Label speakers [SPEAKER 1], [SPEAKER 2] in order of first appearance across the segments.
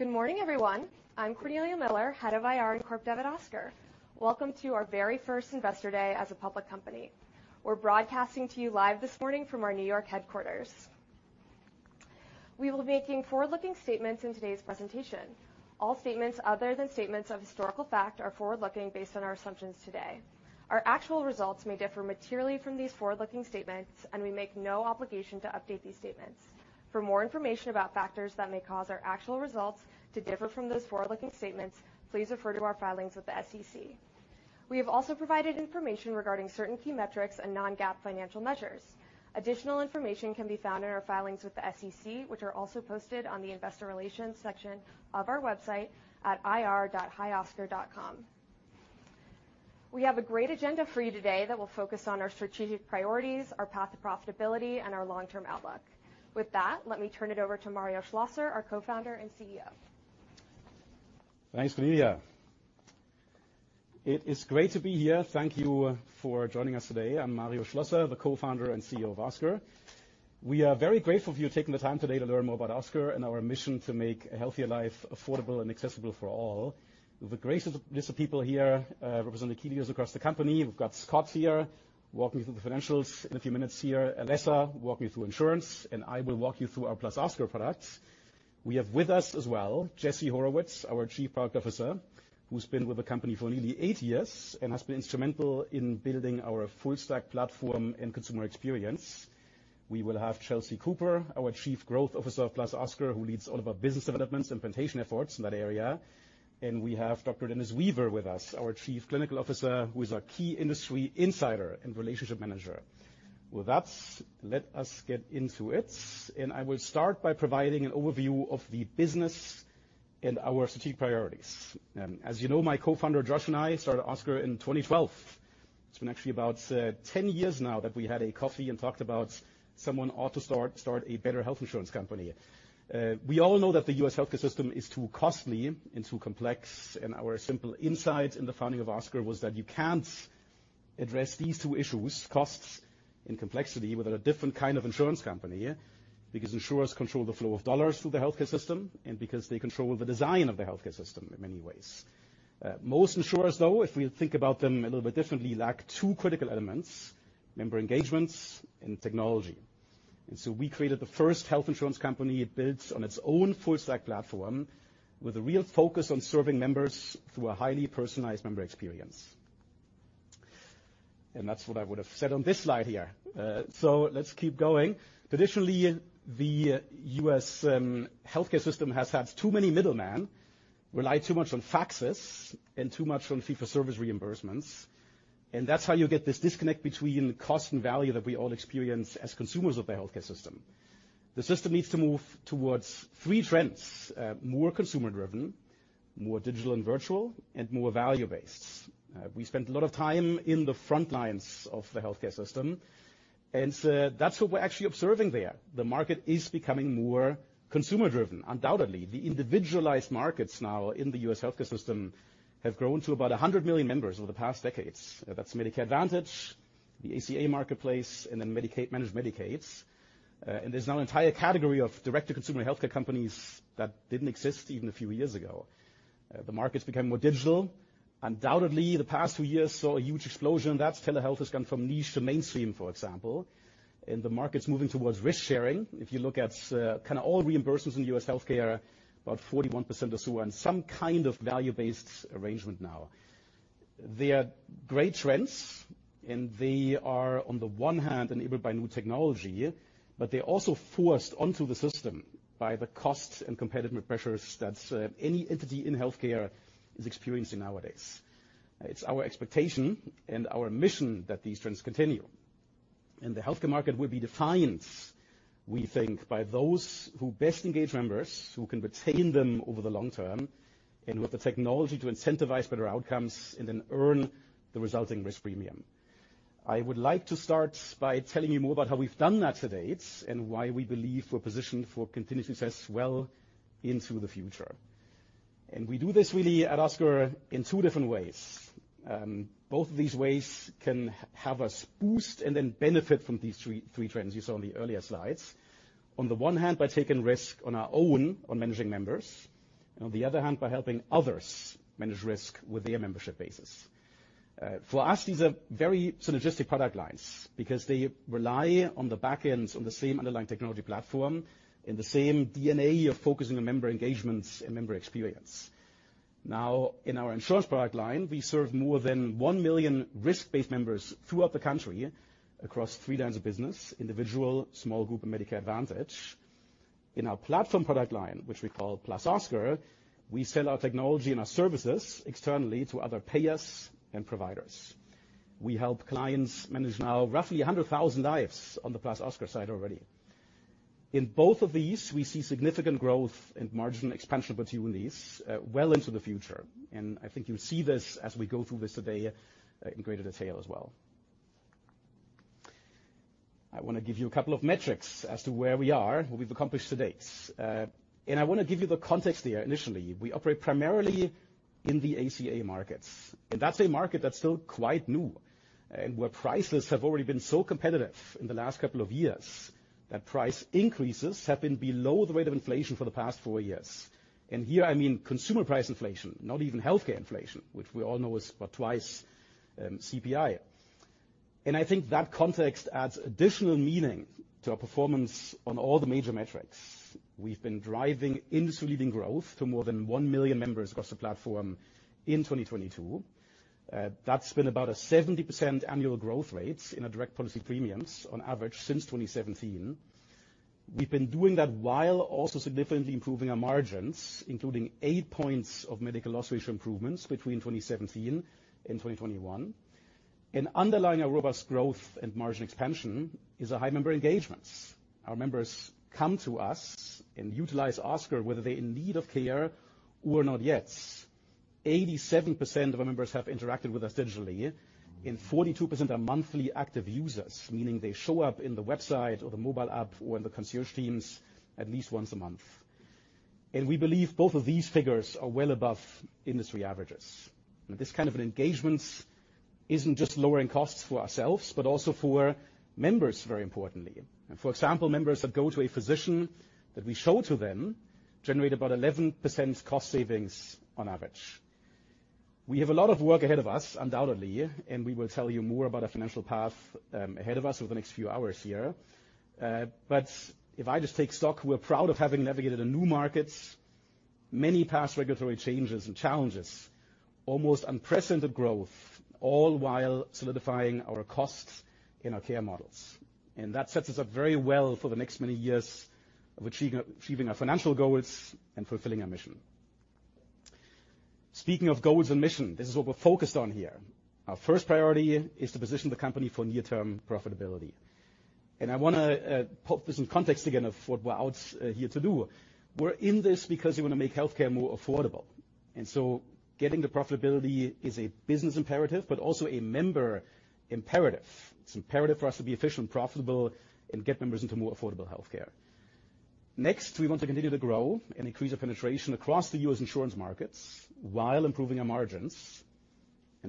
[SPEAKER 1] Good morning, everyone. I'm Cornelia Miller, Head of IR and Corp Dev at Oscar. Welcome to our very first Investor Day as a public company. We're broadcasting to you live this morning from our New York headquarters. We will be making forward-looking statements in today's presentation. All statements other than statements of historical fact are forward-looking based on our assumptions today. Our actual results may differ materially from these forward-looking statements, and we make no obligation to update these statements. For more information about factors that may cause our actual results to differ from those forward-looking statements, please refer to our filings with the SEC. We have also provided information regarding certain key metrics and non-GAAP financial measures. Additional information can be found in our filings with the SEC, which are also posted on the investor relations section of our website at ir.hioscar.com. We have a great agenda for you today that will focus on our strategic priorities, our path to profitability, and our long-term outlook. With that, let me turn it over to Mario Schlosser, our Co-Founder and CEO.
[SPEAKER 2] Thanks, Cornelia. It is great to be here. Thank you for joining us today. I'm Mario Schlosser, the co-founder and CEO of Oscar. We are very grateful for you taking the time today to learn more about Oscar and our mission to make a healthier life affordable and accessible for all. We have a great list of people here, representing key leaders across the company. We've got Scott here, walking you through the financials in a few minutes here. Alessa, walking you through insurance, and I will walk you through our +Oscar products. We have with us as well, Jesse Horowitz, our Chief Product Officer, who's been with the company for nearly eight years and has been instrumental in building our full-stack platform and consumer experience. We will have Chelsea Cooper, our Chief Growth Officer of +Oscar, who leads all of our business developments, implementation efforts in that area. We have Dr. Dennis Weaver with us, our Chief Clinical Officer, who is our key industry insider and relationship manager. With that, let us get into it. I will start by providing an overview of the business and our strategic priorities. As you know, my co-founder, Josh, and I started Oscar in 2012. It's been actually about 10 years now that we had a coffee and talked about someone ought to start a better health insurance company. We all know that the U.S. healthcare system is too costly and too complex, and our simple insight in the founding of Oscar was that you can't address these two issues, costs and complexity, without a different kind of insurance company, because insurers control the flow of dollars through the healthcare system and because they control the design of the healthcare system in many ways. Most insurers, though, if we think about them a little bit differently, lack two critical elements, member engagements and technology. We created the first health insurance company built on its own full-stack platform with a real focus on serving members through a highly personalized member experience. That's what I would have said on this slide here. Let's keep going. Traditionally, the U.S., healthcare system has had too many middlemen, rely too much on faxes and too much on fee-for-service reimbursements, and that's how you get this disconnect between cost and value that we all experience as consumers of the healthcare system. The system needs to move towards three trends, more consumer-driven, more digital and virtual, and more value-based. We spent a lot of time in the front lines of the healthcare system, and so that's what we're actually observing there. The market is becoming more consumer-driven, undoubtedly. The individualized markets now in the U.S. healthcare system have grown to about 100 million members over the past decades. That's Medicare Advantage, the ACA marketplace, and then Medicaid, managed Medicaid. There's now an entire category of direct-to-consumer healthcare companies that didn't exist even a few years ago. The market's become more digital. Undoubtedly, the past two years saw a huge explosion. That's, telehealth has gone from niche to mainstream, for example. The market's moving towards risk-sharing. If you look at kind of all reimbursements in U.S. healthcare, about 41% or so are in some kind of value-based arrangement now. They are great trends, and they are, on the one hand, enabled by new technology, but they're also forced onto the system by the costs and competitive pressures that any entity in healthcare is experiencing nowadays. It's our expectation and our mission that these trends continue. The healthcare market will be defined, we think, by those who best engage members, who can retain them over the long term, and with the technology to incentivize better outcomes and then earn the resulting risk premium. I would like to start by telling you more about how we've done that to date and why we believe we're positioned for continued success well into the future. We do this really at Oscar in two different ways. Both of these ways can have us boost and then benefit from these three trends you saw in the earlier slides. On the one hand, by taking risk on our own on managing members, and on the other hand, by helping others manage risk with their membership bases. For us, these are very synergistic product lines because they rely on the backends on the same underlying technology platform, in the same DNA of focusing on member engagements and member experience. Now, in our insurance product line, we serve more than 1 million risk-based members throughout the country across three lines of business, individual, small group, and Medicare Advantage. In our platform product line, which we call +Oscar, we sell our technology and our services externally to other payers and providers. We help clients manage now roughly 100,000 lives on the +Oscar side already. In both of these, we see significant growth and margin expansion opportunities well into the future. I think you'll see this as we go through this today in greater detail as well. I wanna give you a couple of metrics as to where we are, what we've accomplished to date. I wanna give you the context here initially. We operate primarily in the ACA markets. That's a market that's still quite new, and where prices have already been so competitive in the last couple of years that price increases have been below the rate of inflation for the past 4 years. Here I mean consumer price inflation, not even healthcare inflation, which we all know is about twice CPI. I think that context adds additional meaning to our performance on all the major metrics. We've been driving industry-leading growth to more than 1 million members across the platform in 2022. That's been about a 70% annual growth rate in our direct policy premiums on average since 2017. We've been doing that while also significantly improving our margins, including 8 points of medical loss ratio improvements between 2017 and 2021. Underlying our robust growth and margin expansion is a high member engagement. Our members come to us and utilize Oscar whether they're in need of care or not yet. 87% of our members have interacted with us digitally, and 42% are monthly active users, meaning they show up in the website or the mobile app or the concierge teams at least once a month. We believe both of these figures are well above industry averages. This kind of an engagement isn't just lowering costs for ourselves, but also for members, very importantly. For example, members that go to a physician that we show to them generate about 11% cost savings on average. We have a lot of work ahead of us, undoubtedly, and we will tell you more about our financial path, ahead of us over the next few hours here. If I just take stock, we're proud of having navigated a new market, many past regulatory changes and challenges, almost unprecedented growth, all while solidifying our costs in our care models. That sets us up very well for the next many years of achieving our financial goals and fulfilling our mission. Speaking of goals and mission, this is what we're focused on here. Our first priority is to position the company for near-term profitability. I wanna put this in context again of what we're out here to do. We're in this because we wanna make healthcare more affordable. Getting to profitability is a business imperative, but also a member imperative. It's imperative for us to be efficient and profitable and get members into more affordable healthcare. Next, we want to continue to grow and increase our penetration across the U.S. insurance markets while improving our margins.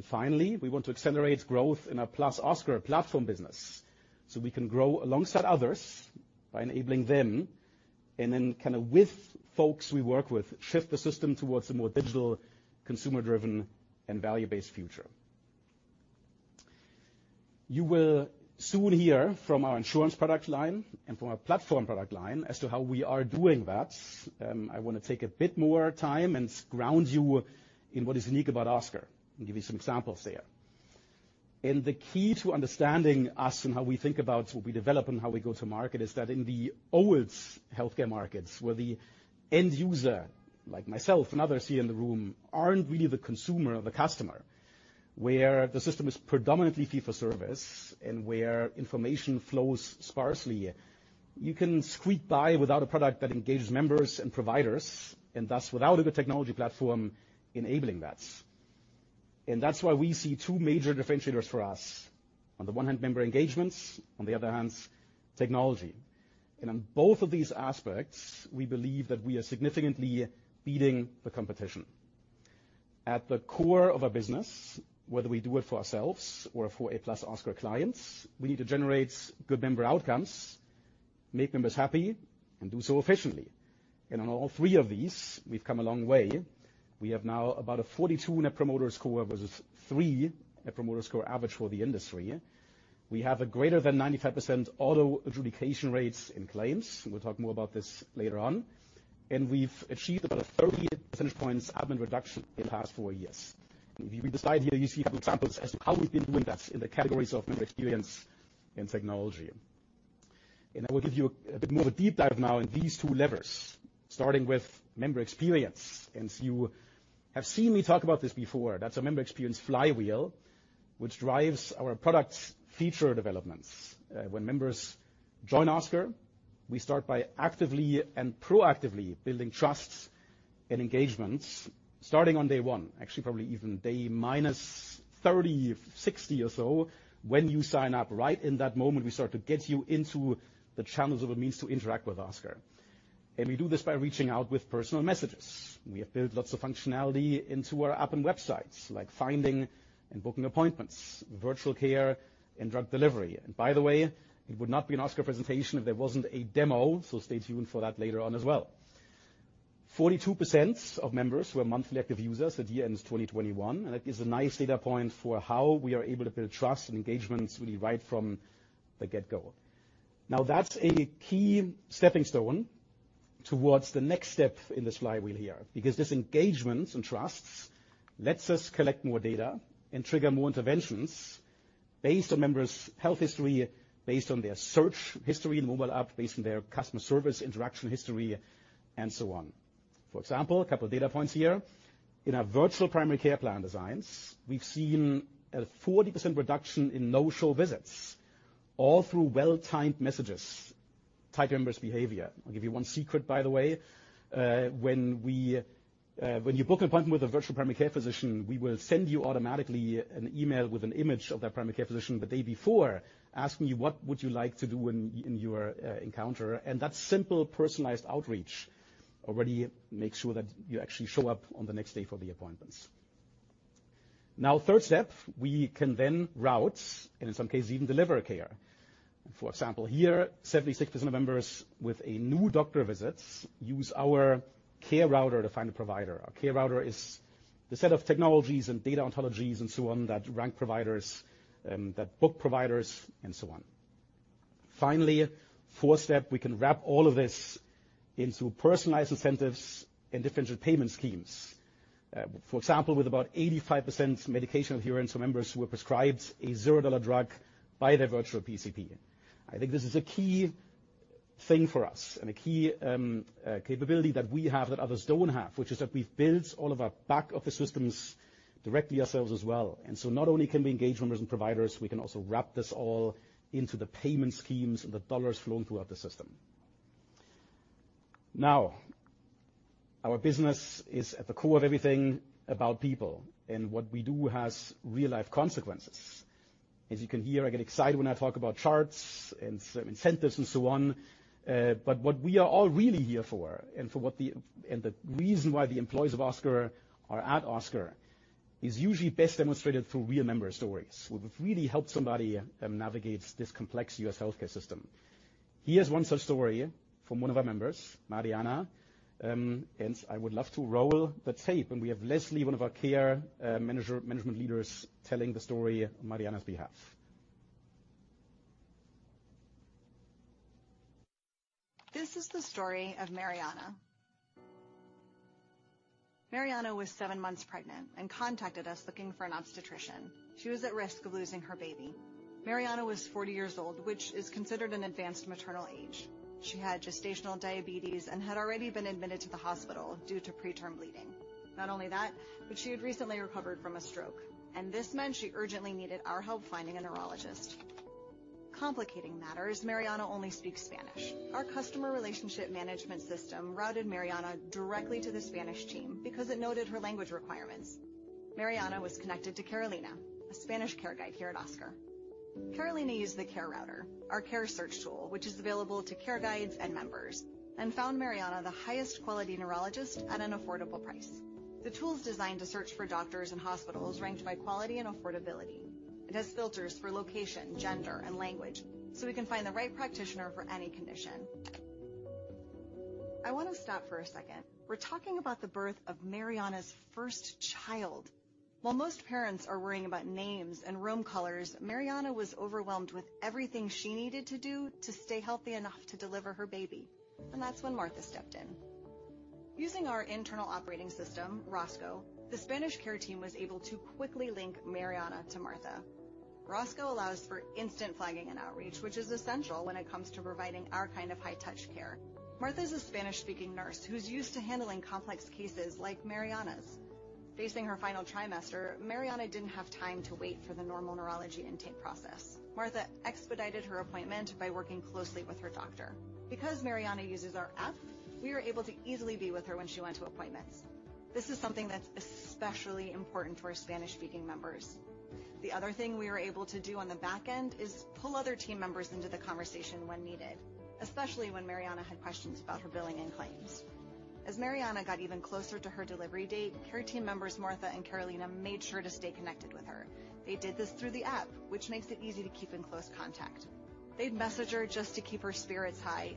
[SPEAKER 2] Finally, we want to accelerate growth in our +Oscar platform business, so we can grow alongside others by enabling them, and then kind of with folks we work with, shift the system towards a more digital, consumer-driven and value-based future. You will soon hear from our insurance product line and from our platform product line as to how we are doing that. I wanna take a bit more time and ground you in what is unique about Oscar and give you some examples there. The key to understanding us and how we think about what we develop and how we go to market is that in the old healthcare markets, where the end user, like myself and others here in the room, aren't really the consumer or the customer, where the system is predominantly fee for service and where information flows sparsely, you can squeak by without a product that engages members and providers, and thus without a good technology platform enabling that. That's why we see two major differentiators for us. On the one hand, member engagements, on the other hand, technology. On both of these aspects, we believe that we are significantly beating the competition. At the core of our business, whether we do it for ourselves or for +Oscar clients, we need to generate good member outcomes, make members happy, and do so efficiently. On all three of these, we've come a long way. We have now about a 42 net promoter score versus 3 net promoter score average for the industry. We have a greater than 95% auto adjudication rates in claims. We'll talk more about this later on. We've achieved about a 30 percentage points admin reduction in the past 4 years. If you look here, you see a few examples as to how we've been doing that in the categories of member experience and technology. I will give you a bit more of a deep dive now in these two levers, starting with member experience. You have seen me talk about this before. That's a member experience flywheel which drives our products' feature developments. When members join Oscar, we start by actively and proactively building trust and engagement, starting on day one, actually probably even day minus 30, 60 or so. When you sign up, right in that moment, we start to get you into the channels of a means to interact with Oscar. We do this by reaching out with personal messages. We have built lots of functionality into our app and websites, like finding and booking appointments, virtual care, and drug delivery. By the way, it would not be an Oscar presentation if there wasn't a demo, so stay tuned for that later on as well. 42% of members were monthly active users at the end of 2021, and that gives a nice data point for how we are able to build trust and engagement really right from the get-go. Now, that's a key stepping stone towards the next step in this flywheel here, because this engagement and trust lets us collect more data and trigger more interventions based on members' health history, based on their search history in the mobile app, based on their customer service interaction history, and so on. For example, a couple data points here. In our virtual primary care plan designs, we've seen a 40% reduction in no-show visits, all through well-timed messages, tied to members' behavior. I'll give you one secret, by the way. When you book an appointment with a virtual primary care physician, we will send you automatically an email with an image of that primary care physician the day before, asking you what would you like to do in your encounter. That simple personalized outreach already makes sure that you actually show up on the next day for the appointments. Now third step, we can then route and in some cases, even deliver care. For example, here, 76% of members with a new doctor visit use our Care Router to find a provider. Our Care Router is the set of technologies and data ontologies and so on, that rank providers, that book providers and so on. Finally, fourth step, we can wrap all of this into personalized incentives and differential payment schemes. For example, with about 85% medication adherence for members who were prescribed a $0 drug by their virtual PCP. I think this is a key thing for us and a key capability that we have that others don't have, which is that we've built all of our back-office systems directly ourselves as well. Not only can we engage members and providers, we can also wrap this all into the payment schemes and the dollars flowing throughout the system. Now, our business is at the core of everything about people, and what we do has real life consequences. As you can hear, I get excited when I talk about charts and incentives and so on. What we are all really here for and the reason why the employees of Oscar are at Oscar is usually best demonstrated through real member stories. We've really helped somebody navigate this complex U.S. healthcare system. Here's one such story from one of our members, Mariana. I would love to roll the tape. We have Leslie, one of our care management leaders, telling the story on Mariana's behalf.
[SPEAKER 3] This is the story of Mariana. Mariana was seven months pregnant and contacted us looking for an obstetrician. She was at risk of losing her baby. Mariana was forty years old, which is considered an advanced maternal age. She had gestational diabetes and had already been admitted to the hospital due to preterm bleeding. Not only that, but she had recently recovered from a stroke, and this meant she urgently needed our help finding a neurologist. Complicating matters, Mariana only speaks Spanish. Our customer relationship management system routed Mariana directly to the Spanish team because it noted her language requirements. Mariana was connected to Carolina, a Spanish care guide here at Oscar. Carolina used the Care Router, our care search tool, which is available to care guides and members, and found Mariana the highest quality neurologist at an affordable price. The tool is designed to search for doctors and hospitals ranked by quality and affordability. It has filters for location, gender, and language, so we can find the right practitioner for any condition. I want to stop for a second. We're talking about the birth of Mariana's first child. While most parents are worrying about names and room colors, Mariana was overwhelmed with everything she needed to do to stay healthy enough to deliver her baby. That's when Martha stepped in. Using our internal operating system, ROSCO, the Spanish care team was able to quickly link Mariana to Martha. ROSCO allows for instant flagging and outreach, which is essential when it comes to providing our kind of high touch care. Martha is a Spanish-speaking nurse who's used to handling complex cases like Mariana's. Facing her final trimester, Mariana didn't have time to wait for the normal neurology intake process. Martha expedited her appointment by working closely with her doctor. Because Mariana uses our app, we were able to easily be with her when she went to appointments. This is something that's especially important for our Spanish-speaking members. The other thing we were able to do on the back end is pull other team members into the conversation when needed, especially when Mariana had questions about her billing and claims. As Mariana got even closer to her delivery date, care team members, Martha and Carolina, made sure to stay connected with her. They did this through the app, which makes it easy to keep in close contact. They'd message her just to keep her spirits high.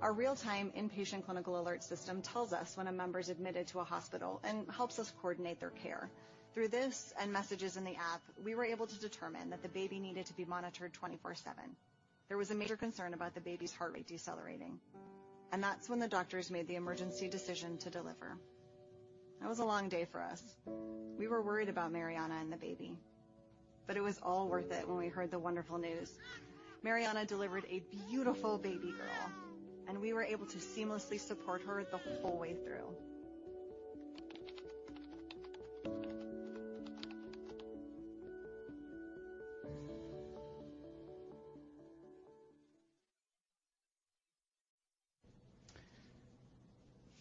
[SPEAKER 3] Our real-time inpatient clinical alert system tells us when a member's admitted to a hospital and helps us coordinate their care. Through this and messages in the app, we were able to determine that the baby needed to be monitored 24/7. There was a major concern about the baby's heart rate decelerating, and that's when the doctors made the emergency decision to deliver. That was a long day for us. We were worried about Mariana and the baby, but it was all worth it when we heard the wonderful news. Mariana delivered a beautiful baby girl, and we were able to seamlessly support her the whole way through.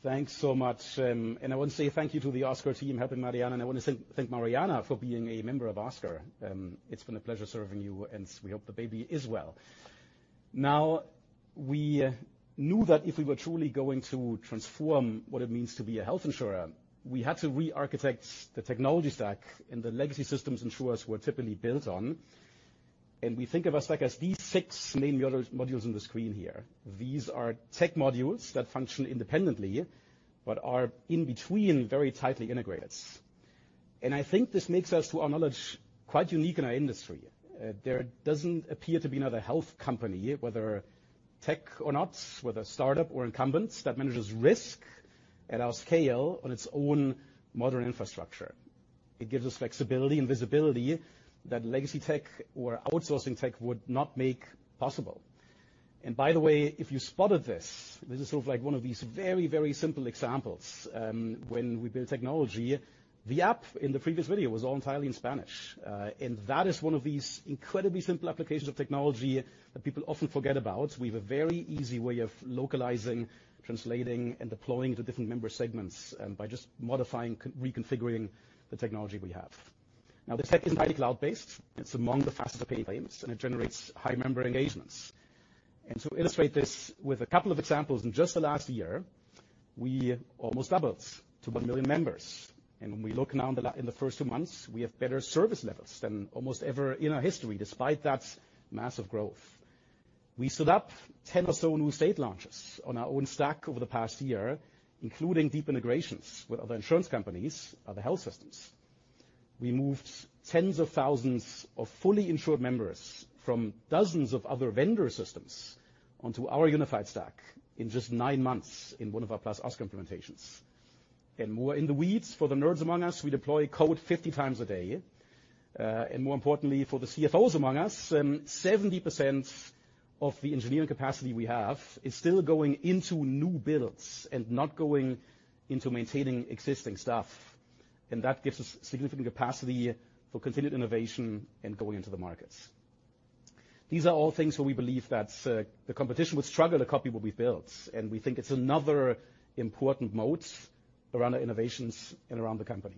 [SPEAKER 2] Thanks so much. I want to say thank you to the Oscar team helping Mariana, and I wanna thank Mariana for being a member of Oscar. It's been a pleasure serving you, and we hope the baby is well. Now, we knew that if we were truly going to transform what it means to be a health insurer, we had to re-architect the technology stack and the legacy systems insurers were typically built on. We think of our stack as these six main modules on the screen here. These are tech modules that function independently but are in between very tightly integrated. I think this makes us, to our knowledge, quite unique in our industry. There doesn't appear to be another health company, whether tech or not, whether startup or incumbents, that manages risk at our scale on its own modern infrastructure. It gives us flexibility and visibility that legacy tech or outsourcing tech would not make possible. By the way, if you spotted this is sort of like one of these very, very simple examples. When we build technology, the app in the previous video was all entirely in Spanish. That is one of these incredibly simple applications of technology that people often forget about. We have a very easy way of localizing, translating, and deploying to different member segments, by just modifying, reconfiguring the technology we have. Now, the tech is highly cloud-based. It's among the fastest-paid claims, and it generates high member engagements. To illustrate this with a couple of examples, in just the last year, we almost doubled to 1 million members. When we look now in the first two months, we have better service levels than almost ever in our history, despite that massive growth. We set up 10 or so new state launches on our own stack over the past year, including deep integrations with other insurance companies, other health systems. We moved tens of thousands of fully insured members from dozens of other vendor systems onto our unified stack in just 9 months in one of our +Oscar implementations. More in the weeds for the nerds among us, we deploy code 50 times a day. More importantly for the CFOs among us, 70% of the engineering capacity we have is still going into new builds and not going into maintaining existing stuff. That gives us significant capacity for continued innovation and going into the markets. These are all things where we believe that the competition would struggle to copy what we've built, and we think it's another important moat around our innovations and around the company.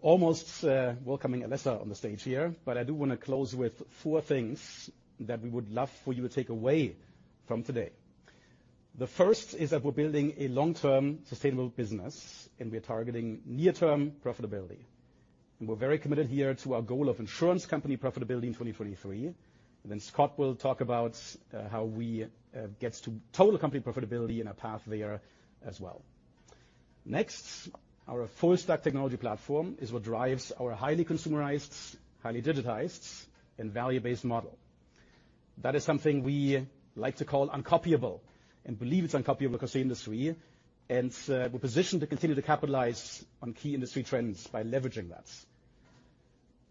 [SPEAKER 2] Almost welcoming Alessa on the stage here, but I do wanna close with four things that we would love for you to take away from today. The first is that we're building a long-term sustainable business, and we're targeting near-term profitability. We're very committed here to our goal of insurance company profitability in 2023. Then Scott will talk about how we get to total company profitability and our path there as well. Next, our full stack technology platform is what drives our highly consumerized, highly digitized, and value-based model. That is something we like to call uncopyable and believe it's uncopyable across the industry, and we're positioned to continue to capitalize on key industry trends by leveraging that.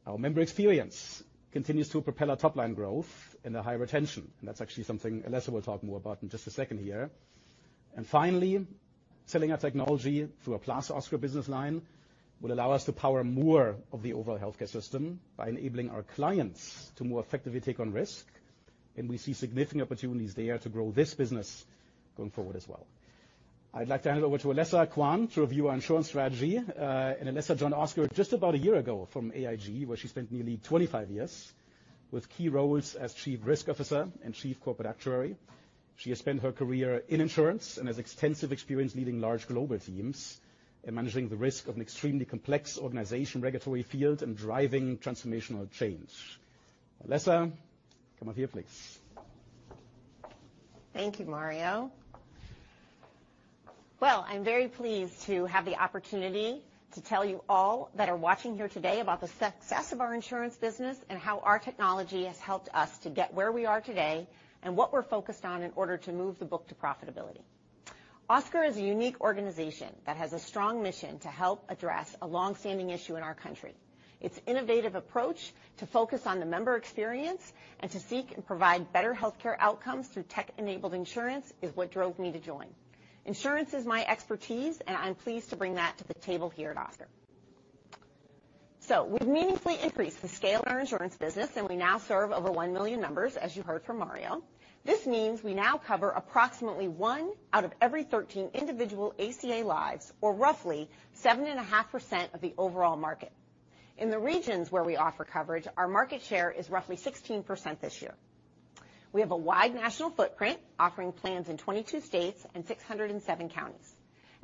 [SPEAKER 2] Our member experience continues to propel our top line growth and the high retention, and that's actually something Alessa will talk more about in just a second here. Finally, selling our technology through a +Oscar business line will allow us to power more of the overall healthcare system by enabling our clients to more effectively take on risk, and we see significant opportunities there to grow this business going forward as well. I'd like to hand over to Alessa Quane to review our insurance strategy. Alessa joined Oscar just about a year ago from AIG, where she spent nearly 25 years with key roles as chief risk officer and chief corporate actuary. She has spent her career in insurance and has extensive experience leading large global teams and managing the risk of an extremely complex organization regulatory field and driving transformational change. Alessa, come up here, please.
[SPEAKER 4] Thank you, Mario. Well, I'm very pleased to have the opportunity to tell you all that are watching here today about the success of our insurance business and how our technology has helped us to get where we are today and what we're focused on in order to move the book to profitability. Oscar is a unique organization that has a strong mission to help address a long-standing issue in our country. Its innovative approach to focus on the member experience and to seek and provide better healthcare outcomes through tech-enabled insurance is what drove me to join. Insurance is my expertise, and I'm pleased to bring that to the table here at Oscar. We've meaningfully increased the scale of our insurance business, and we now serve over 1 million members, as you heard from Mario. This means we now cover approximately 1 out of every 13 individual ACA lives or roughly 7.5% of the overall market. In the regions where we offer coverage, our market share is roughly 16% this year. We have a wide national footprint offering plans in 22 states and 607 counties.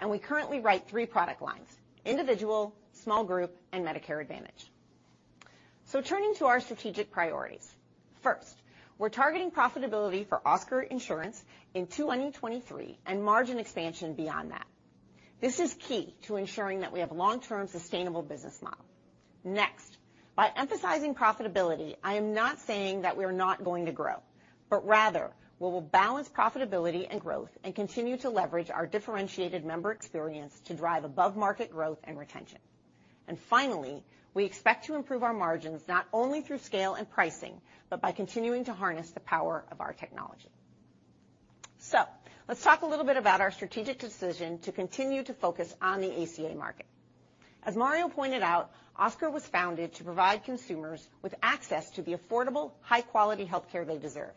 [SPEAKER 4] We currently write 3 product lines: individual, small group, and Medicare Advantage. Turning to our strategic priorities. First, we're targeting profitability for Oscar insurance in 2023 and margin expansion beyond that. This is key to ensuring that we have long-term sustainable business model. Next, by emphasizing profitability, I am not saying that we're not going to grow, but rather we will balance profitability and growth and continue to leverage our differentiated member experience to drive above market growth and retention. Finally, we expect to improve our margins not only through scale and pricing, but by continuing to harness the power of our technology. Let's talk a little bit about our strategic decision to continue to focus on the ACA market. As Mario pointed out, Oscar was founded to provide consumers with access to the affordable, high-quality healthcare they deserve.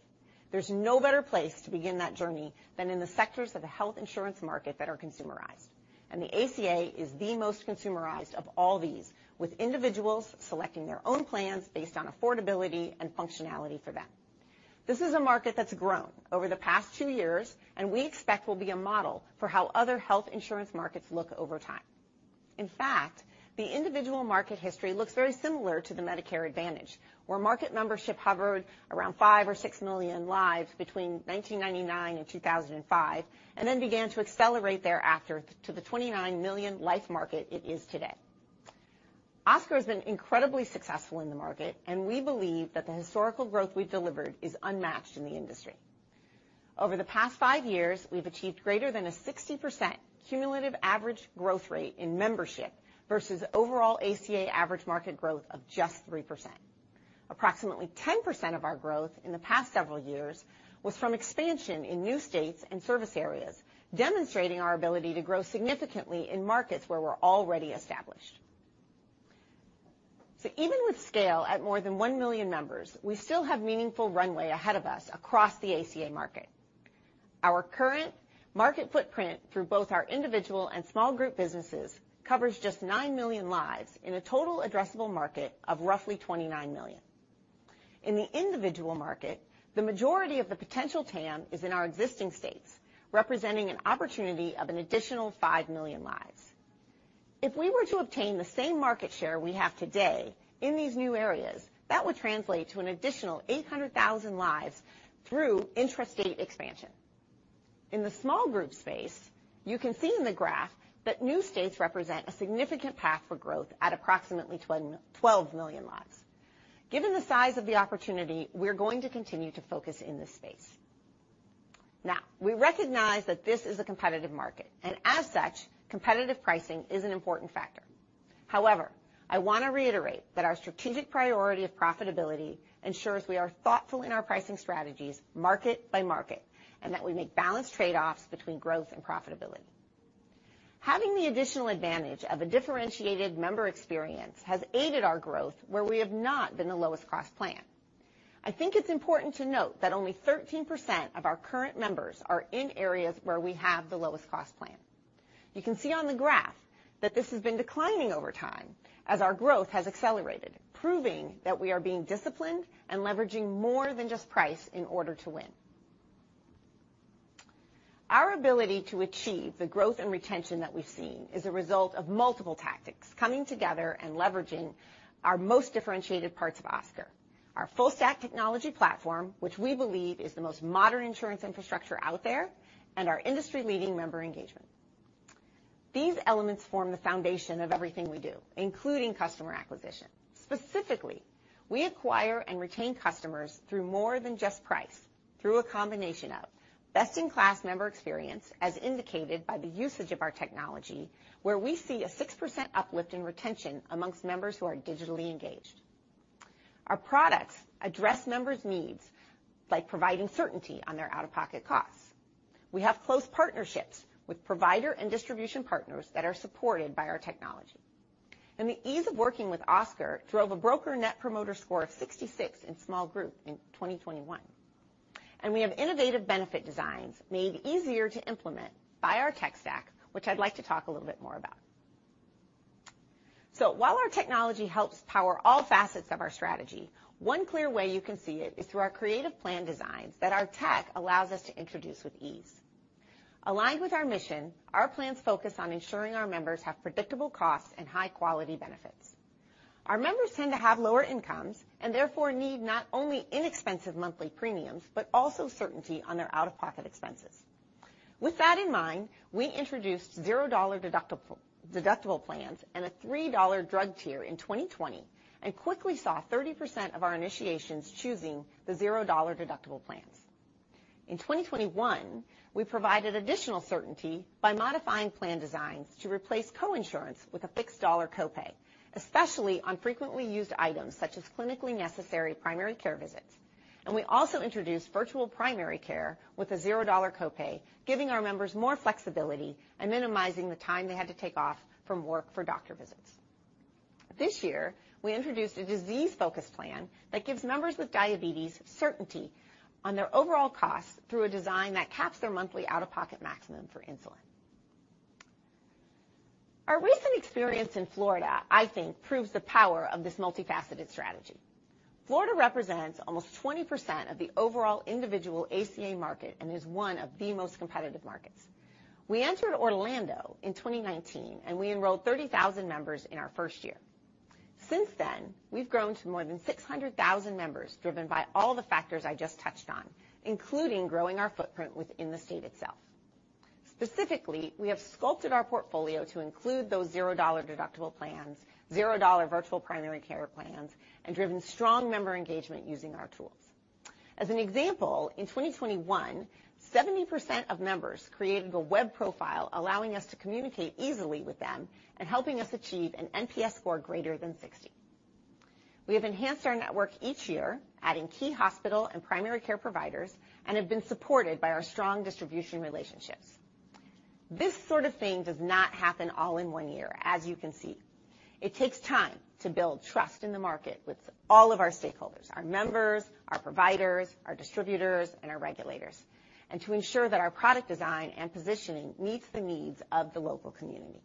[SPEAKER 4] There's no better place to begin that journey than in the sectors of the health insurance market that are consumerized. The ACA is the most consumerized of all these, with individuals selecting their own plans based on affordability and functionality for them. This is a market that's grown over the past two years, and we expect it will be a model for how other health insurance markets look over time. In fact, the individual market history looks very similar to the Medicare Advantage, where market membership hovered around 5 or 6 million lives between 1999 and 2005, and then began to accelerate thereafter to the 29 million lives market it is today. Oscar's been incredibly successful in the market, and we believe that the historical growth we've delivered is unmatched in the industry. Over the past 5 years, we've achieved greater than a 60% cumulative average growth rate in membership versus overall ACA average market growth of just 3%. Approximately 10% of our growth in the past several years was from expansion in new states and service areas, demonstrating our ability to grow significantly in markets where we're already established. Even with scale at more than 1 million members, we still have meaningful runway ahead of us across the ACA market. Our current market footprint through both our individual and small group businesses, covers just 9 million lives in a total addressable market of roughly 29 million. In the individual market, the majority of the potential TAM is in our existing states, representing an opportunity of an additional 5 million lives. If we were to obtain the same market share we have today in these new areas, that would translate to an additional 800,000 lives through intrastate expansion. In the small group space, you can see in the graph that new states represent a significant path for growth at approximately twelve million lives. Given the size of the opportunity, we're going to continue to focus in this space. Now, we recognize that this is a competitive market, and as such, competitive pricing is an important factor. However, I want to reiterate that our strategic priority of profitability ensures we are thoughtful in our pricing strategies market by market, and that we make balanced trade-offs between growth and profitability. Having the additional advantage of a differentiated member experience has aided our growth where we have not been the lowest cost plan. I think it's important to note that only 13% of our current members are in areas where we have the lowest cost plan. You can see on the graph that this has been declining over time as our growth has accelerated, proving that we are being disciplined and leveraging more than just price in order to win. Our ability to achieve the growth and retention that we've seen is a result of multiple tactics coming together and leveraging our most differentiated parts of Oscar, our full stack technology platform, which we believe is the most modern insurance infrastructure out there, and our industry-leading member engagement. These elements form the foundation of everything we do, including customer acquisition. Specifically, we acquire and retain customers through more than just price. Through a combination of best-in-class member experience as indicated by the usage of our technology, where we see a 6% uplift in retention among members who are digitally engaged. Our products address members' needs by providing certainty on their out-of-pocket costs. We have close partnerships with provider and distribution partners that are supported by our technology. The ease of working with Oscar drove a broker Net Promoter Score of 66 in small group in 2021. We have innovative benefit designs made easier to implement by our tech stack, which I'd like to talk a little bit more about. While our technology helps power all facets of our strategy, one clear way you can see it is through our creative plan designs that our tech allows us to introduce with ease. Aligned with our mission, our plans focus on ensuring our members have predictable costs and high-quality benefits. Our members tend to have lower incomes, and therefore need not only inexpensive monthly premiums, but also certainty on their out-of-pocket expenses. With that in mind, we introduced $0 deductible plans and a $3 drug tier in 2020, and quickly saw 30% of our initiations choosing the $0 deductible plans. In 2021, we provided additional certainty by modifying plan designs to replace coinsurance with a fixed dollar copay, especially on frequently used items such as clinically necessary primary care visits. We also introduced virtual primary care with a $0 copay, giving our members more flexibility and minimizing the time they had to take off from work for doctor visits. This year, we introduced a disease-focused plan that gives members with diabetes certainty on their overall costs through a design that caps their monthly out-of-pocket maximum for insulin. Our recent experience in Florida, I think, proves the power of this multifaceted strategy. Florida represents almost 20% of the overall individual ACA market and is one of the most competitive markets. We entered Orlando in 2019, and we enrolled 30,000 members in our first year. Since then, we've grown to more than 600,000 members driven by all the factors I just touched on, including growing our footprint within the state itself. Specifically, we have sculpted our portfolio to include those $0 deductible plans, $0 virtual primary care plans, and driven strong member engagement using our tools. As an example, in 2021, 70% of members created a web profile allowing us to communicate easily with them and helping us achieve an NPS score greater than 60. We have enhanced our network each year, adding key hospital and primary care providers, and have been supported by our strong distribution relationships. This sort of thing does not happen all in one year, as you can see. It takes time to build trust in the market with all of our stakeholders, our members, our providers, our distributors, and our regulators, and to ensure that our product design and positioning meets the needs of the local community.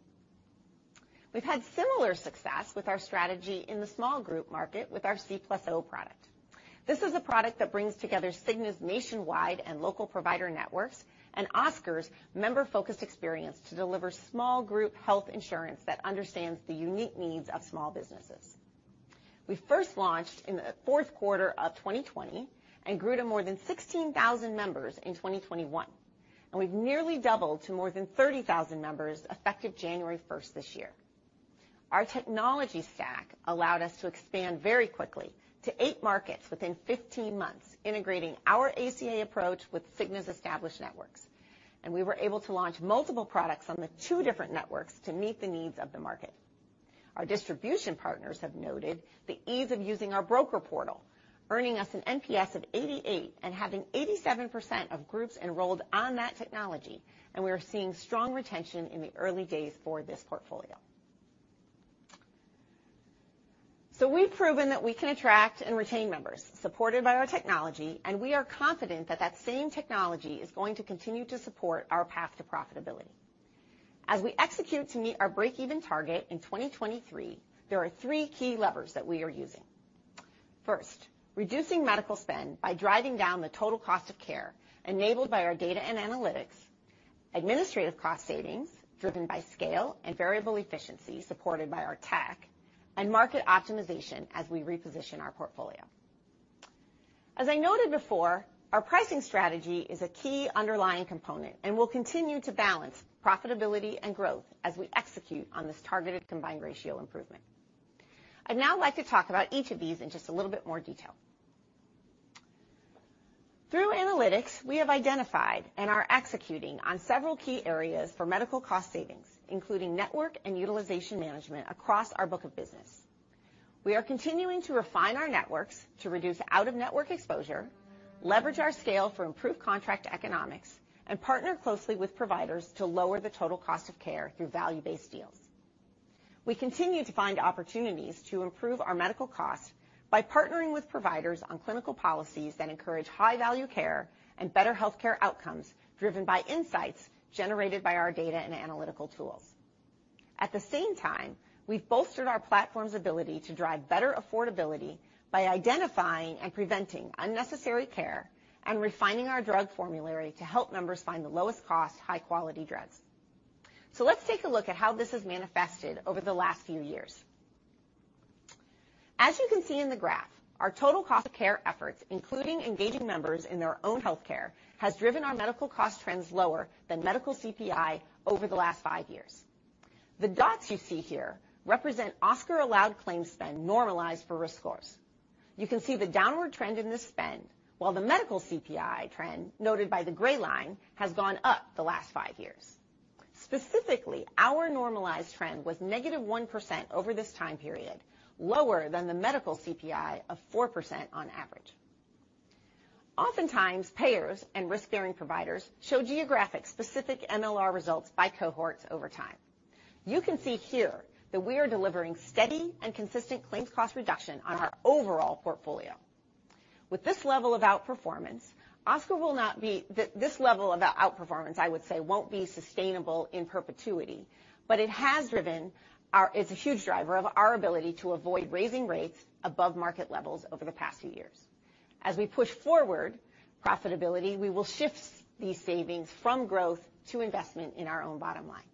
[SPEAKER 4] We've had similar success with our strategy in the small group market with our Cigna + Oscar product. This is a product that brings together Cigna's nationwide and local provider networks, and Oscar's member-focused experience to deliver small group health insurance that understands the unique needs of small businesses. We first launched in the fourth quarter of 2020 and grew to more than 16,000 members in 2021. We've nearly doubled to more than 30,000 members effective January first this year. Our technology stack allowed us to expand very quickly to eight markets within 15 months, integrating our ACA approach with Cigna's established networks. We were able to launch multiple products on the two different networks to meet the needs of the market. Our distribution partners have noted the ease of using our broker portal, earning us an NPS of 88 and having 87% of groups enrolled on that technology, and we are seeing strong retention in the early days for this portfolio. We've proven that we can attract and retain members supported by our technology, and we are confident that that same technology is going to continue to support our path to profitability. As we execute to meet our break-even target in 2023, there are three key levers that we are using. First, reducing medical spend by driving down the total cost of care enabled by our data and analytics, administrative cost savings driven by scale and variable efficiency supported by our tech, and market optimization as we reposition our portfolio. As I noted before, our pricing strategy is a key underlying component and will continue to balance profitability and growth as we execute on this targeted combined ratio improvement. I'd now like to talk about each of these in just a little bit more detail. Through analytics, we have identified and are executing on several key areas for medical cost savings, including network and utilization management across our book of business. We are continuing to refine our networks to reduce out-of-network exposure, leverage our scale for improved contract economics, and partner closely with providers to lower the total cost of care through value-based deals. We continue to find opportunities to improve our medical costs by partnering with providers on clinical policies that encourage high-value care and better healthcare outcomes driven by insights generated by our data and analytical tools. At the same time, we've bolstered our platform's ability to drive better affordability by identifying and preventing unnecessary care and refining our drug formulary to help members find the lowest cost, high-quality drugs. Let's take a look at how this has manifested over the last few years. As you can see in the graph, our total cost of care efforts, including engaging members in their own healthcare, has driven our medical cost trends lower than medical CPI over the last five years. The dots you see here represent Oscar allowed claims spend normalized for risk scores. You can see the downward trend in the spend, while the medical CPI trend, noted by the gray line, has gone up the last 5 years. Specifically, our normalized trend was negative 1% over this time period, lower than the medical CPI of 4% on average. Oftentimes, payers and risk-bearing providers show geographic-specific MLR results by cohorts over time. You can see here that we are delivering steady and consistent claims cost reduction on our overall portfolio. With this level of outperformance, I would say, won't be sustainable in perpetuity, but it's a huge driver of our ability to avoid raising rates above market levels over the past few years. As we push forward profitability, we will shift these savings from growth to investment in our own bottom line.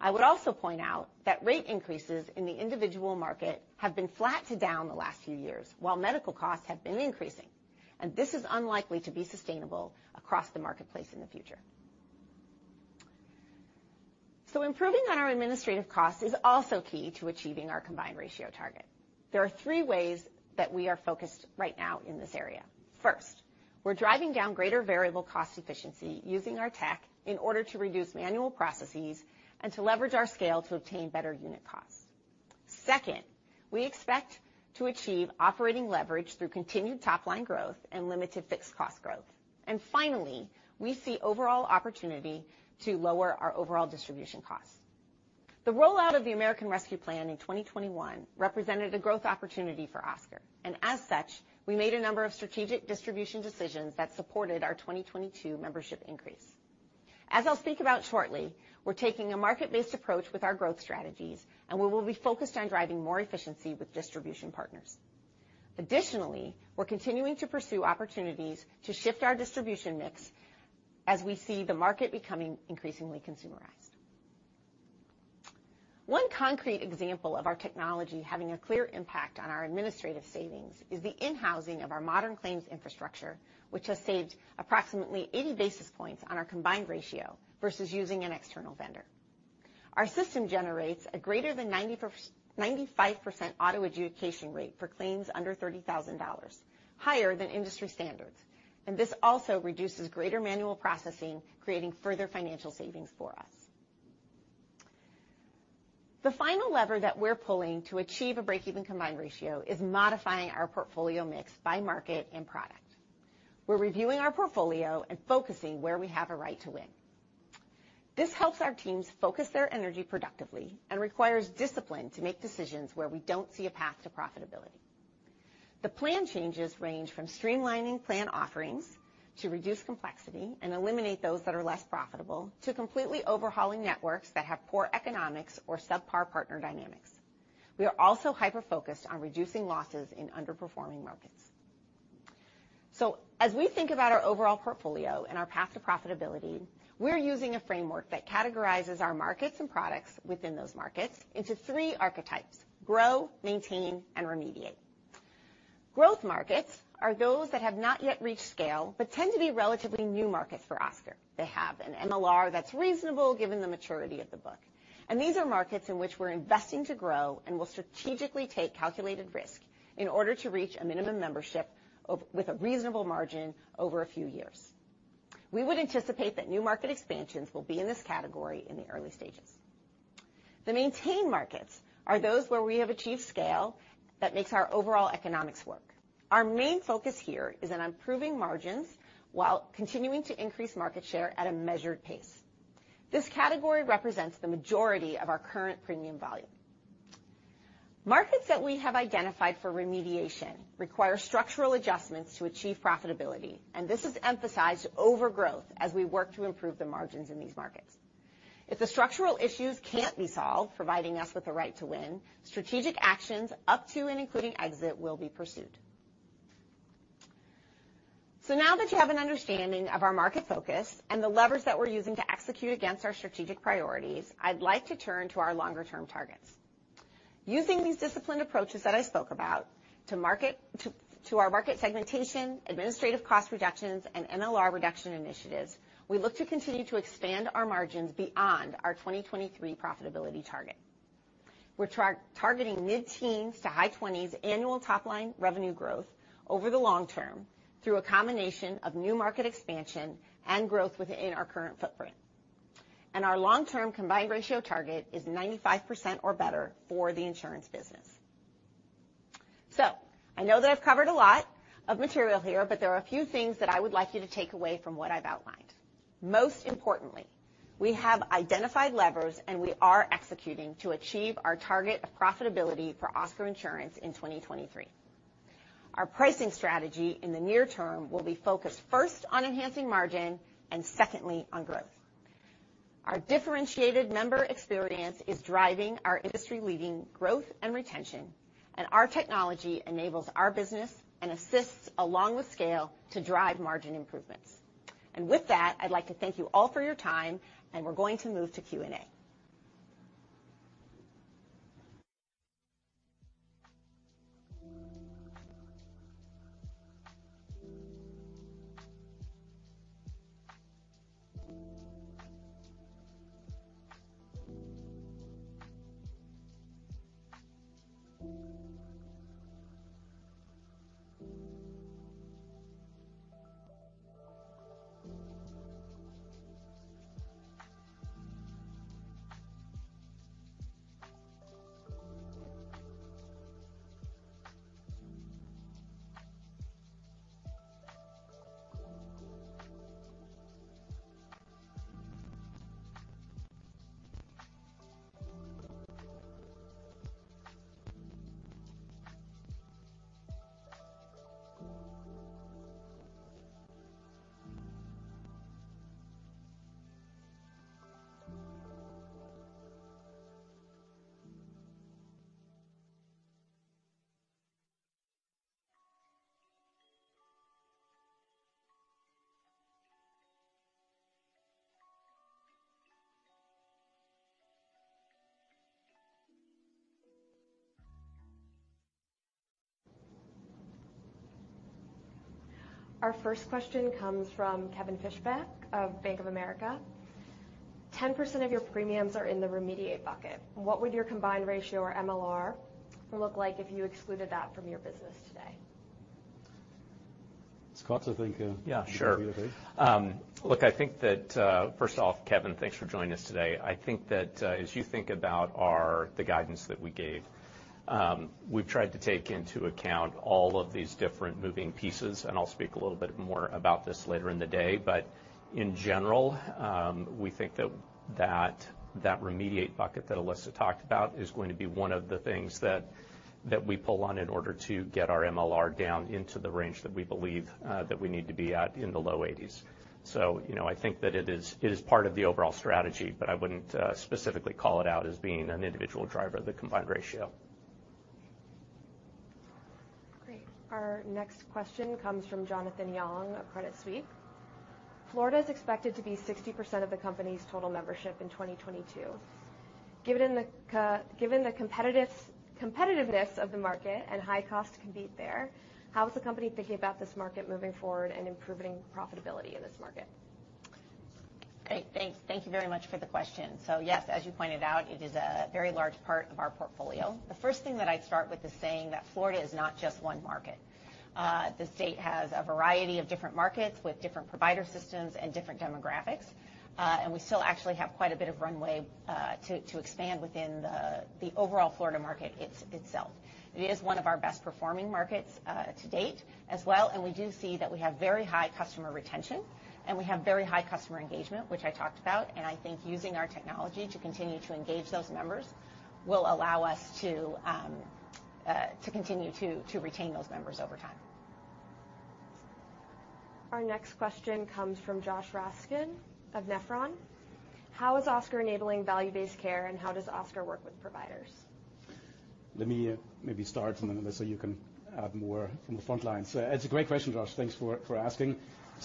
[SPEAKER 4] I would also point out that rate increases in the individual market have been flat to down the last few years, while medical costs have been increasing, and this is unlikely to be sustainable across the marketplace in the future. Improving on our administrative costs is also key to achieving our combined ratio target. There are three ways that we are focused right now in this area. First, we're driving greater variable cost efficiency using our tech in order to reduce manual processes and to leverage our scale to obtain better unit costs. Second, we expect to achieve operating leverage through continued top-line growth and limited fixed cost growth. Finally, we see overall opportunity to lower our overall distribution costs. The rollout of the American Rescue Plan in 2021 represented a growth opportunity for Oscar, and as such, we made a number of strategic distribution decisions that supported our 2022 membership increase. As I'll speak about shortly, we're taking a market-based approach with our growth strategies, and we will be focused on driving more efficiency with distribution partners. Additionally, we're continuing to pursue opportunities to shift our distribution mix as we see the market becoming increasingly consumerized. One concrete example of our technology having a clear impact on our administrative savings is the in-housing of our modern claims infrastructure, which has saved approximately 80 basis points on our combined ratio versus using an external vendor. Our system generates a greater than 95% auto adjudication rate for claims under $30,000, higher than industry standards, and this also reduces manual processing, creating further financial savings for us. The final lever that we're pulling to achieve a break-even combined ratio is modifying our portfolio mix by market and product. We're reviewing our portfolio and focusing where we have a right to win. This helps our teams focus their energy productively and requires discipline to make decisions where we don't see a path to profitability. The plan changes range from streamlining plan offerings to reduce complexity and eliminate those that are less profitable to completely overhauling networks that have poor economics or subpar partner dynamics. We are also hyper-focused on reducing losses in underperforming markets. As we think about our overall portfolio and our path to profitability, we're using a framework that categorizes our markets and products within those markets into three archetypes: grow, maintain, and remediate. Growth markets are those that have not yet reached scale but tend to be relatively new markets for Oscar. They have an MLR that's reasonable given the maturity of the book. These are markets in which we're investing to grow and will strategically take calculated risk in order to reach a minimum membership with a reasonable margin over a few years. We would anticipate that new market expansions will be in this category in the early stages. The maintain markets are those where we have achieved scale that makes our overall economics work. Our main focus here is on improving margins while continuing to increase market share at a measured pace. This category represents the majority of our current premium volume. Markets that we have identified for remediation require structural adjustments to achieve profitability, and this is emphasized over growth as we work to improve the margins in these markets. If the structural issues can't be solved, providing us with the right to win, strategic actions up to and including exit will be pursued. Now that you have an understanding of our market focus and the levers that we're using to execute against our strategic priorities, I'd like to turn to our longer-term targets. Using these disciplined approaches that I spoke about to our market segmentation, administrative cost reductions, and MLR reduction initiatives, we look to continue to expand our margins beyond our 2023 profitability target. We're targeting mid-teens% to high 20s% annual top-line revenue growth over the long term through a combination of new market expansion and growth within our current footprint. Our long-term combined ratio target is 95% or better for the insurance business. I know that I've covered a lot of material here, but there are a few things that I would like you to take away from what I've outlined. Most importantly, we have identified levers, and we are executing to achieve our target of profitability for Oscar Insurance in 2023. Our pricing strategy in the near term will be focused first on enhancing margin and secondly on growth. Our differentiated member experience is driving our industry-leading growth and retention, and our technology enables our business and assists along with scale to drive margin improvements. With that, I'd like to thank you all for your time, and we're going to move to Q&A.
[SPEAKER 1] Our first question comes from Kevin Fischbeck of Bank of America. 10% of your premiums are in the remediate bucket. What would your combined ratio or MLR look like if you excluded that from your business today?
[SPEAKER 2] Scott, I think,
[SPEAKER 5] Yeah, sure.
[SPEAKER 2] would be okay.
[SPEAKER 5] Look, I think that, First off, Kevin, thanks for joining us today. I think that, as you think about the guidance that we gave, we've tried to take into account all of these different moving pieces, and I'll speak a little bit more about this later in the day. But in general, we think that remediate bucket that Alessa talked about is going to be one of the things that we pull on in order to get our MLR down into the range that we believe that we need to be at in the low 80s%. You know, I think that it is part of the overall strategy, but I wouldn't specifically call it out as being an individual driver of the combined ratio.
[SPEAKER 1] Great. Our next question comes from Jonathan Yong of Credit Suisse. Florida is expected to be 60% of the company's total membership in 2022. Given the competitiveness of the market and high cost to compete there, how is the company thinking about this market moving forward and improving profitability in this market?
[SPEAKER 4] Great. Thanks. Thank you very much for the question. Yes, as you pointed out, it is a very large part of our portfolio. The first thing that I'd start with is saying that Florida is not just one market. The state has a variety of different markets with different provider systems and different demographics. We still actually have quite a bit of runway to expand within the overall Florida market itself. It is one of our best performing markets to date as well, and we do see that we have very high customer retention, and we have very high customer engagement, which I talked about. I think using our technology to continue to engage those members will allow us to continue to retain those members over time.
[SPEAKER 1] Our next question comes from Josh Raskin of Nephron. How is Oscar enabling value-based care, and how does Oscar work with providers?
[SPEAKER 2] Let me maybe start, and then, Alessa, you can add more from the front line. It's a great question, Josh. Thanks for asking.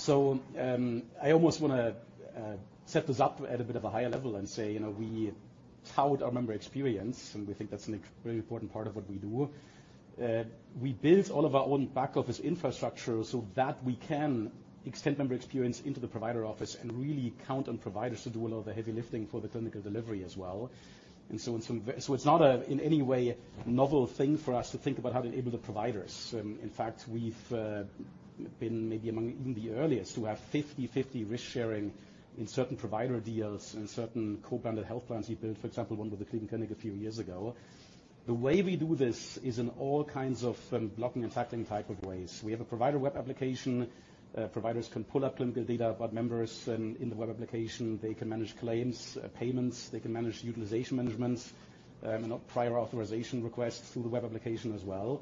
[SPEAKER 2] I almost wanna set this up at a bit of a higher level and say, you know, we tout our member experience, and we think that's a very important part of what we do. We build all of our own back-office infrastructure so that we can extend member experience into the provider office and really count on providers to do a lot of the heavy lifting for the clinical delivery as well. It's not, in any way, a novel thing for us to think about how to enable the providers. In fact, we've been maybe among even the earliest to have 50/50 risk sharing in certain provider deals and certain co-branded health plans we built. For example, one with the Cleveland Clinic a few years ago. The way we do this is in all kinds of blocking and tackling type of ways. We have a provider web application. Providers can pull up clinical data about members in the web application. They can manage claims, payments, they can manage utilization managements, and prior authorization requests through the web application as well.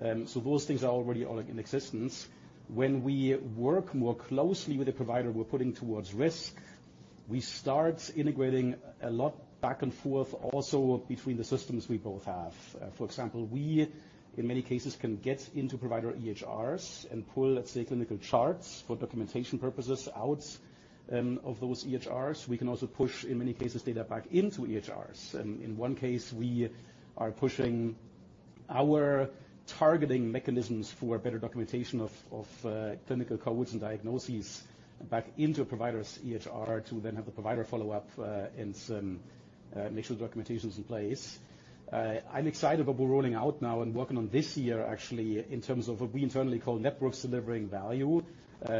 [SPEAKER 2] Those things are already all in existence. When we work more closely with the provider we're putting at risk, we start integrating a lot back and forth also between the systems we both have. For example, we, in many cases, can get into provider EHRs and pull, let's say, clinical charts for documentation purposes out of those EHRs. We can also push, in many cases, data back into EHRs. In one case, we are pushing our targeting mechanisms for better documentation of clinical codes and diagnoses back into a provider's EHR to then have the provider follow up and make sure the documentations in place. I'm excited about what we're rolling out now and working on this year actually in terms of what we internally call networks delivering value,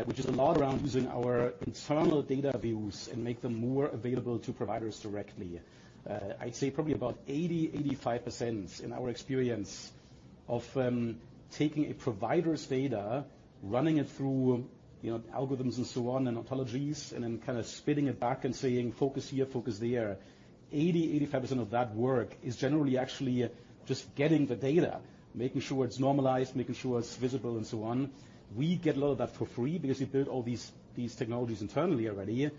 [SPEAKER 2] which is a lot around using our internal data views and make them more available to providers directly. I'd say probably about 80%-85% in our experience of taking a provider's data, running it through, you know, algorithms and so on, and apologies, and then kind of spitting it back and saying, "Focus here, focus there." 80%-85% of that work is generally actually just getting the data, making sure it's normalized, making sure it's visible, and so on. We get a lot of that for free because we build all these technologies internally already.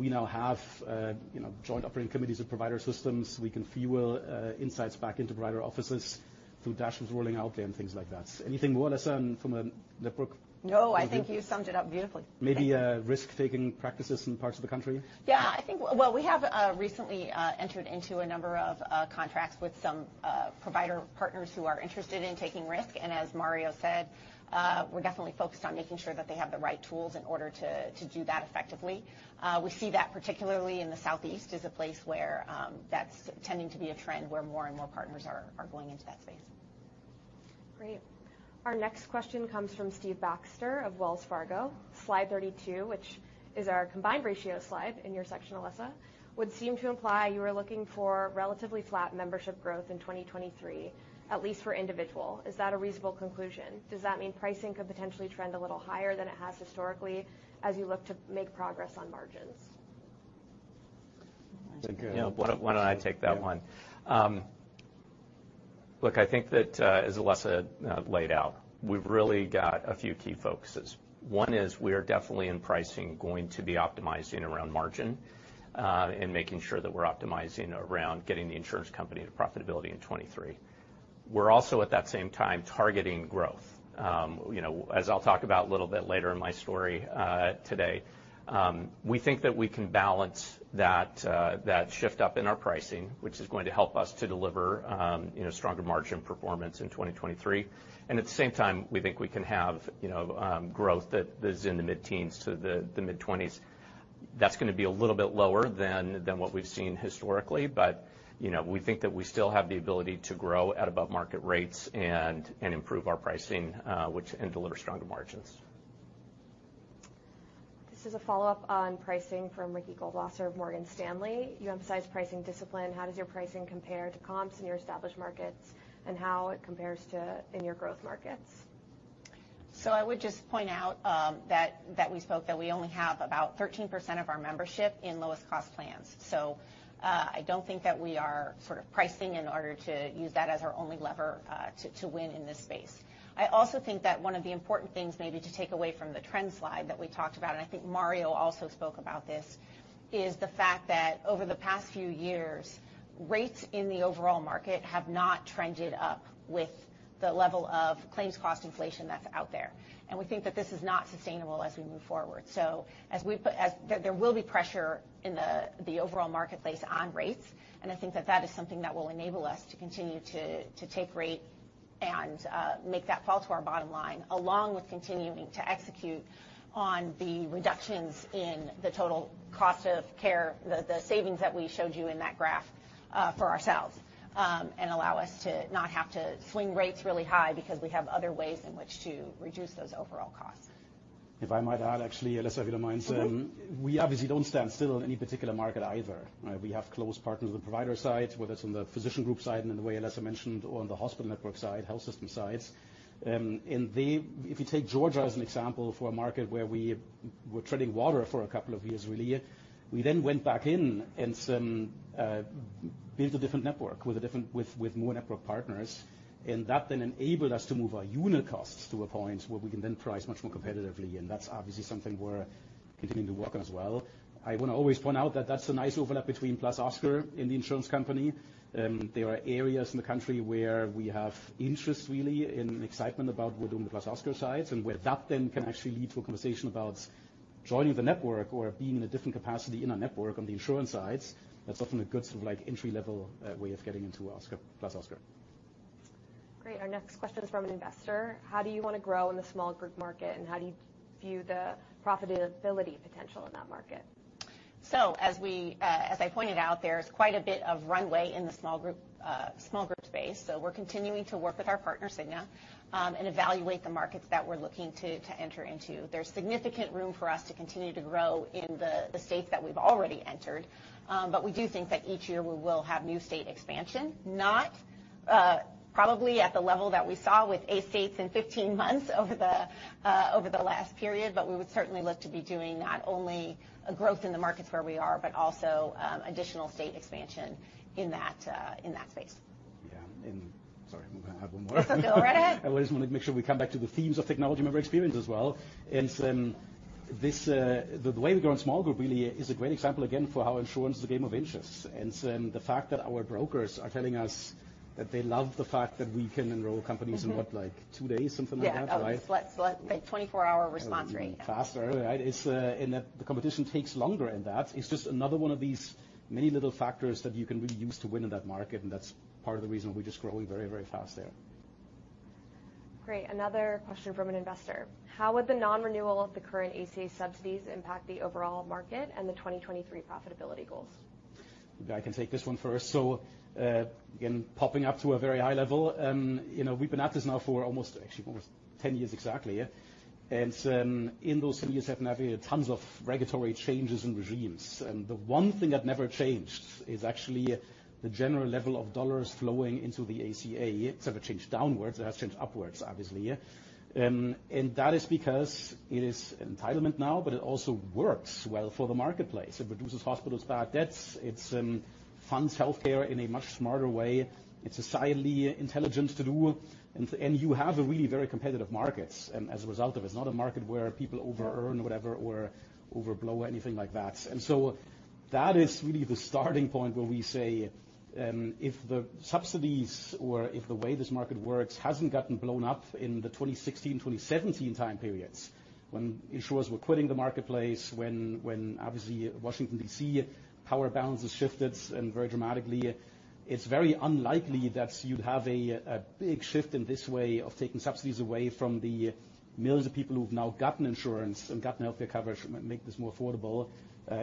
[SPEAKER 2] We now have, you know, joint operating committees with provider systems. We can funnel insights back into provider offices through dashboards rolling out there and things like that. Anything more or less from a network-
[SPEAKER 4] No, I think you summed it up beautifully.
[SPEAKER 2] Maybe, risk-taking practices in parts of the country.
[SPEAKER 4] Yeah. I think, well, we have recently entered into a number of contracts with some provider partners who are interested in taking risk. As Mario said, we're definitely focused on making sure that they have the right tools in order to do that effectively. We see that particularly in the Southeast as a place where that's tending to be a trend where more and more partners are going into that space.
[SPEAKER 1] Great. Our next question comes from Stephen Baxter of Wells Fargo. Slide 32, which is our combined ratio slide in your section Alessa, would seem to imply you were looking for relatively flat membership growth in 2023, at least for individual. Is that a reasonable conclusion? Does that mean pricing could potentially trend a little higher than it has historically as you look to make progress on margins?
[SPEAKER 2] Take it.
[SPEAKER 5] Yeah. Why don't I take that one? Look, I think that as Alessa laid out, we've really got a few key focuses. One is we are definitely in pricing going to be optimizing around margin and making sure that we're optimizing around getting the insurance company to profitability in 2023. We're also at that same time targeting growth. You know, as I'll talk about a little bit later in my story today, we think that we can balance that that shift up in our pricing, which is going to help us to deliver you know, stronger margin performance in 2023. At the same time, we think we can have you know, growth that is in the mid-teens% to the mid-20s%. That's gonna be a little bit lower than what we've seen historically, but you know, we think that we still have the ability to grow at above market rates and improve our pricing, which and deliver stronger margins.
[SPEAKER 1] This is a follow-up on pricing from Ricky Goldwasser of Morgan Stanley. You emphasize pricing discipline. How does your pricing compare to comps in your established markets, and how it compares to in your growth markets?
[SPEAKER 4] I would just point out that we spoke that we only have about 13% of our membership in lowest cost plans. I don't think that we are sort of pricing in order to use that as our only lever to win in this space. I also think that one of the important things maybe to take away from the trend slide that we talked about, and I think Mario also spoke about this, is the fact that over the past few years, rates in the overall market have not trended up with the level of claims cost inflation that's out there. We think that this is not sustainable as we move forward. As there will be pressure in the overall marketplace on rates, and I think that is something that will enable us to continue to take rate and make that fall to our bottom line, along with continuing to execute on the reductions in the total cost of care, the savings that we showed you in that graph for ourselves, and allow us to not have to swing rates really high because we have other ways in which to reduce those overall costs.
[SPEAKER 2] If I might add actually, Alessa, if you don't mind.
[SPEAKER 4] Mm-hmm.
[SPEAKER 2] We obviously don't stand still in any particular market either, right? We have close partners on the provider side, whether it's on the physician group side, and in the way Alessa mentioned, or on the hospital network side, health system sides. If you take Georgia as an example for a market where we were treading water for a couple of years, really, we then went back in and built a different network with more network partners. That then enabled us to move our unit costs to a point where we can then price much more competitively, and that's obviously something we're continuing to work on as well. I wanna always point out that that's a nice overlap between +Oscar and the insurance company. There are areas in the country where we have interest really and excitement about what we do on the +Oscar sides, and where that then can actually lead to a conversation about joining the network or being in a different capacity in our network on the insurance sides. That's often a good sort of like entry-level way of getting into Oscar, +Oscar.
[SPEAKER 1] Great. Our next question is from an investor. How do you wanna grow in the small group market, and how do you view the profitability potential in that market?
[SPEAKER 4] As I pointed out, there's quite a bit of runway in the small group space. We're continuing to work with our partner, Cigna, and evaluate the markets that we're looking to enter into. There's significant room for us to continue to grow in the states that we've already entered. We do think that each year we will have new state expansion, probably at the level that we saw with 8 states in 15 months over the last period, but we would certainly look to be doing not only a growth in the markets where we are, but also additional state expansion in that space.
[SPEAKER 2] Yeah. Sorry, I'm gonna have one more.
[SPEAKER 4] Go right ahead.
[SPEAKER 2] I always wanna make sure we come back to the themes of technology member experience as well. This, the way we grow in small group really is a great example again for how insurance is a game of inches. The fact that our brokers are telling us that they love the fact that we can enroll companies in what? Like two days, something like that, right?
[SPEAKER 4] Yeah. Oh, it's less. Like 24-hour response rate.
[SPEAKER 2] Even faster, right? It's, and that the competition takes longer in that. It's just another one of these many little factors that you can really use to win in that market, and that's part of the reason we're just growing very, very fast there.
[SPEAKER 1] Great. Another question from an investor: how would the non-renewal of the current ACA subsidies impact the overall market and the 2023 profitability goals?
[SPEAKER 2] Maybe I can take this one first. Again, popping up to a very high level, you know, we've been at this now for almost, actually almost 10 years exactly. In those 10 years, I've now heard tons of regulatory changes and regimes. The one thing that never changed is actually the general level of dollars flowing into the ACA. It's never changed downwards. It has changed upwards, obviously. That is because it is an entitlement now, but it also works well for the marketplace. It reduces hospitals' bad debts. It's funds healthcare in a much smarter way. It's simply intelligent to do. You have a really very competitive markets as a result of it. It's not a market where people over earn whatever or overblow anything like that. That is really the starting point where we say, if the subsidies or if the way this market works hasn't gotten blown up in the 2016, 2017 time periods, when insurers were quitting the marketplace, when obviously Washington, D.C. power balance has shifted and very dramatically, it's very unlikely that you'd have a big shift in this way of taking subsidies away from the millions of people who've now gotten insurance and gotten healthcare coverage, make this more affordable,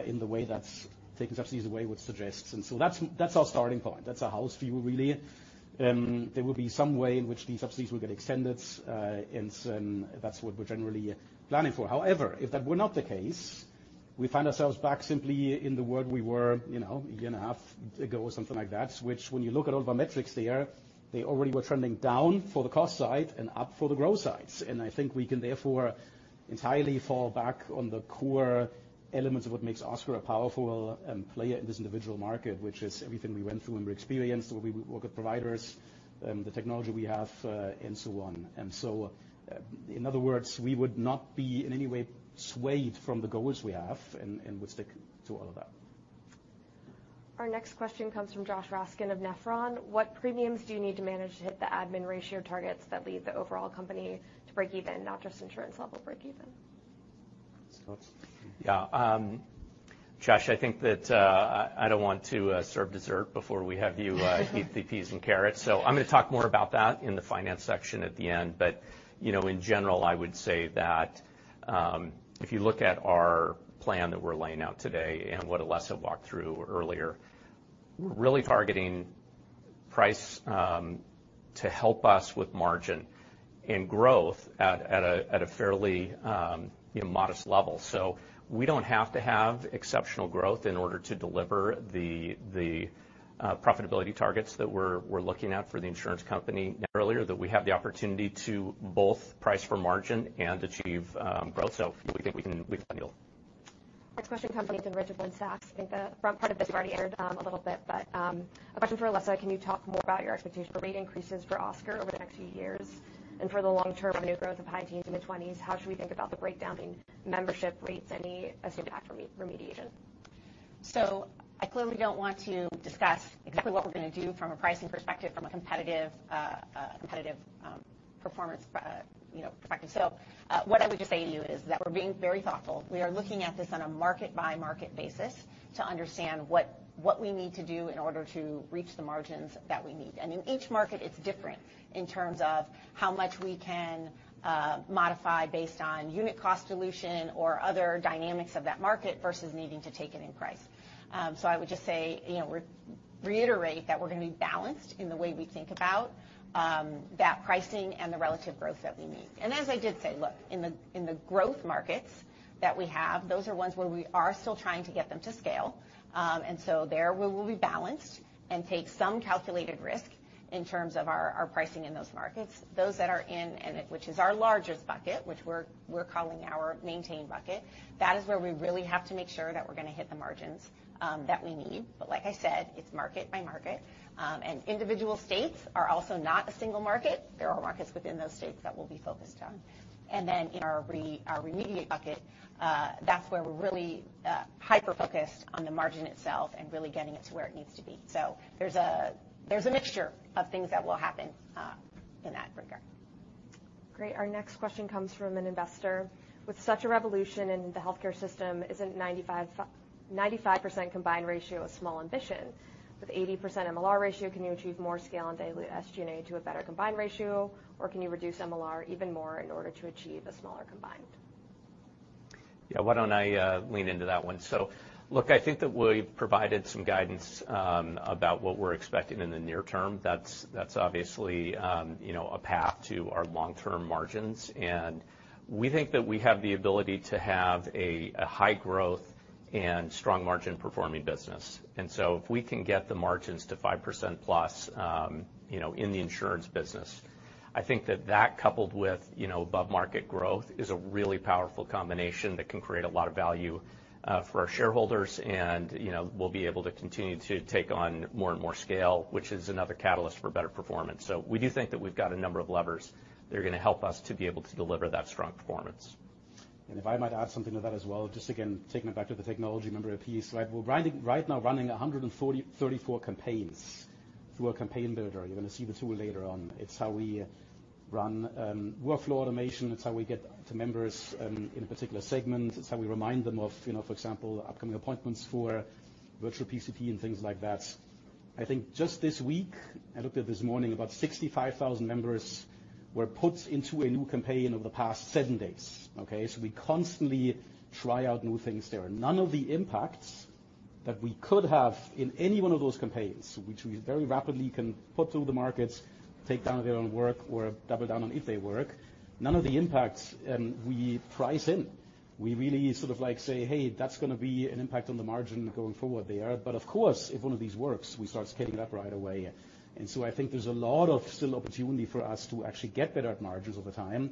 [SPEAKER 2] in the way that's taking subsidies away, which suggests. That's our starting point. That's our house view, really. There will be some way in which these subsidies will get extended, and that's what we're generally planning for. However, if that were not the case, we find ourselves back simply in the world we were, you know, a year and a half ago or something like that, which when you look at all of our metrics there, they already were trending down for the cost side and up for the growth sides. I think we can therefore entirely fall back on the core elements of what makes Oscar a powerful player in this individual market, which is everything we went through in our experience, where we work with providers, the technology we have, and so on. In other words, we would not be in any way swayed from the goals we have and would stick to all of that.
[SPEAKER 1] Our next question comes from Josh Raskin of Nephron. What premiums do you need to manage to hit the admin ratio targets that lead the overall company to break even, not just insurance level break even?
[SPEAKER 2] Scott?
[SPEAKER 5] Yeah. Josh, I think that I don't want to serve dessert before we have you eat the peas and carrots, so I'm gonna talk more about that in the finance section at the end. You know, in general, I would say that if you look at our plan that we're laying out today and what Alessa walked through earlier, we're really targeting price to help us with margin and growth at a fairly modest level. We don't have to have exceptional growth in order to deliver the profitability targets that we're looking at for the insurance company. Earlier that we have the opportunity to both price for margin and achieve growth. We think we can deal.
[SPEAKER 1] Next question comes in from Richard from Goldman Sachs. I think a front part of this you've already entered a little bit, but a question for Alessa. Can you talk more about your expectations for rate increases for Oscar over the next few years and for the long-term revenue growth of high teens and mid-twenties? How should we think about the breakdown in membership rates and the assumed after remediation?
[SPEAKER 4] I clearly don't want to discuss exactly what we're gonna do from a pricing perspective, from a competitive performance perspective. What I would just say to you is that we're being very thoughtful. We are looking at this on a market-by-market basis to understand what we need to do in order to reach the margins that we need. In each market it's different in terms of how much we can modify based on unit cost dilution or other dynamics of that market versus needing to take it in price. I would just say, you know, we reiterate that we're gonna be balanced in the way we think about that pricing and the relative growth that we need. As I did say, look, in the growth markets that we have, those are ones where we are still trying to get them to scale. There, we will be balanced and take some calculated risk in terms of our pricing in those markets. Those that are in, which is our largest bucket, which we're calling our maintain bucket. That is where we really have to make sure that we're gonna hit the margins that we need. Like I said, it's market by market. Individual states are also not a single market. There are markets within those states that we'll be focused on. In our remediate bucket, that's where we're really hyper-focused on the margin itself and really getting it to where it needs to be. There's a mixture of things that will happen in that regard.
[SPEAKER 1] Great. Our next question comes from an investor. With such a revolution in the healthcare system, isn't 95% combined ratio a small ambition? With 80% MLR ratio, can you achieve more scale and dilute SG&A to a better combined ratio, or can you reduce MLR even more in order to achieve a smaller combined?
[SPEAKER 5] Yeah. Why don't I lean into that one? Look, I think that we've provided some guidance about what we're expecting in the near term. That's obviously you know a path to our long-term margins, and we think that we have the ability to have a high growth Strong margin performing business. If we can get the margins to 5%+, you know, in the insurance business, I think that coupled with, you know, above-market growth is a really powerful combination that can create a lot of value, for our shareholders and, you know, we'll be able to continue to take on more and more scale, which is another catalyst for better performance. We do think that we've got a number of levers that are gonna help us to be able to deliver that strong performance.
[SPEAKER 2] If I might add something to that as well. Just again, taking it back to the technology member piece. Right. We're right now running 134 campaigns through our campaign builder. You're gonna see the tool later on. It's how we run workflow automation. It's how we get to members in a particular segment. It's how we remind them of, you know, for example, upcoming appointments for virtual PCP and things like that. I think just this week, I looked at this morning, about 65,000 members were put into a new campaign over the past seven days, okay? We constantly try out new things there. None of the impacts that we could have in any one of those campaigns, which we very rapidly can put through the markets, take down if they don't work or double down on if they work. None of the impacts we price in. We really sort of like say, "Hey, that's gonna be an impact on the margin going forward there." Of course, if one of these works, we start scaling up right away. I think there's a lot of still opportunity for us to actually get better at margins over time.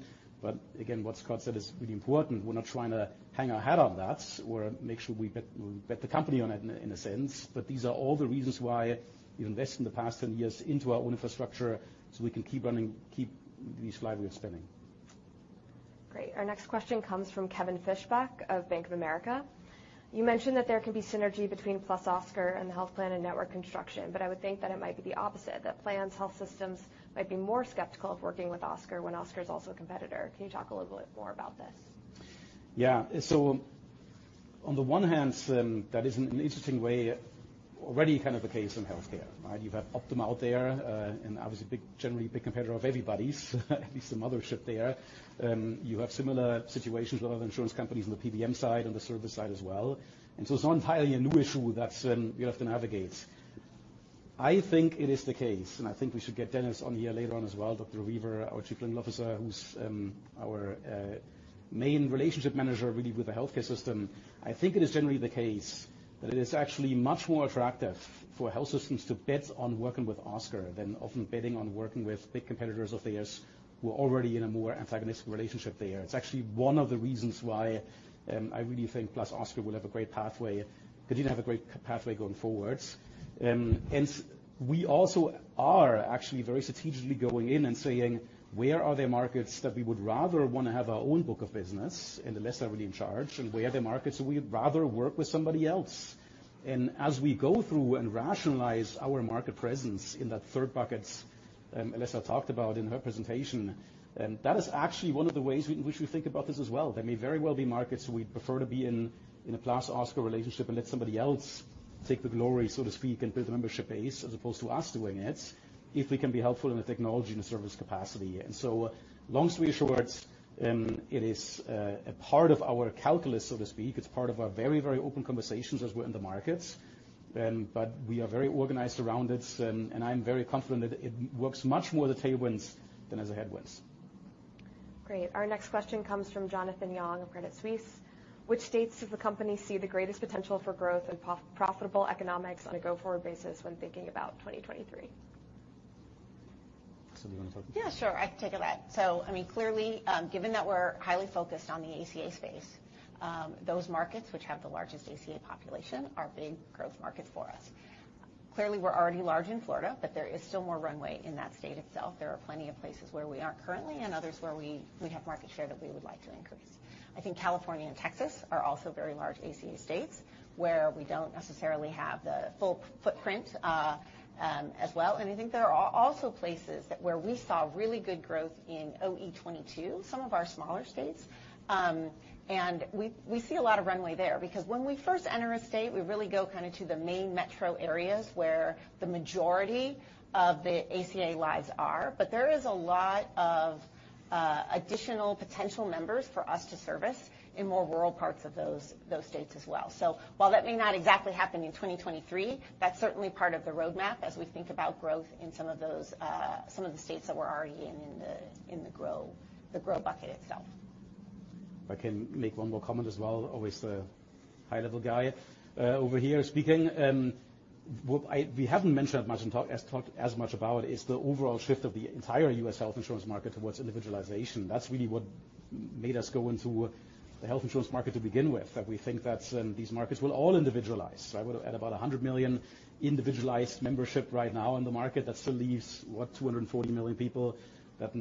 [SPEAKER 2] Again, what Scott said is really important. We're not trying to hang our hat on that or make sure we bet the company on it in a sense, but these are all the reasons why we've invested in the past 10 years into our own infrastructure, so we can keep running, keep this flywheel spinning.
[SPEAKER 1] Great. Our next question comes from Kevin Fischbeck of Bank of America. You mentioned that there could be synergy between +Oscar and the health plan and network construction, but I would think that it might be the opposite, that plans, health systems might be more skeptical of working with Oscar when Oscar is also a competitor. Can you talk a little bit more about this?
[SPEAKER 2] Yeah. On the one hand, that is an interesting way, already kind of the case in healthcare, right? You've got Optum out there, and obviously big competitor of everybody's, at least the mothership there. You have similar situations with other insurance companies on the PBM side and the service side as well. It's not entirely a new issue that we have to navigate. I think it is the case, and I think we should get Dennis on here later on as well, Dr. Weaver, our Chief Clinical Officer, who's our main relationship manager really with the healthcare system. I think it is generally the case that it is actually much more attractive for health systems to bet on working with Oscar than often betting on working with big competitors of theirs who are already in a more antagonistic relationship there. It's actually one of the reasons why I really think +Oscar will have a great pathway, continue to have a great pathway going forward. We also are actually very strategically going in and saying, "Where are there markets that we would rather wanna have our own book of business and Alessa really in charge, and where are the markets we'd rather work with somebody else?" As we go through and rationalize our market presence in that third bucket, Alessa talked about in her presentation, that is actually one of the ways in which we think about this as well. There may very well be markets we'd prefer to be in a +Oscar relationship and let somebody else take the glory, so to speak, and build a membership base as opposed to us doing it, if we can be helpful in the technology and the service capacity. Long story short, it is a part of our calculus, so to speak. It's part of our very, very open conversations as we're in the markets, but we are very organized around it, and I'm very confident that it works much more as tailwinds than as headwinds.
[SPEAKER 1] Great. Our next question comes from Jonathan Yong of Credit Suisse. Which states does the company see the greatest potential for growth and profitable economics on a go-forward basis when thinking about 2023?
[SPEAKER 2] Alessa, do you wanna talk?
[SPEAKER 4] Yeah, sure. I can take that. I mean, clearly, given that we're highly focused on the ACA space, those markets which have the largest ACA population are big growth markets for us. Clearly, we're already large in Florida, but there is still more runway in that state itself. There are plenty of places where we aren't currently and others where we'd have market share that we would like to increase. I think California and Texas are also very large ACA states where we don't necessarily have the full footprint, as well. I think there are also places where we saw really good growth in OE 2022, some of our smaller states, and we see a lot of runways there because when we first enter a state, we really go kinda to the main metro areas where the majority of the ACA lives are. There is a lot of additional potential members for us to service in more rural parts of those states as well. While that may not exactly happen in 2023, that's certainly part of the roadmap as we think about growth in some of those, some of the states that we're already in the growth bucket itself.
[SPEAKER 2] If I can make one more comment as well, always the high-level guy over here speaking. What we haven't mentioned much and talked as much about is the overall shift of the entire U.S. health insurance market towards individualization. That's really what made us go into the health insurance market to begin with, that we think that these markets will all individualize. Right? At about 100 million individualized memberships right now in the market, that still leaves, what? 240 million people that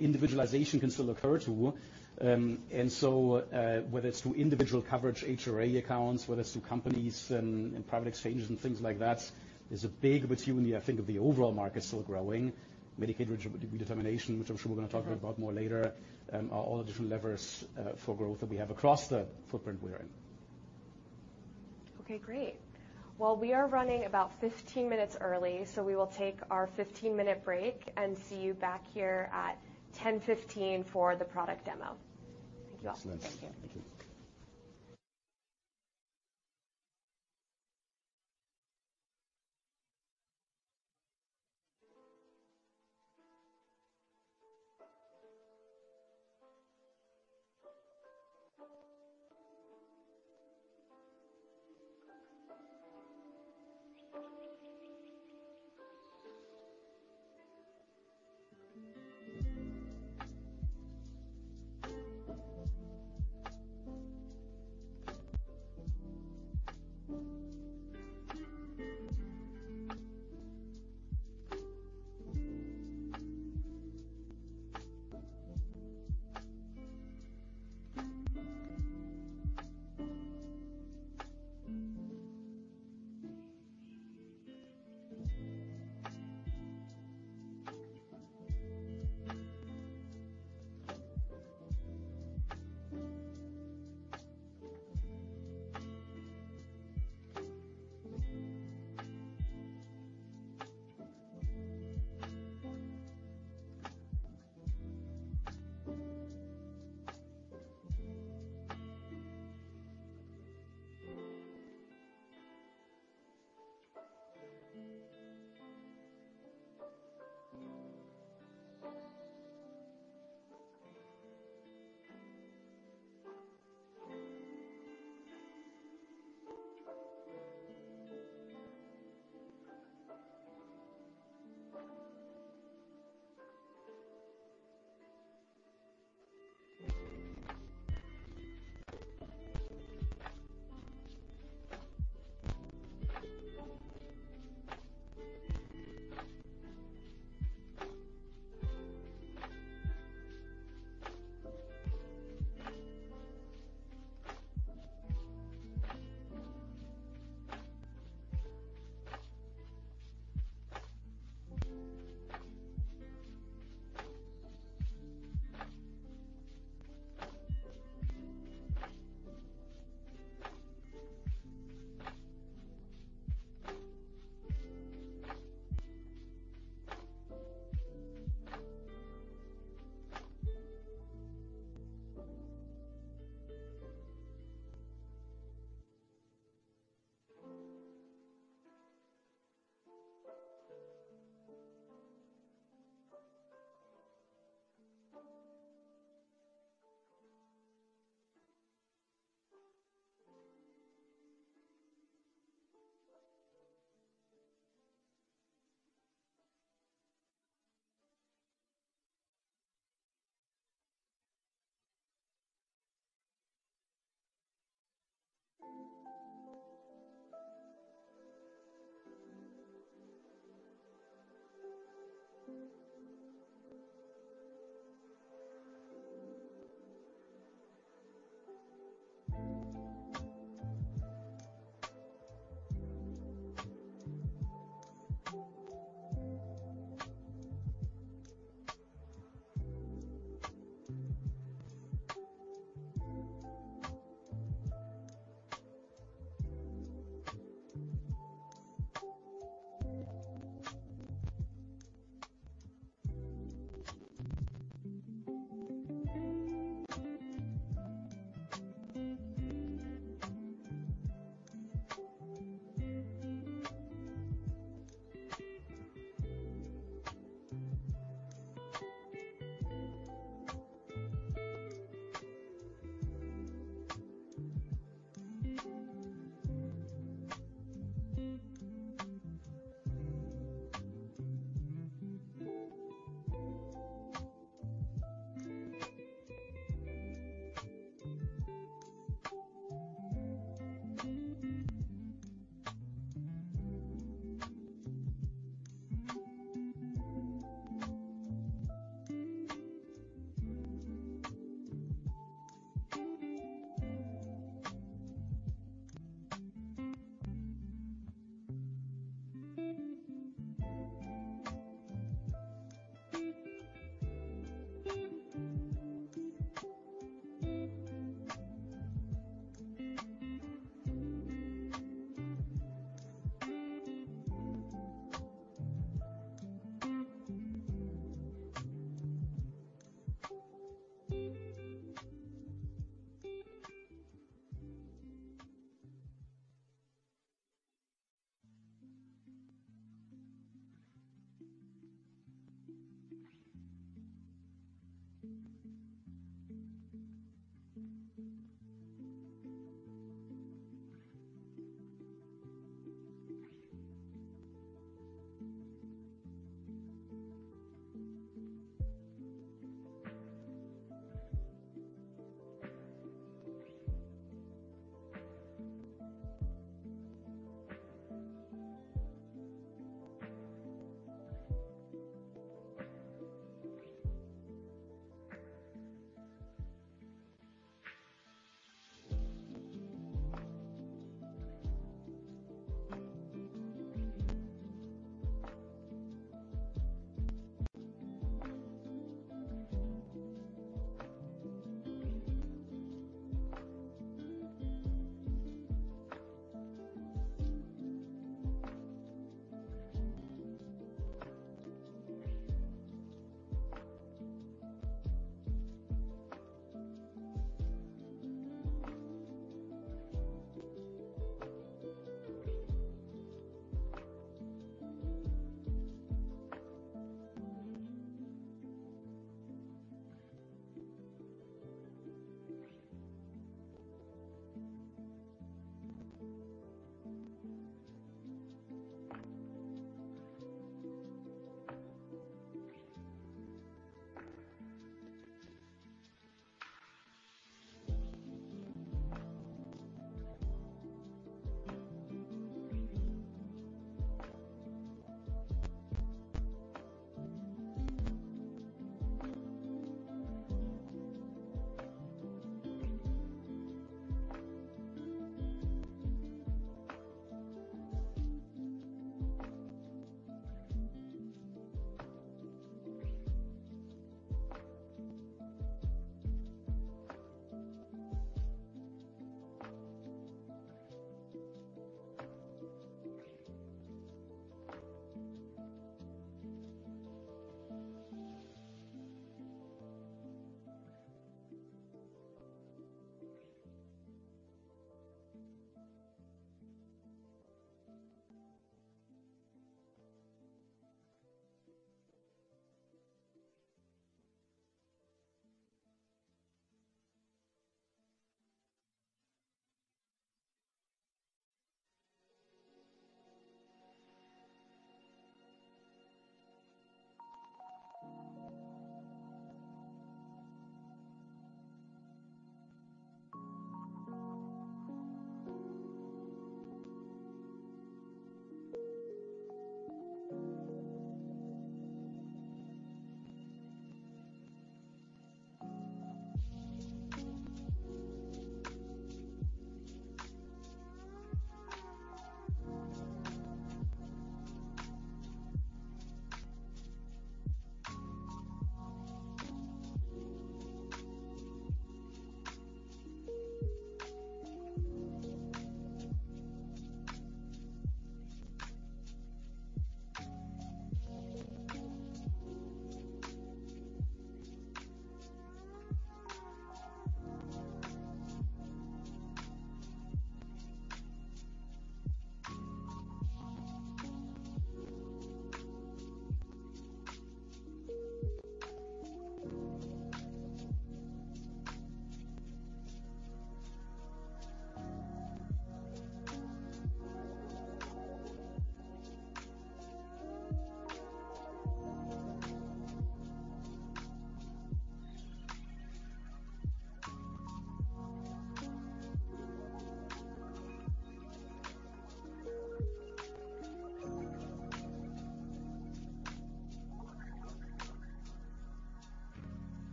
[SPEAKER 2] individualization can still occur to. Whether it's through individual coverage, HRA accounts, whether it's through companies and private exchanges and things like that, there's a big opportunity I think of the overall market still growing. Medicaid redetermination, which I'm sure we're gonna talk about more later, are all the different levers for growth that we have across the footprint we are in.
[SPEAKER 1] Okay, great. Well, we are running about 15 minutes early, so we will take our 15-minute break and see you back here at 10:15 for the product demo. Thank you all.
[SPEAKER 2] Excellent.
[SPEAKER 4] Thank you.
[SPEAKER 2] Thank you.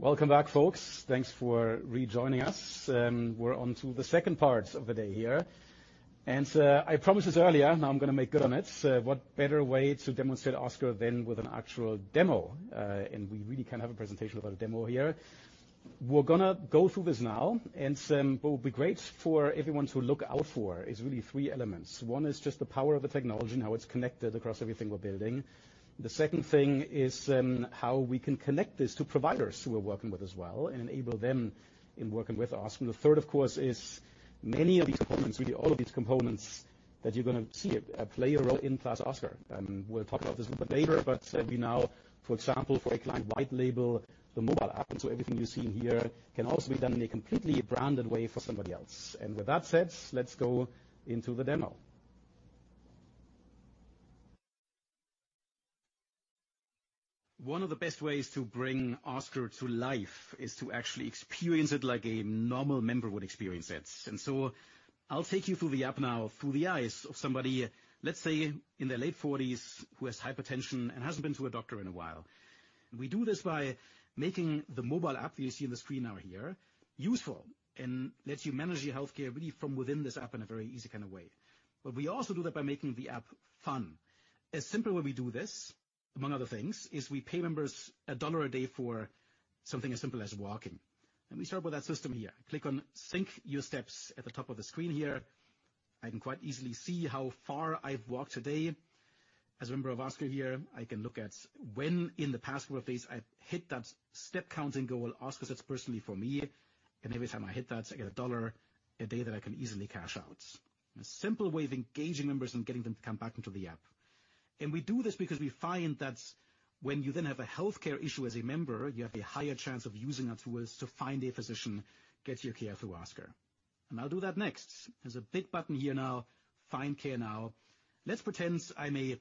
[SPEAKER 2] Welcome back, folks. Thanks for rejoining us. We're on to the second part of the day here. I promised this earlier, now I'm gonna make good on it. What better way to demonstrate Oscar than with an actual demo? We really can't have a presentation without a demo here. We're gonna go through this now, and what will be great for everyone to look out for is really three elements. One is just the power of the technology and how it's connected across everything we're building. The second thing is, how we can connect this to providers who we're working with as well and enable them in working with Oscar. The third, of course, is many of these components, really all of these components that you're gonna see at play a role in plus Oscar, and we'll talk about this a little bit later. We now, for example, for a client white label, the mobile app, and so everything you're seeing here can also be done in a completely branded way for somebody else. With that said, let's go into the demo. One of the best ways to bring Oscar to life is to actually experience it like a normal member would experience it. I'll take you through the app now through the eyes of somebody, let's say, in their late 40s who has hypertension and hasn't been to a doctor in a while. We do this by making the mobile app that you see on the screen now here useful and lets you manage your healthcare really from within this app in a very easy kind of way. We also do that by making the app fun. A simple way we do this, among other things, is we pay members $1 a day for something as simple as walking. Let me start with that system here. Click on Sync Your Steps at the top of the screen here. I can quite easily see how far I've walked today. As a member of Oscar here, I can look at when in the past 4 days I hit that step counting goal Oscar sets personally for me, and every time I hit that, I get $1 a day that I can easily cash out. A simple way of engaging members and getting them to come back into the app. We do this because we find that when you then have a healthcare issue as a member, you have a higher chance of using our tools to find a physician, get your care through Oscar. I'll do that next. There's a big button here now, Find Care Now. Let's pretend I'm a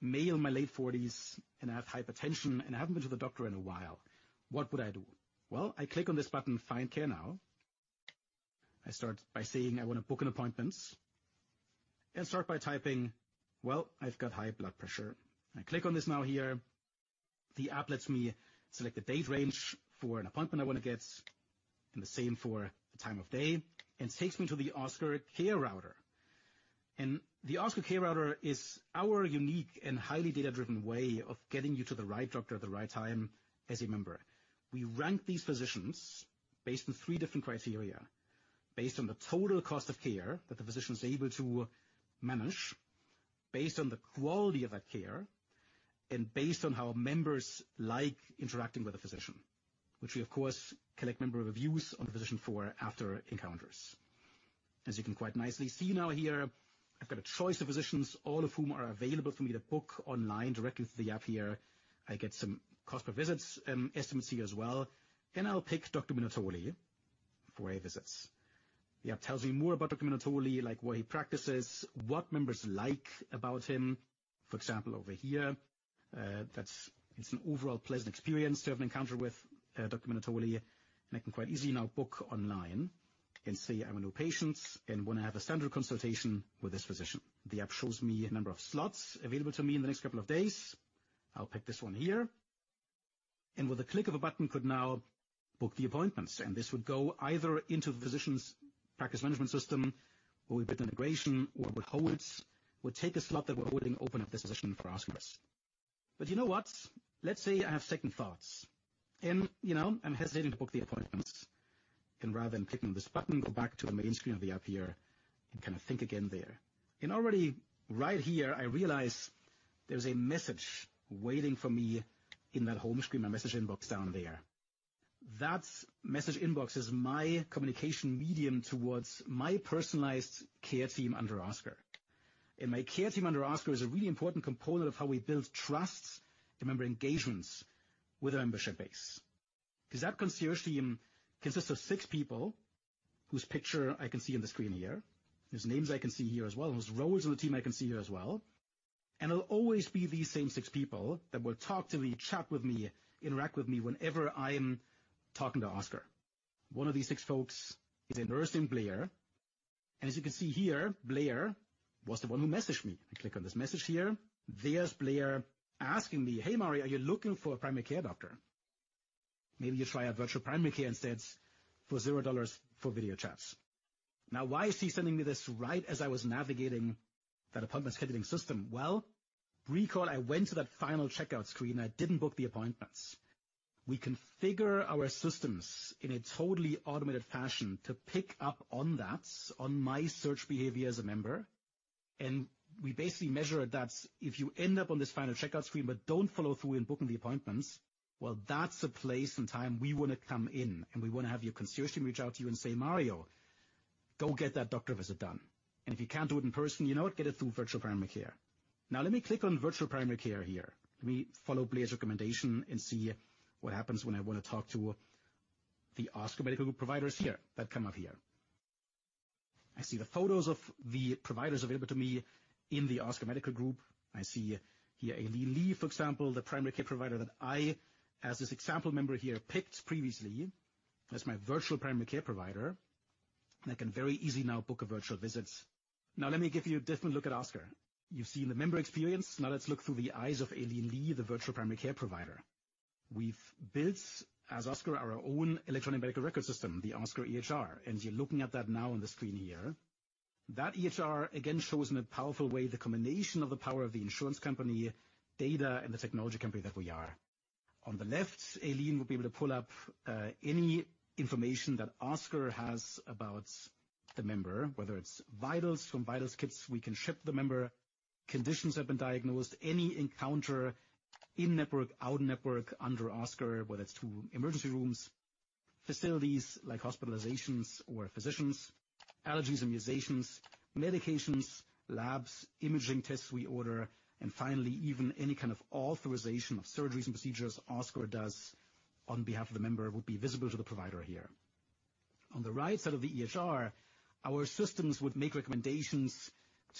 [SPEAKER 2] male in my late 40s and I have hypertension and I haven't been to the doctor in a while. What would I do? Well, I click on this button, Find Care Now. I start by saying I wanna book an appointment and start by typing, well, I've got high blood pressure. I click on this now here. The app lets me select the date range for an appointment I wanna get, and the same for the time of day. It takes me to the Oscar Care Router. The Oscar Care Router is our unique and highly data-driven way of getting you to the right doctor at the right time as a member. We rank these physicians based on three different criteria, based on the total cost of care that the physician is able to manage, based on the quality of that care, and based on how members like interacting with the physician. Which we of course collect member reviews on the physician for after encounters. As you can quite nicely see now here, I've got a choice of physicians, all of whom are available for me to book online directly through the app here. I get some cost per visits estimates here as well. Then I'll pick Dr. Minutoli for a visit. The app tells me more about Dr. Minutoli, like where he practices, what members like about him. For example, over here, it's an overall pleasant experience to have an encounter with Dr. Minutoli, and I can quite easily now book online and say I'm a new patient and wanna have a standard consultation with this physician. The app shows me a number of slots available to me in the next couple of days. I'll pick this one here, and with a click of a button could now book the appointments, and this would go either into the physician's practice management system, or we build an integration or would take a slot that we're holding open at this physician for Oscar's. You know what? Let's say I have second thoughts and, you know, I'm hesitating to book the appointments and rather than clicking this button, go back to the main screen of the app here and kinda think again there. Already right here, I realize there's a message waiting for me in that home screen, my message inbox down there. That message inbox is my communication medium towards my personalized care team under Oscar. My care team under Oscar is a really important component of how we build trust and member engagements with our membership base. 'Cause that concierge team consists of six people whose picture I can see on the screen here. There's names I can see here as well. There's roles of the team I can see here as well. It'll always be these same 6 people that will talk to me, chat with me, interact with me whenever I'm talking to Oscar. One of these 6 folks is a nurse named Blair. As you can see here, Blair was the one who messaged me. I click on this message here. There's Blair asking me, "Hey, Mario, are you looking for a primary care doctor? Maybe you try out virtual primary care instead for $0 for video chats." Now, why is he sending me this right as I was navigating that appointments scheduling system? Well, recall I went to that final checkout screen. I didn't book the appointments. We configure our systems in a totally automated fashion to pick up on that, on my search behavior as a member, and we basically measure that if you end up on this final checkout screen, but don't follow through in booking the appointments, well, that's a place and time we wanna come in, and we wanna have your concierge team reach out to you and say, "Mario, go get that doctor visit done. If you can't do it in person, you know what, get it through virtual primary care. Now let me click on virtual primary care here. Let me follow Blair's recommendation and see what happens when I wanna talk to the Oscar Medical Group providers here, that come up here. I see the photos of the providers available to me in the Oscar Medical Group. I see here Aileen Lee, for example, the primary care provider that I, as this example member here, picked previously as my virtual primary care provider. I can very easy now book a virtual visit. Now let me give you a different look at Oscar. You've seen the member experience, now let's look through the eyes of Aileen Lee, the virtual primary care provider. We've built, as Oscar, our own electronic health record system, the Oscar EHR, and you're looking at that now on the screen here. That EHR again shows in a powerful way the combination of the power of the insurance company data and the technology company that we are. On the left, Aileen Lee will be able to pull up any information that Oscar has about the member, whether it's vitals from vitals kits we can ship the member, conditions have been diagnosed, any encounter in-network, out-of-network under Oscar, whether it's to emergency rooms, facilities like hospitalizations or physicians, allergies, immunizations, medications, labs, imaging tests we order, and finally, even any kind of authorization of surgeries and procedures Oscar does on behalf of the member will be visible to the provider here. On the right side of the EHR, our systems would make recommendations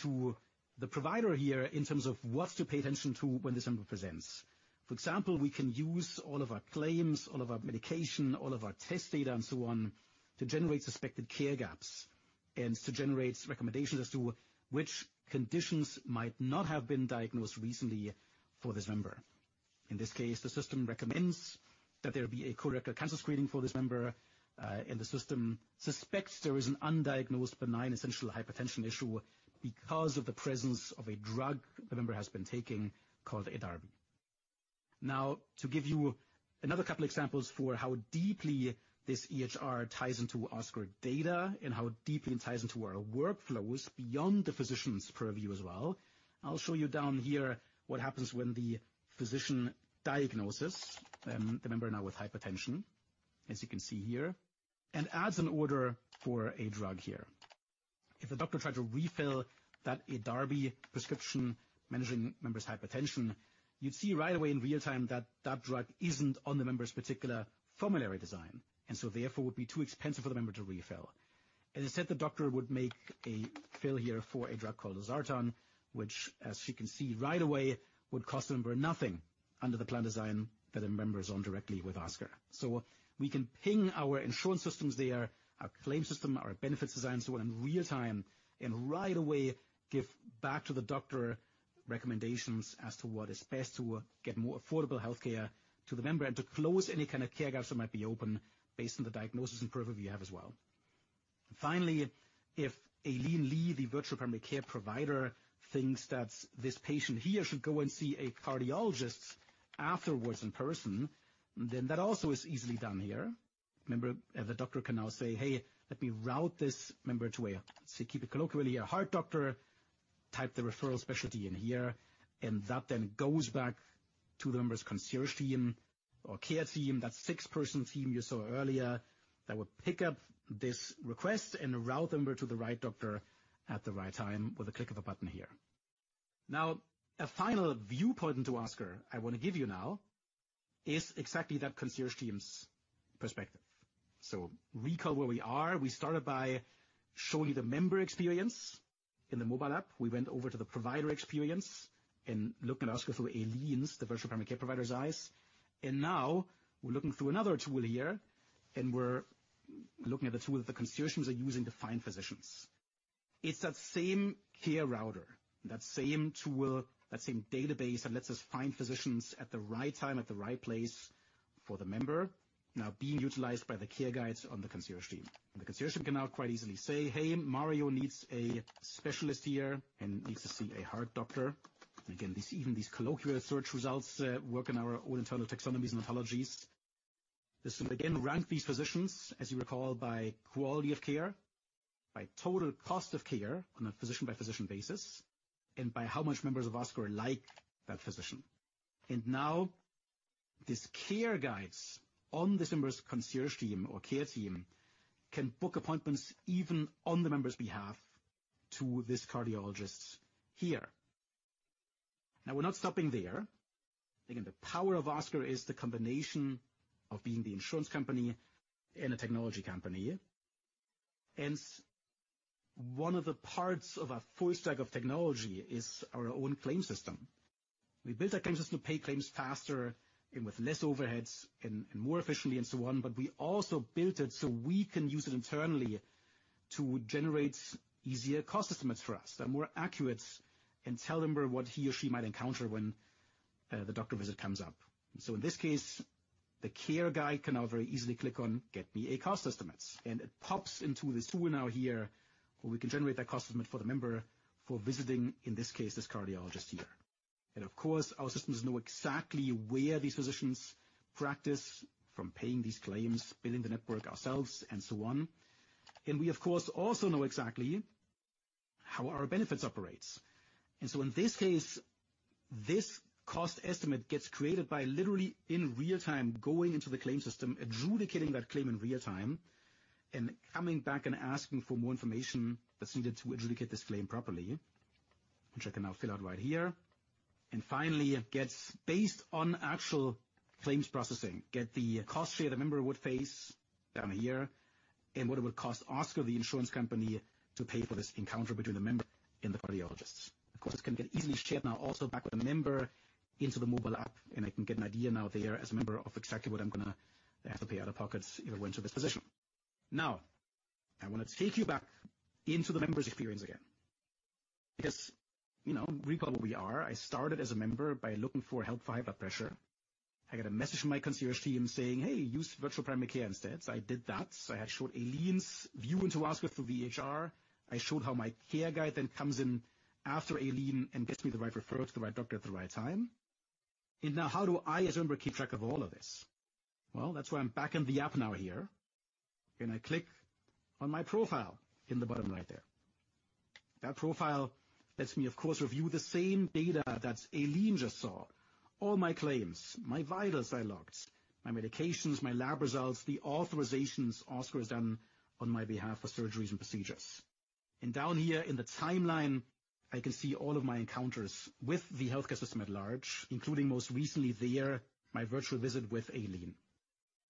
[SPEAKER 2] to the provider here in terms of what to pay attention to when this member presents. For example, we can use all of our claims, all of our medication, all of our test data and so on to generate suspected care gaps and to generate recommendations as to which conditions might not have been diagnosed recently for this member. In this case, the system recommends that there be a colorectal cancer screening for this member. The system suspects there is an undiagnosed benign essential hypertension issue because of the presence of a drug the member has been taking called Edarbi. Now, to give you another couple examples for how deeply this EHR ties into Oscar data and how deeply it ties into our workflows beyond the physician's purview as well, I'll show you down here what happens when the physician diagnoses the member now with hypertension, as you can see here, and adds an order for a drug here. If the doctor tried to refill that Edarbi prescription managing member's hypertension, you'd see right away in real-time that that drug isn't on the member's particular formulary design, and so therefore would be too expensive for the member to refill. Instead, the doctor would make a fill here for a drug called Losartan, which as she can see right away, would cost the member nothing under the plan design that a member is on directly with Oscar. We can ping our insurance systems there, our claim system, our benefits design, so on, in real-time, and right away give back to the doctor recommendations as to what is best to get more affordable healthcare to the member and to close any kind of care gaps that might be open based on the diagnosis and purview we have as well. Finally, if Aileen Lee, the virtual primary care provider, thinks that this patient here should go and see a cardiologist afterwards in person, then that also is easily done here. Remember, the doctor can now say, "Hey, let me route this member to a," let's keep it colloquially, "a heart doctor," type the referral specialty in here, and that then goes back to the member's concierge team or care team. That six-person team you saw earlier that will pick up this request and route the member to the right doctor at the right time with a click of a button here. Now, a final viewpoint into Oscar I wanna give you now is exactly that concierge team's perspective. Recall where we are. We started by showing you the member experience in the mobile app. We went over to the provider experience and looked at Oscar through Aileen's, the virtual primary care provider’s eyes. Now we're looking through another tool here, and we're looking at the tool that the concierges are using to find physicians. It's that same Care Router, that same tool, that same database that lets us find physicians at the right time, at the right place for the member, now being utilized by the care guides on the concierge team. The concierge team can now quite easily say, "Hey, Mario needs a specialist here and needs to see a heart doctor." Again, even these colloquial search results work in our own internal taxonomies and ontologies. This will again rank these physicians, as you recall, by quality of care, by total cost of care on a physician-by-physician basis, and by how much members of Oscar like that physician. Now these care guides on this member's concierge team or care team can book appointments even on the member's behalf to this cardiologist here. Now, we're not stopping there. Again, the power of Oscar is the combination of being the insurance company and a technology company. One of the parts of our full stack of technology is our own claim system. We built that claim system to pay claims faster and with less overheads and more efficiently and so on, but we also built it so we can use it internally to generate easier cost estimates for us that are more accurate and tell the member what he or she might encounter when the doctor visit comes up. In this case, the care guide can now very easily click on Get me a cost estimate, and it pops into this tool now here where we can generate that cost estimate for the member for visiting, in this case, this cardiologist here. Of course, our systems know exactly where these physicians practice from paying these claims, building the network ourselves and so on. We, of course, also know exactly how our benefits operates. In this case, this cost estimate gets created by literally in real time, going into the claim system, adjudicating that claim in real time, and coming back and asking for more information that's needed to adjudicate this claim properly, which I can now fill out right here. Finally, it gets based on actual claims processing, get the cost share the member would face down here and what it would cost Oscar, the insurance company, to pay for this encounter between the member and the cardiologist. Of course, it can get easily shared now also back with the member into the mobile app, and I can get an idea now there as a member of exactly what I'm gonna have to pay out of pocket if I went to this physician. Now, I wanna take you back into the member's experience again. Because, you know, recall where we are. I started as a member by looking for help for high blood pressure. I got a message from my concierge team saying, "Hey, use virtual primary care instead." I did that. I showed Aileen's view into Oscar through EHR. I showed how my care guide then comes in after Aileen and gets me the right referral to the right doctor at the right time. Now how do I, as a member, keep track of all of this? Well, that's why I'm back in the app now here, and I click on my profile in the bottom right there. That profile lets me, of course, review the same data that Aileen just saw, all my claims, my vitals I logged, my medications, my lab results, the authorizations Oscar has done on my behalf for surgeries and procedures. Down here in the timeline, I can see all of my encounters with the healthcare system at large, including most recently there, my virtual visit with Aileen.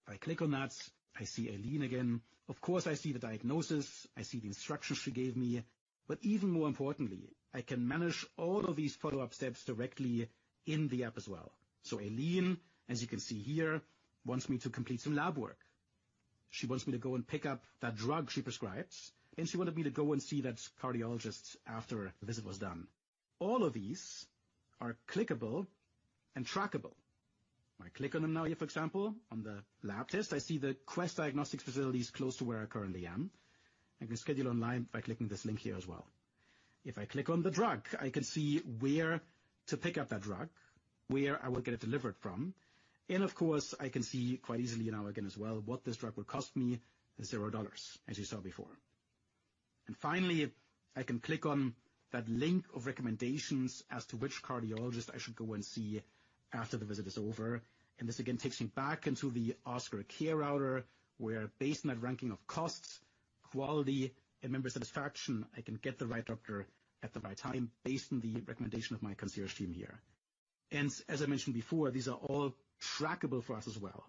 [SPEAKER 2] If I click on that, I see Aileen again. Of course, I see the diagnosis, I see the instructions she gave me, but even more importantly, I can manage all of these follow-up steps directly in the app as well. Aileen, as you can see here, wants me to complete some lab work. She wants me to go and pick up that drug she prescribed, and she wanted me to go and see that cardiologist after the visit was done. All of these are clickable and trackable. If I click on them now here, for example, on the lab test, I see the Quest Diagnostics facility is close to where I currently am. I can schedule online by clicking this link here as well. If I click on the drug, I can see where to pick up that drug, where I will get it delivered from. Of course, I can see quite easily now again as well, what this drug would cost me is $0, as you saw before. Finally, I can click on that link of recommendations as to which cardiologist I should go and see after the visit is over. This again takes me back into the Oscar Care Router, where based on that ranking of costs, quality, and member satisfaction, I can get the right doctor at the right time based on the recommendation of my concierge team here. As I mentioned before, these are all trackable for us as well.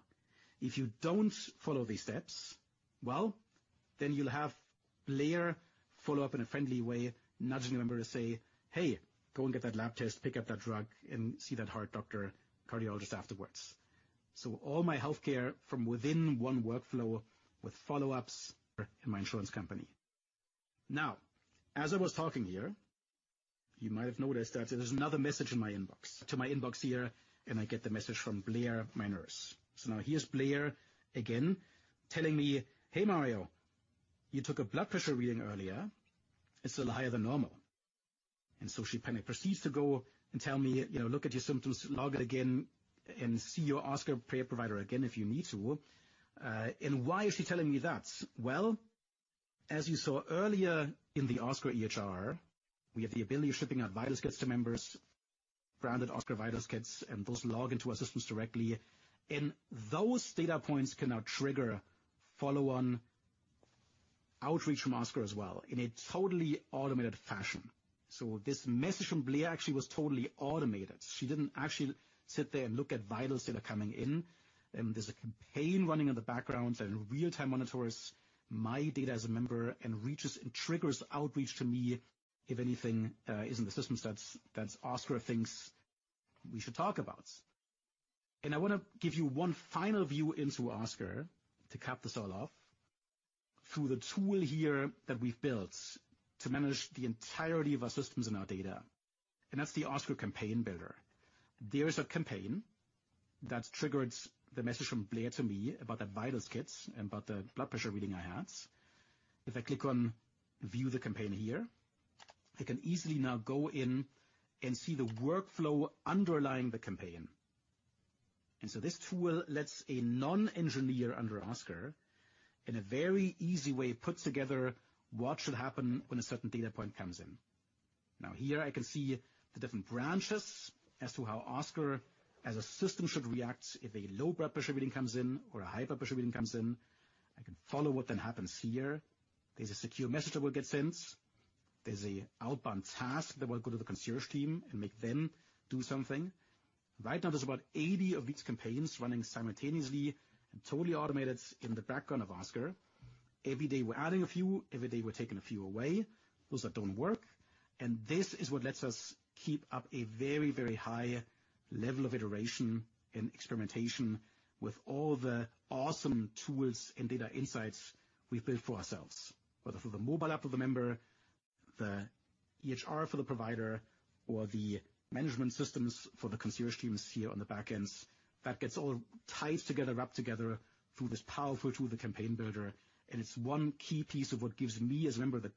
[SPEAKER 2] If you don't follow these steps, well, then you'll have Blair follow up in a friendly way, nudging a member to say, "Hey, go and get that lab test, pick up that drug and see that heart doctor, cardiologist afterwards." All my healthcare from within one workflow with follow-ups in my insurance company. Now, as I was talking here, you might have noticed that there's another message in my inbox. To my inbox here, and I get the message from Blair, my nurse. Now here's Blair again telling me, "Hey, Mario, you took a blood pressure reading earlier. It's a little higher than normal." She proceeds to go and tell me, you know, "Look at your symptoms, log it again and see your Oscar care provider again if you need to." And why is she telling me that? Well, as you saw earlier in the Oscar EHR, we have the ability of shipping out vitals kits to members, branded Oscar vitals kits, and those log into our systems directly. Those data points can now trigger follow-on outreach from Oscar as well in a totally automated fashion. This message from Blair actually was totally automated. She didn't actually sit there and look at vitals that are coming in, and there's a campaign running in the background that real-time monitors my data as a member and reaches and triggers outreach to me if anything, is in the system that's, that Oscar thinks we should talk about. I wanna give you one final view into Oscar to cap this all off through the tool here that we've built to manage the entirety of our systems and our data, and that's the Oscar Campaign Builder. There is a campaign that triggered the message from Blair to me about that vitals kit and about the blood pressure reading I had. If I click on View the campaign here, I can easily now go in and see the workflow underlying the campaign. This tool lets a non-engineer under Oscar in a very easy way put together what should happen when a certain data point comes in. Now here I can see the different branches as to how Oscar as a system should react if a low blood pressure reading comes in or a high blood pressure reading comes in. I can follow what then happens here. There's a secure message that will get sent. There's an outbound task that will go to the concierge team and make them do something. Right now, there's about 80 of these campaigns running simultaneously and totally automated in the background of Oscar. Every day we're adding a few, every day we're taking a few away, those that don't work. This is what lets us keep up a very, very high level of iteration and experimentation with all the awesome tools and data insights we built for ourselves, whether through the mobile app of the member, the EHR for the provider, or the management systems for the concierge teams here on the back ends. That gets all tied together, wrapped together through this powerful tool, the campaign builder, and it's one key piece of what gives me as a member the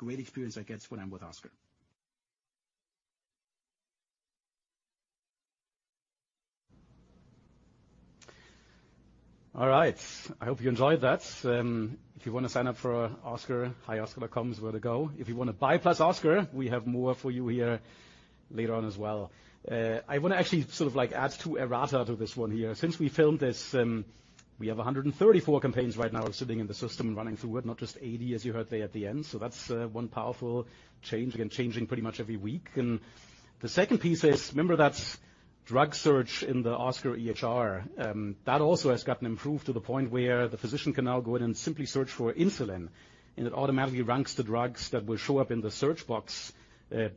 [SPEAKER 2] great experience I get when I'm with Oscar. All right, I hope you enjoyed that. If you wanna sign up for Oscar, hioscar.com is where to go. If you wanna buy +Oscar, we have more for you here later on as well. I wanna actually sort of like add two errata to this one here. Since we filmed this, we have 134 campaigns right now sitting in the system running through it, not just 80 as you heard there at the end. That's one powerful change. Again, changing pretty much every week. The second piece is, remember that drug search in the Oscar EHR, that also has gotten improved to the point where the physician can now go in and simply search for insulin, and it automatically ranks the drugs that will show up in the search box,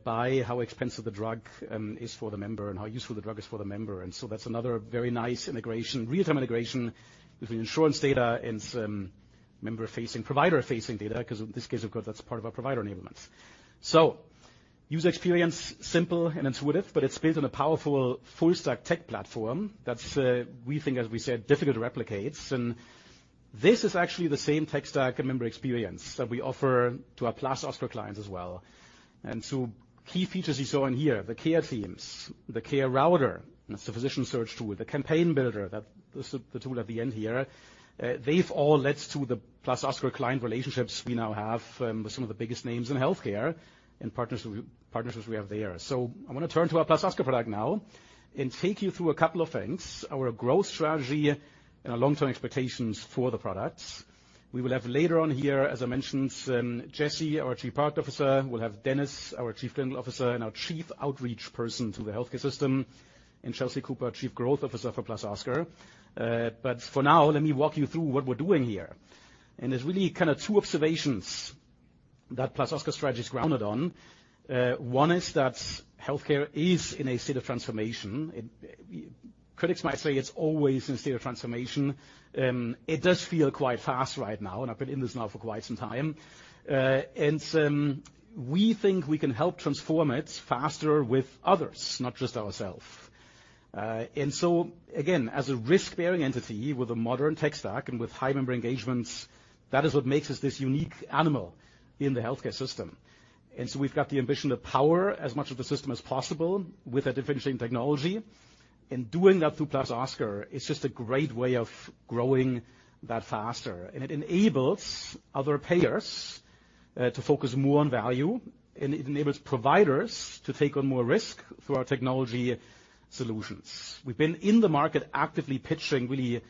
[SPEAKER 2] by how expensive the drug is for the member and how useful the drug is for the member. That's another very nice integration, real-time integration with the insurance data and some member-facing, provider-facing data, cause in this case, of course, that's part of our provider enablement. User experience, simple and intuitive, but it's built on a powerful full stack tech platform. That's, we think, as we said, difficult to replicate. This is actually the same tech stack and member experience that we offer to our +Oscar clients as well. Key features you saw in here, the care teams, the Care Router, that's the physician search tool, the Campaign Builder, that's the tool at the end here. They've all led to the +Oscar client relationships we now have, with some of the biggest names in healthcare and partnerships we have there. I wanna turn to our +Oscar product now and take you through a couple of things, our growth strategy and our long-term expectations for the product. We will have later on here, as I mentioned, Jesse, our Chief Product Officer. We'll have Dennis, our Chief Clinical Officer and our chief outreach person to the healthcare system, and Chelsea Cooper, Chief Growth Officer for +Oscar. For now, let me walk you through what we're doing here. There's really kinda two observations that +Oscar strategy is grounded on. One is that healthcare is in a state of transformation. Critics might say it's always in a state of transformation. It does feel quite fast right now, and I've been in this now for quite some time. We think we can help transform it faster with others, not just ourselves. Again, as a risk-bearing entity with a modern tech stack and with high member engagements, that is what makes us this unique animal in the healthcare system. We've got the ambition to power as much of the system as possible with a differentiating technology. Doing that through +Oscar is just a great way of growing that faster. It enables other payers to focus more on value, and it enables providers to take on more risk through our technology solutions. We've been in the market actively pitching really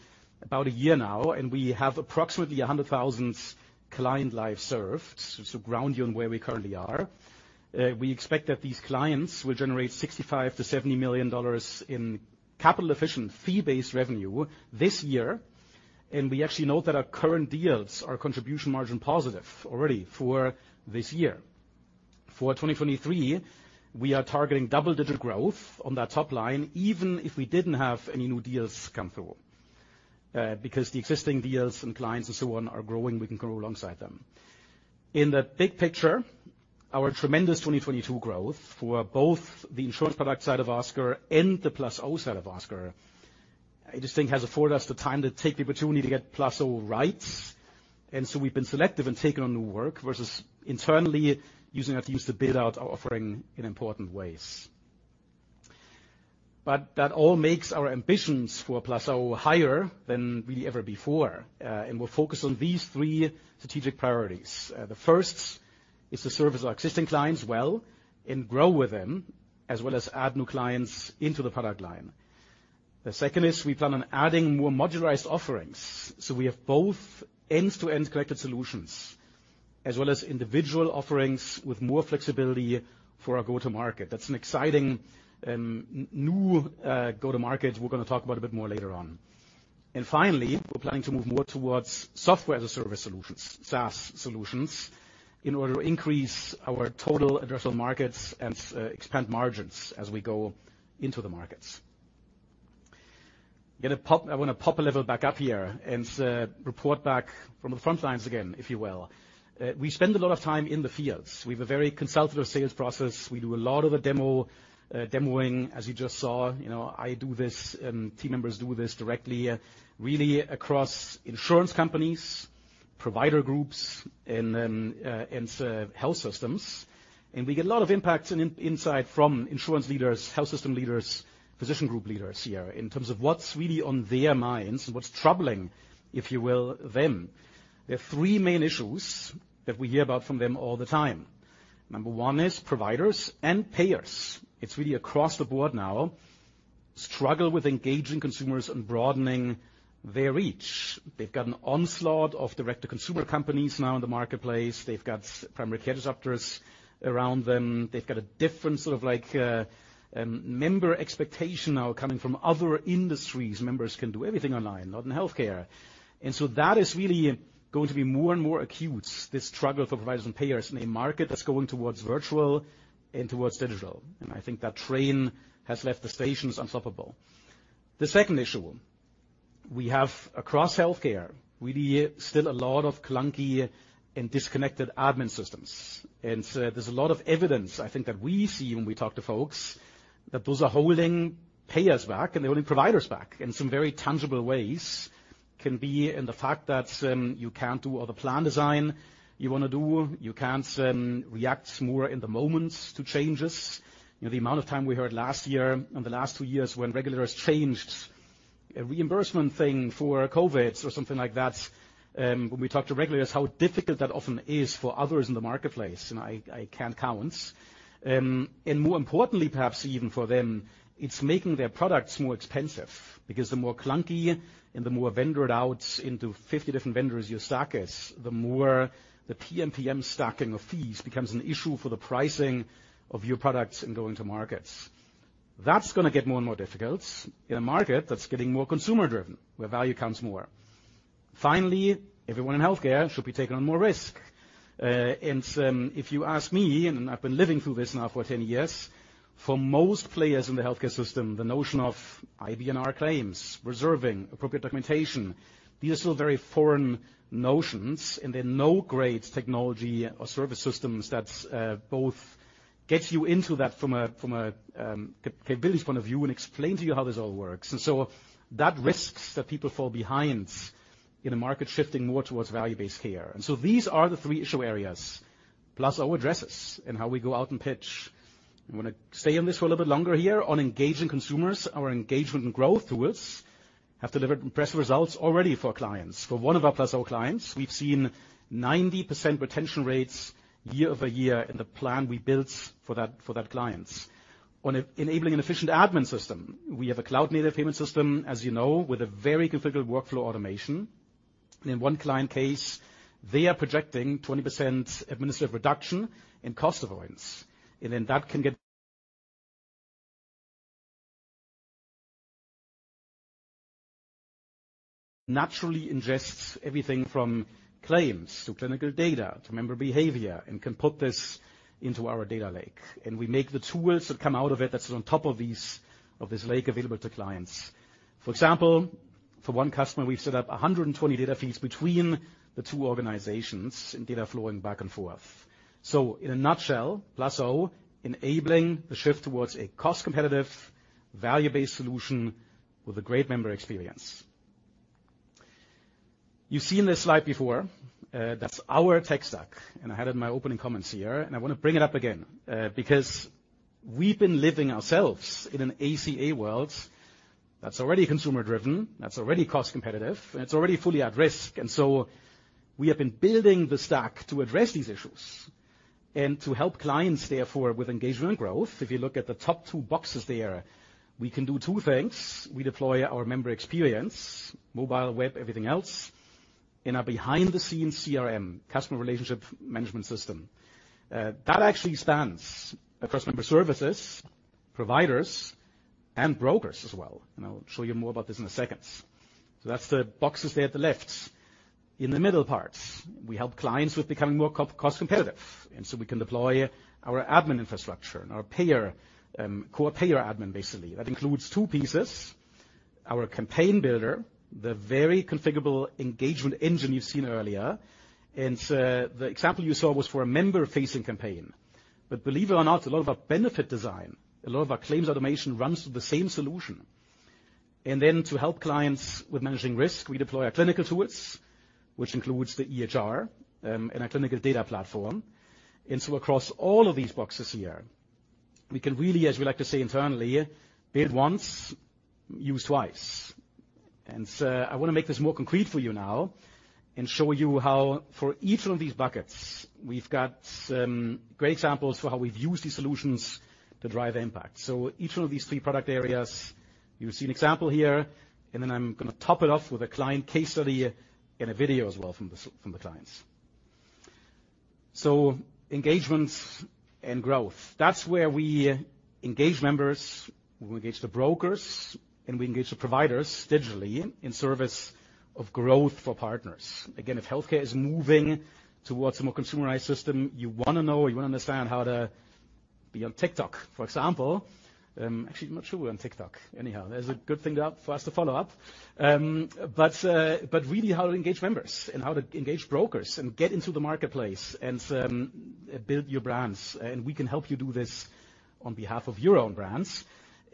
[SPEAKER 2] about a year now, and we have approximately 100,000 client lives served. To ground you on where we currently are. We expect that these clients will generate $65 million to $70 million in capital efficient fee-based revenue this year. We actually know that our current deals are contribution margin positive already for this year. For 2023, we are targeting double-digit growth on that top line, even if we didn't have any new deals come through. Because the existing deals and clients and so on are growing, we can grow alongside them. In the big picture, our tremendous 2022 growth for both the insurance product side of Oscar and the +Oscar side of Oscar, I just think has afforded us the time to take the opportunity to get +Oscar right. We've been selective in taking on new work versus internally using our teams to build out our offering in important ways. That all makes our ambitions for +Oscar higher than really ever before. We're focused on these three strategic priorities. The first is to service our existing clients well and grow with them, as well as add new clients into the product line. The second is we plan on adding more modularized offerings, so we have both end-to-end connected solutions as well as individual offerings with more flexibility for our go-to-market. That's an exciting, new, go to market we're gonna talk about a bit more later on. Finally, we're planning to move more towards software as a service solutions, SaaS solutions, in order to increase our total addressable markets and, expand margins as we go into the markets. I wanna pop a level back up here and, report back from the front lines again, if you will. We spend a lot of time in the fields. We have a very consultative sales process. We do a lot of the demoing, as you just saw. You know, I do this, team members do this directly, really across insurance companies, provider groups, and health systems. We get a lot of impact and insight from insurance leaders, health system leaders, physician group leaders here in terms of what's really on their minds and what's troubling, if you will, them. There are three main issues that we hear about from them all the time. Number one is providers and payers, it's really across the board now, struggle with engaging consumers and broadening their reach. They've got an onslaught of direct-to-consumer companies now in the marketplace. They've got primary care disruptors around them. They've got a different sort of like, member expectation now coming from other industries. Members can do everything online, not in healthcare. That is really going to be more and more acute, this struggle for providers and payers in a market that's going towards virtual and towards digital. I think that train has left the station. It's unstoppable. The second issue, we have across healthcare, really still a lot of clunky and disconnected admin systems. There's a lot of evidence I think that we see when we talk to folks that those are holding payers back and they're holding providers back in some very tangible ways. Can be in the fact that, you can't do all the plan design you wanna do. You can't react more in the moment to changes. You know, the amount of time we heard last year, and the last two years when regulators changed a reimbursement thing for COVID or something like that, when we talk to regulators, how difficult that often is for others in the marketplace, and I can't count. And more importantly, perhaps even for them, it's making their products more expensive because the more clunky and the more you outsource it to 50 different vendors, the more the PMPM stack of fees becomes an issue for the pricing of your products and going to market. That's gonna get more and more difficult in a market that's getting more consumer-driven, where value counts more. Finally, everyone in healthcare should be taking on more risk. If you ask me, and I've been living through this now for 10 years, for most players in the healthcare system, the notion of IBNR claims, reserving, appropriate documentation, these are still very foreign notions, and there are no great technology or service systems that both get you into that from a capability point of view and explain to you how this all works. That risks that people fall behind in a market shifting more towards value-based care. These are the three issue areas, plus our addresses and how we go out and pitch. I'm gonna stay on this for a little bit longer here. On engaging consumers, our engagement and growth tools have delivered impressive results already for clients. For one of our +Oscar clients, we've seen 90% retention rates year-over-year in the plan we built for that client. On enabling an efficient admin system, we have a cloud-native payment system, as you know, with a very configured workflow automation. In one client case, they are projecting 20% administrative reduction and cost avoidance. That can naturally ingest everything from claims to clinical data to member behavior and can put this into our data lake. We make the tools that come out of it that's on top of this lake available to clients. For example, for one customer, we've set up 120 data feeds between the two organizations and data flowing back and forth. In a nutshell, +Oscar enabling the shift towards a cost-competitive, value-based solution with a great member experience. You've seen this slide before. That's our tech stack, and I had it in my opening comments here, and I wanna bring it up again. Because we've been living in an ACA world that's already consumer-driven, that's already cost competitive, and it's already fully at risk. We have been building the stack to address these issues and to help clients, therefore, with engagement growth. If you look at the top two boxes there, we can do two things. We deploy our member experience, mobile, web, everything else, in a behind-the-scenes CRM, customer relationship management system. That actually spans across member services, providers, and brokers as well, and I'll show you more about this in a second. That's the boxes there at the left. In the middle part, we help clients with becoming more cost competitive, and so we can deploy our admin infrastructure and our payer core payer admin, basically. That includes two pieces, our Campaign Builder, the very configurable engagement engine you've seen earlier. The example you saw was for a member-facing campaign. Believe it or not, a lot of our benefit design, a lot of our claims automation runs the same solution. Then to help clients with managing risk, we deploy our clinical tools, which includes the EHR and our clinical data platform. Across all of these boxes here, we can really, as we like to say internally, "Build once, use twice." I wanna make this more concrete for you now and show you how for each one of these buckets, we've got great examples for how we've used these solutions to drive impact. Each one of these three product areas, you'll see an example here, and then I'm gonna top it off with a client case study and a video as well from the clients. Engagement and growth. That's where we engage members, we engage the brokers, and we engage the providers digitally in service of growth for partners. Again, if healthcare is moving towards a more consumerized system, you wanna know, you wanna understand how to be on TikTok, for example. Actually, I'm not sure we're on TikTok. Anyhow, that is a good thing for us to follow up. But really how to engage members and how to engage brokers and get into the marketplace and build your brands, and we can help you do this on behalf of your own brands.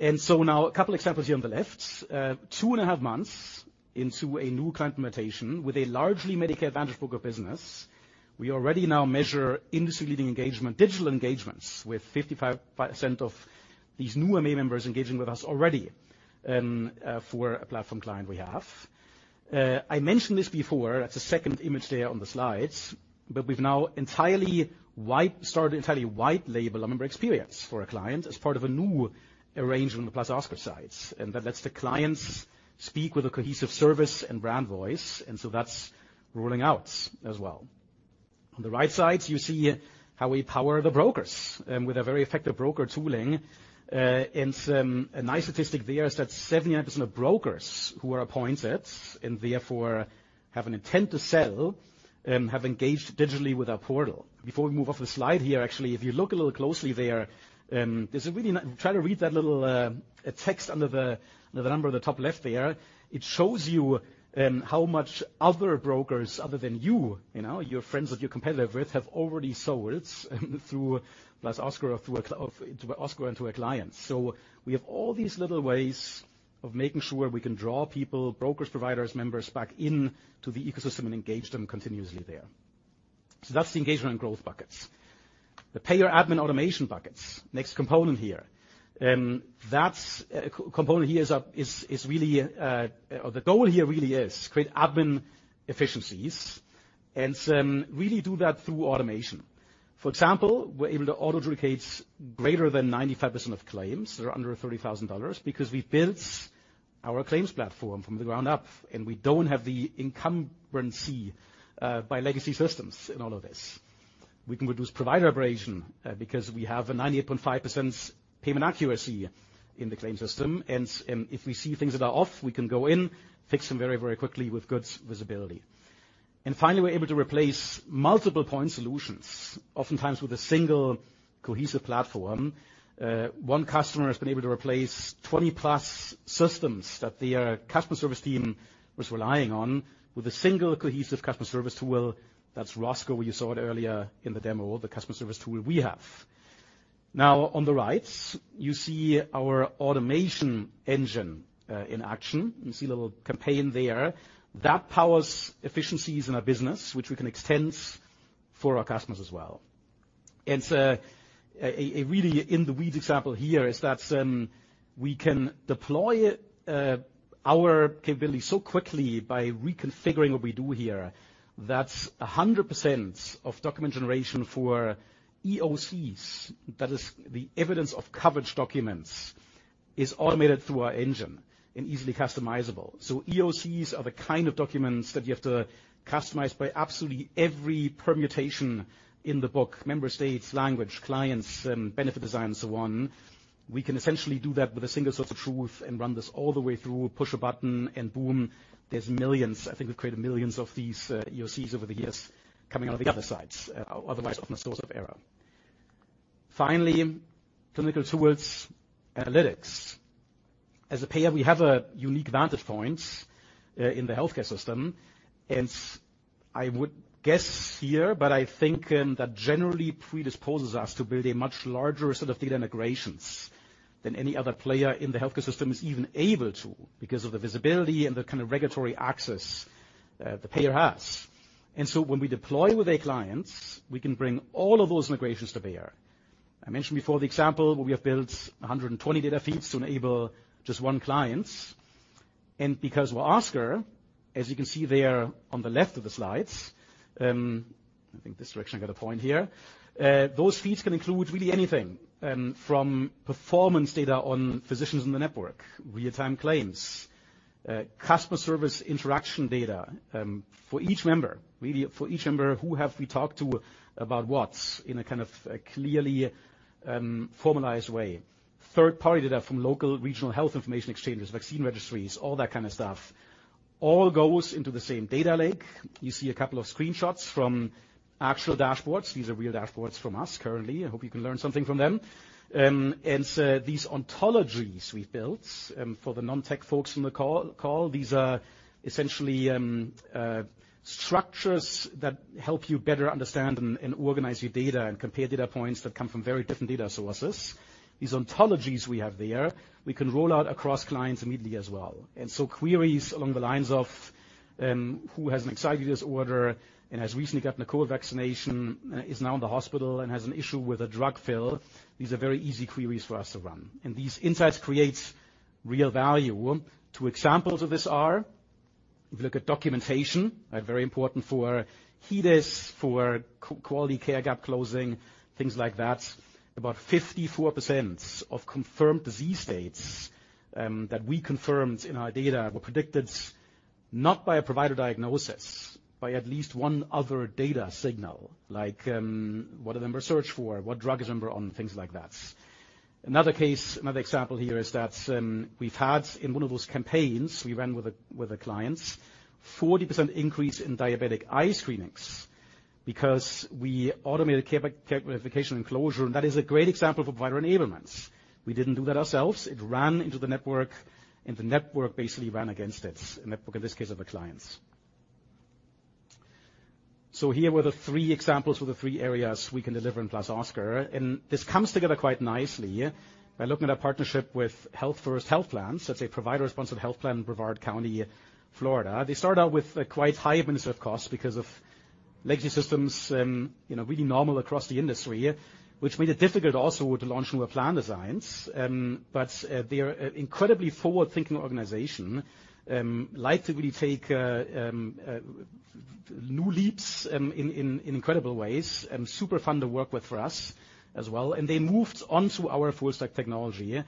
[SPEAKER 2] Now a couple examples here on the left. 2.5 months into a new client implementation with a largely Medicare Advantage broker business, we already now measure industry-leading engagement, digital engagements, with 55% of these new MA members engaging with us already for a platform client we have. I mentioned this before, that's the second image there on the slides, but we've now started to entirely white label our member experience for a client as part of a new arrangement +Oscar sites. That lets the clients speak with a cohesive service and brand voice, and so that's rolling out as well. On the right side, you see how we power the brokers with a very effective broker tooling. A nice statistic there is that 78% of brokers who are appointed and therefore have an intent to sell have engaged digitally with our portal. Before we move off the slide here, actually, if you look a little closely there's a really. Try to read that little text under the number at the top left there. It shows you how much other brokers other than you know, your friends that you're competitive with, have already sold through +Oscar or through Oscar and through our clients. We have all these little ways of making sure we can draw people, brokers, providers, members back into the ecosystem and engage them continuously there. That's the engagement and growth buckets. The payer admin automation buckets. Next component here is really, or the goal here really is to create admin efficiencies and really do that through automation. For example, we're able to auto-adjudicate greater than 95% of claims that are under $30,000 because we've built our claims platform from the ground up, and we don't have the incumbency by legacy systems in all of this. We can reduce provider abrasion because we have a 98.5% payment accuracy in the claim system, and if we see things that are off, we can go in, fix them very, very quickly with good visibility. Finally, we're able to replace multiple point solutions, oftentimes with a single cohesive platform. One customer has been able to replace 20-plus systems that their customer service team was relying on with a single cohesive customer service tool. That's Oscar, you saw it earlier in the demo, the customer service tool we have. Now on the right, you see our automation engine in action. You see a little campaign there. That powers efficiencies in our business, which we can extend for our customers as well. It's a really in the weeds example here is that we can deploy our capability so quickly by reconfiguring what we do here. That's 100% of document generation for EOCs. That is the Evidence of Coverage documents is automated through our engine and easily customizable. EOCs are the kind of documents that you have to customize by absolutely every permutation in the book, member states, language, clients, benefit design and so on. We can essentially do that with a single source of truth and run this all the way through, push a button, and boom, there's millions. I think we've created millions of these EOCs over the years coming out of the other side, otherwise often a source of error. Finally, clinical tools, analytics. As a payer, we have a unique vantage point in the healthcare system, and I would guess here, but I think that generally predisposes us to build a much larger set of data integrations than any other player in the healthcare system is even able to because of the visibility and the kind of regulatory access the payer has. When we deploy with their clients, we can bring all of those integrations to bear. I mentioned before the example where we have built 120 data feeds to enable just one client. Because with Oscar, as you can see there on the left of the slides, I think this direction I got a point here. Those feeds can include really anything, from performance data on physicians in the network, real-time claims, customer service interaction data, for each member. Really for each member, who have we talked to about what in a kind of clearly, formalized way. Third-party data from local regional health information exchanges, vaccine registries, all that kind of stuff, all goes into the same data lake. You see a couple of screenshots from actual dashboards. These are real dashboards from us currently. I hope you can learn something from them. These ontologies we've built for the non-tech folks on the call, these are essentially structures that help you better understand and organize your data and compare data points that come from very different data sources. These ontologies we have there, we can roll out across clients immediately as well. Queries along the lines of who has an anxiety disorder and has recently gotten a COVID vaccination is now in the hospital and has an issue with a drug fill. These are very easy queries for us to run, and these insights creates real value. Two examples of this are, if you look at documentation, are very important for HEDIS, for quality care gap closing, things like that. About 54% of confirmed disease states that we confirmed in our data were predicted, not by a provider diagnosis, by at least one other data signal, like, what did the member search for, what drug is the member on, things like that. Another case, another example here is that, we've had in one of those campaigns we ran with a client, 40% increase in diabetic eye screenings because we automated care verification and closure, and that is a great example of provider enablement. We didn't do that ourselves. It ran into the network, and the network basically ran against it. Network in this case of a client. Here were the three examples for the three areas we can deliver in +Oscar, and this comes together quite nicely by looking at our partnership with Health First Health Plans. That's a provider-sponsored health plan in Brevard County, Florida. They started out with quite high administrative costs because of legacy systems, you know, really normal across the industry, which made it difficult also to launch new plan designs. But they're an incredibly forward-thinking organization, like to really take new leaps in incredible ways. Super fun to work with for us as well. They moved onto our full stack technology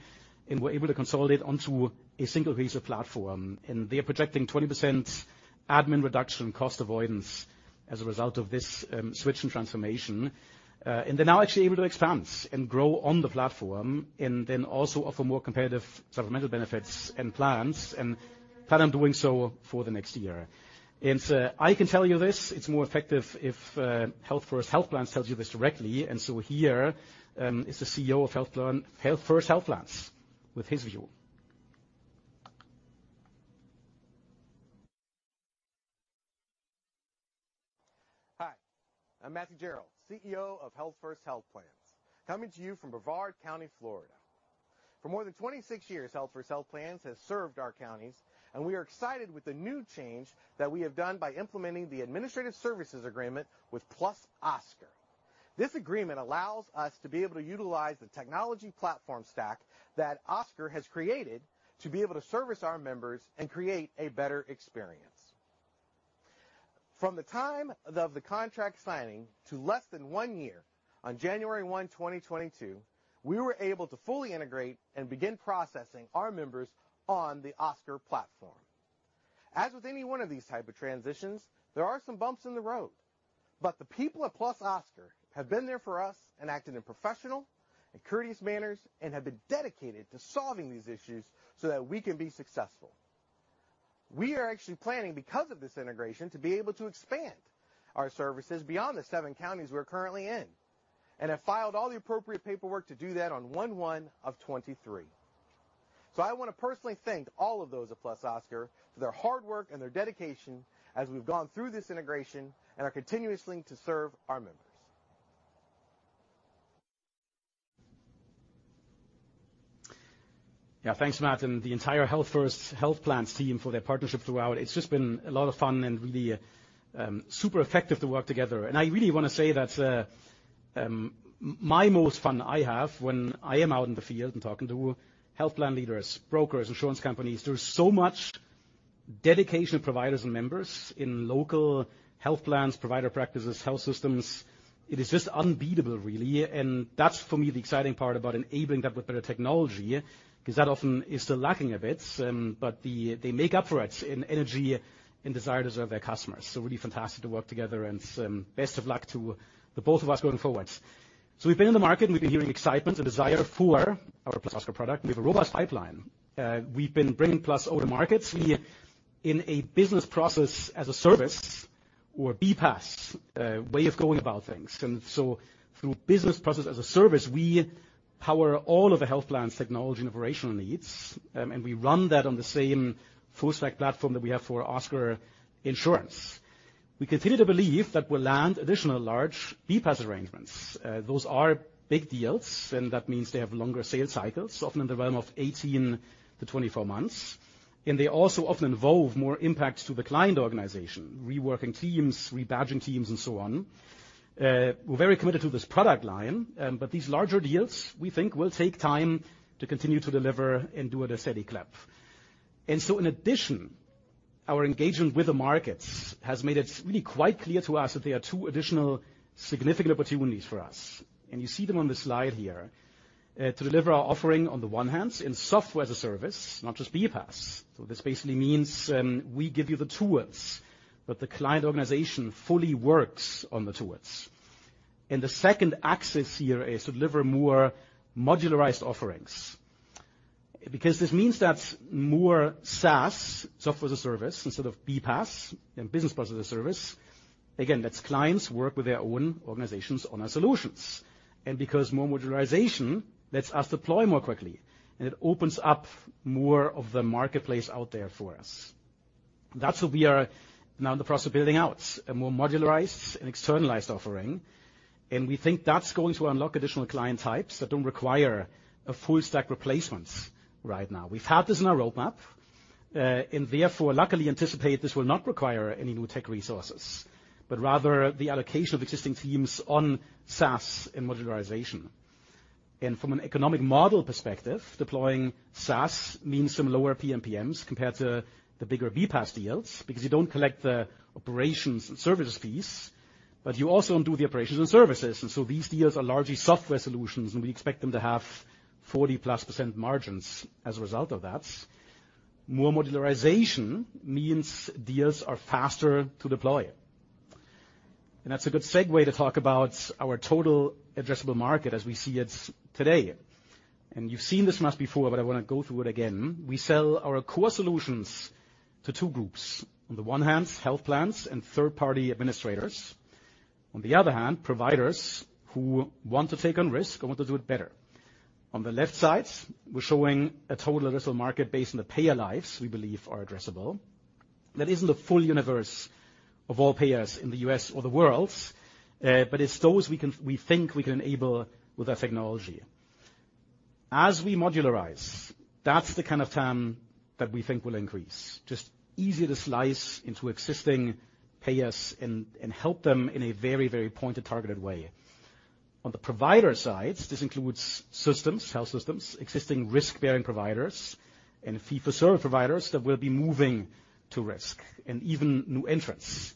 [SPEAKER 2] and were able to consolidate onto a single piece of platform, and they're projecting 20% admin reduction cost avoidance as a result of this switch and transformation. They're now actually able to expand and grow on the platform and then also offer more competitive supplemental benefits and plans and plan on doing so for the next year. I can tell you this, it's more effective if Health First Health Plans tells you this directly. Here is the CEO of Health First Health Plans with his view.
[SPEAKER 6] Hi, I'm Matthew Gerrell, CEO of Health First Health Plans, coming to you from Brevard County, Florida. For more than 26 years, Health First Health Plans has served our counties, and we are excited with the new change that we have done by implementing the administrative services agreement with +Oscar. This agreement allows us to be able to utilize the technology platform stack that Oscar has created to be able to service our members and create a better experience. From the time of the contract signing to less than 1 year, on January 1, 2022, we were able to fully integrate and begin processing our members on the Oscar platform. As with any one of these type of transitions, there are some bumps in the road, but the people at +Oscar have been there for us and acted in professional and courteous manners and have been dedicated to solving these issues so that we can be successful. We are actually planning, because of this integration, to be able to expand our services beyond the seven counties we're currently in and have filed all the appropriate paperwork to do that on 1/1/2023. I want to personally thank all of those at +Oscar for their hard work and their dedication as we've gone through this integration and are continuously to serve our members.
[SPEAKER 2] Yeah. Thanks, Matt, and the entire Health First Health Plans team for their partnership throughout. It's just been a lot of fun and really super effective to work together. I really wanna say that my most fun I have when I am out in the field and talking to health plan leaders, brokers, insurance companies. There is so much dedication to providers and members in local health plans, provider practices, health systems. It is just unbeatable, really. That's for me the exciting part about enabling that with better technology, cause that often is still lacking a bit, but they make up for it in energy and desire to serve their customers. Really fantastic to work together and best of luck to both of us going forwards. We've been in the market, and we've been hearing excitement and desire for our +Oscar product. We have a robust pipeline. We've been bringing +Oscar over markets. In a business process as a service or a BPaaS way of going about things. Through business process as a service, we power all of the health plans technology and operational needs, and we run that on the same full stack platform that we have for Oscar Insurance. We continue to believe that we'll land additional large BPaaS arrangements. Those are big deals, and that means they have longer sales cycles, often in the realm of 18 to 24 months. They also often involve more impact to the client organization, reworking teams, rebadging teams, and so on. We're very committed to this product line, but these larger deals, we think, will take time to continue to deliver and do at a steady clip. In addition, our engagement with the markets has made it really quite clear to us that there are two additional significant opportunities for us, and you see them on the slide here to deliver our offering on the one hand in software as a service, not just BPaaS. This basically means, we give you the tools, but the client organization fully works on the tools. The second axis here is to deliver more modularized offerings. Because this means that more SaaS, software as a service, instead of BPaaS, and business process as a service. Again, lets clients work with their own organizations on our solutions. Because more modularization lets us deploy more quickly, and it opens up more of the marketplace out there for us. That's what we are now in the process of building out, a more modularized and externalized offering. We think that's going to unlock additional client types that don't require a full stack replacement right now. We've had this in our roadmap, and therefore luckily anticipate this will not require any new tech resources, but rather the allocation of existing teams on SaaS and modularization. From an economic model perspective, deploying SaaS means some lower PMPMs compared to the bigger BPaaS deals because you don't collect the operations and services fees, but you also don't do the operations and services. These deals are largely software solutions, and we expect them to have 40%+ margins as a result of that. More modularization means deals are faster to deploy. That's a good segue to talk about our total addressable market as we see it today. You've seen this much before, but I wanna go through it again. We sell our core solutions to two groups. On the one hand, health plans and third-party administrators. On the other hand, providers who want to take on risk and want to do it better. On the left side, we're showing a total addressable market based on the payer lives we believe are addressable. That isn't the full universe of all payers in the U.S. or the world, but it's those we think we can enable with our technology. As we modularize, that's the kind of TAM that we think will increase. Just easier to slice into existing payers and help them in a very, very pointed, targeted way. On the provider side, this includes systems, health systems, existing risk-bearing providers, and fee-for-service providers that will be moving to risk and even new entrants.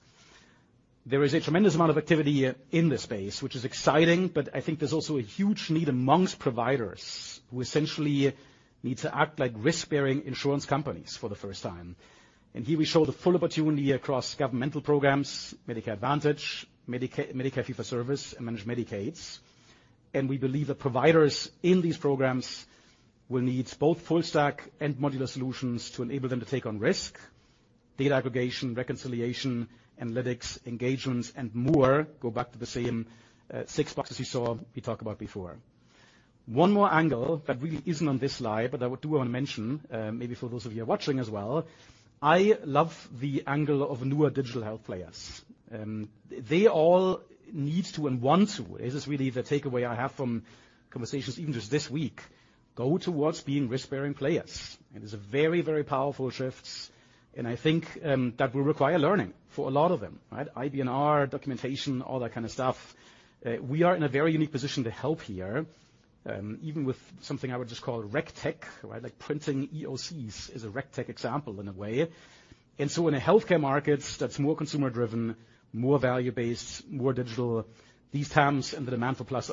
[SPEAKER 2] There is a tremendous amount of activity in this space, which is exciting, but I think there's also a huge need amongst providers who essentially need to act like risk-bearing insurance companies for the first time. Here we show the full opportunity across governmental programs, Medicare Advantage, Medicare fee-for-service, and Managed Medicaid. We believe the providers in these programs will need both full stack and modular solutions to enable them to take on risk, data aggregation, reconciliation, analytics, engagements, and more. Go back to the same, six boxes you saw me talk about before. One more angle that really isn't on this slide, but I do wanna mention, maybe for those of you watching as well, I love the angle of newer digital health players. They all need to and want to, this is really the takeaway I have from conversations even just this week, go towards being risk-bearing players. There's a very, very powerful shift. I think that will require learning for a lot of them, right? IBNR, documentation, all that kind of stuff. We are in a very unique position to help here, even with something I would just call RegTech, right? Like printing EOCs is a RegTech example in a way. In a healthcare market that's more consumer-driven, more value-based, more digital, these terms and the demand for +Oscar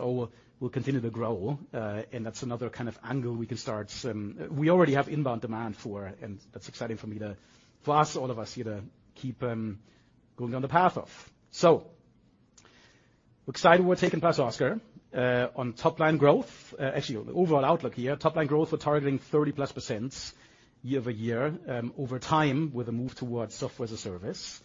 [SPEAKER 2] will continue to grow. That's another kind of angle we can start. We already have inbound demand for, and that's exciting for us, all of us here to keep going down the path of. Excited we're taking +Oscar on top-line growth. Actually, overall outlook here. Top-line growth, we're targeting 30%+ year-over-year over time with a move towards software as a service.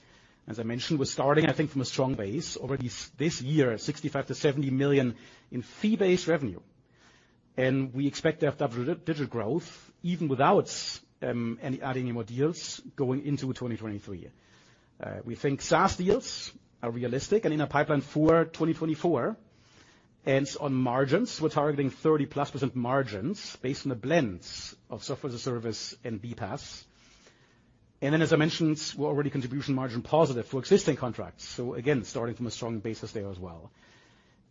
[SPEAKER 2] As I mentioned, we're starting, I think, from a strong base. Already this year, $65 million to $70 million in fee-based revenue. We expect to have double-digit growth even without adding any more deals going into 2023. We think SaaS deals are realistic and in our pipeline for 2024. On margins, we're targeting 30%+ margins based on the blends of software as a service and BPaaS. As I mentioned, we're already contribution margin positive for existing contracts. Again, starting from a strong basis there as well.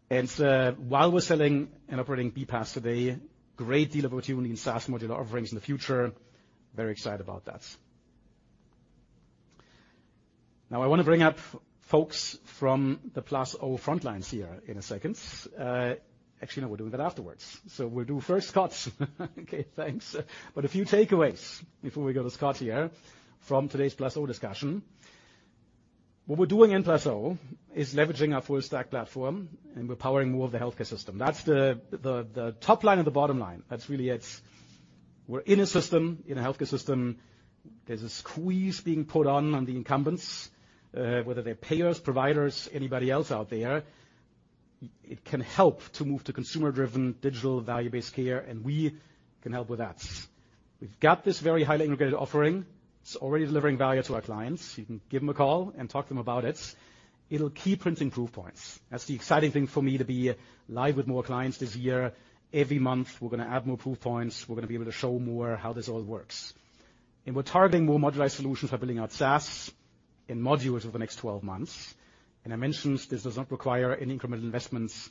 [SPEAKER 2] While we're selling and operating BPaaS today, great deal of opportunity in SaaS modular offerings in the future. Very excited about that. Now, I want to bring up folks from the plus O front lines here in a second. Actually, no, we're doing that afterwards. We'll do first Scott. Okay, thanks. A few takeaways before we go to Scott here from today's plus O discussion. What we're doing in plus O is leveraging our full stack platform, and we're powering more of the healthcare system. That's the top line and the bottom line. That's really it. We're in a system, in a healthcare system. There's a squeeze being put on the incumbents, whether they're payers, providers, anybody else out there. It can help to move to consumer driven digital value-based care, and we can help with that. We've got this very highly integrated offering. It's already delivering value to our clients. You can give them a call and talk to them about it. It'll keep printing proof points. That's the exciting thing for me to be live with more clients this year. Every month, we're going to add more proof points. We're going to be able to show more how this all works. We're targeting more modularized solutions for building out SaaS in modules over the next 12 months. I mentioned this does not require any incremental investments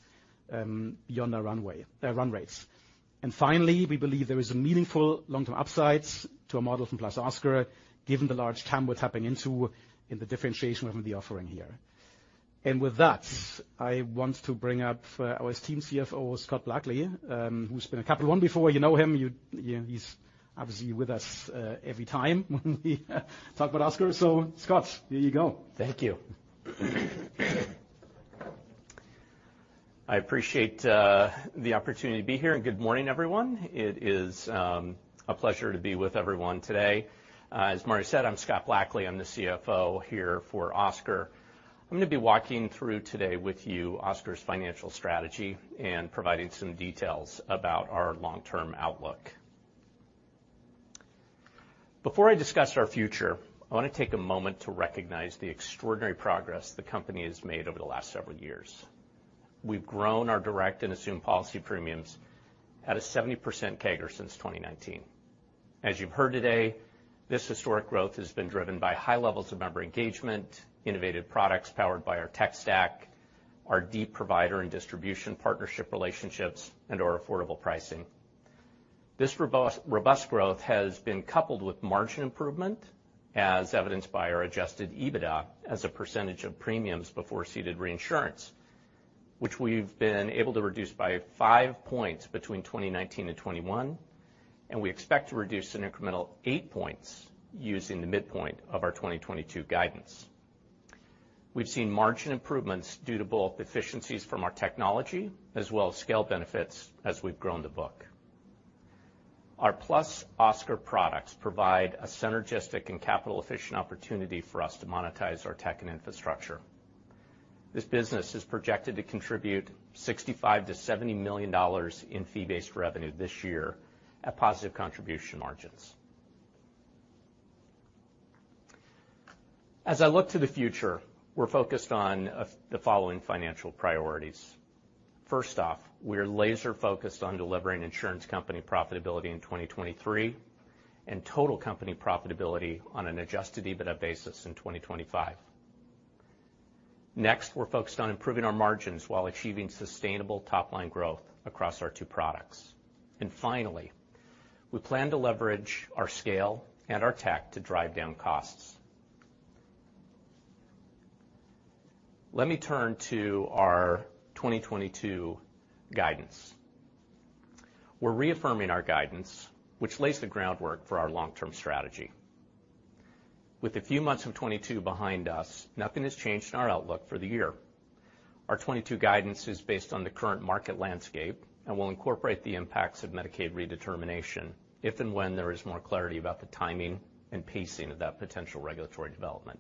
[SPEAKER 2] beyond our runway, run rates. Finally, we believe there is a meaningful long-term upside to our model from plus Oscar, given the large TAM we're tapping into in the differentiation of the offering here. With that, I want to bring up our esteemed CFO, Scott Blackley, who's been at Capital One before. You know him. He's obviously with us every time when we talk about Oscar. Scott, here you go.
[SPEAKER 5] Thank you. I appreciate the opportunity to be here, and good morning, everyone. It is a pleasure to be with everyone today. As Mario said, I'm Scott Blackley, I'm the CFO here for Oscar. I'm going to be walking through today with you Oscar's financial strategy and providing some details about our long-term outlook. Before I discuss our future, I want to take a moment to recognize the extraordinary progress the company has made over the last several years. We've grown our direct and assumed policy premiums at a 70% CAGR since 2019. As you've heard today, this historic growth has been driven by high levels of member engagement, innovative products powered by our tech stack, our deep provider and distribution partnership relationships and our affordable pricing. This robust growth has been coupled with margin improvement as evidenced by our Adjusted EBITDA as a percentage of premiums before ceded reinsurance, which we've been able to reduce by 5 points between 2019 and 2021, and we expect to reduce an incremental 8 points using the midpoint of our 2022 guidance. We've seen margin improvements due to both efficiencies from our technology as well as scale benefits as we've grown the book. Our +Oscar products provide a synergistic and capital efficient opportunity for us to monetize our tech and infrastructure. This business is projected to contribute $65 million to $70 million in fee-based revenue this year at positive contribution margins. As I look to the future, we're focused on the following financial priorities. First off, we are laser focused on delivering insurance company profitability in 2023 and total company profitability on an adjusted EBITDA basis in 2025. Next, we're focused on improving our margins while achieving sustainable top-line growth across our two products. Finally, we plan to leverage our scale and our tech to drive down costs. Let me turn to our 2022 guidance. We're reaffirming our guidance, which lays the groundwork for our long-term strategy. With a few months of 2022 behind us, nothing has changed in our outlook for the year. Our 2022 guidance is based on the current market landscape and will incorporate the impacts of Medicaid redetermination if and when there is more clarity about the timing and pacing of that potential regulatory development.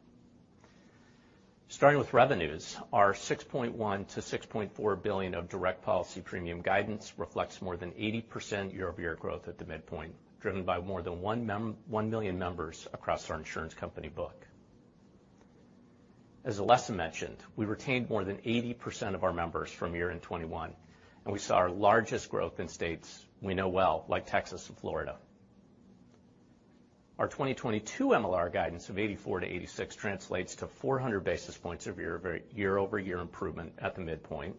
[SPEAKER 5] Starting with revenues, our $6.1 billion to $6.4 billion of direct policy premium guidance reflects more than 80% year-over-year growth at the midpoint, driven by more than 1 million members across our insurance company book. Alessa mentioned, we retained more than 80% of our members from year-end 2021, and we saw our largest growth in states we know well, like Texas and Florida. Our 2022 MLR guidance of 84% to 86% translates to 400 basis points of year-over-year improvement at the midpoint,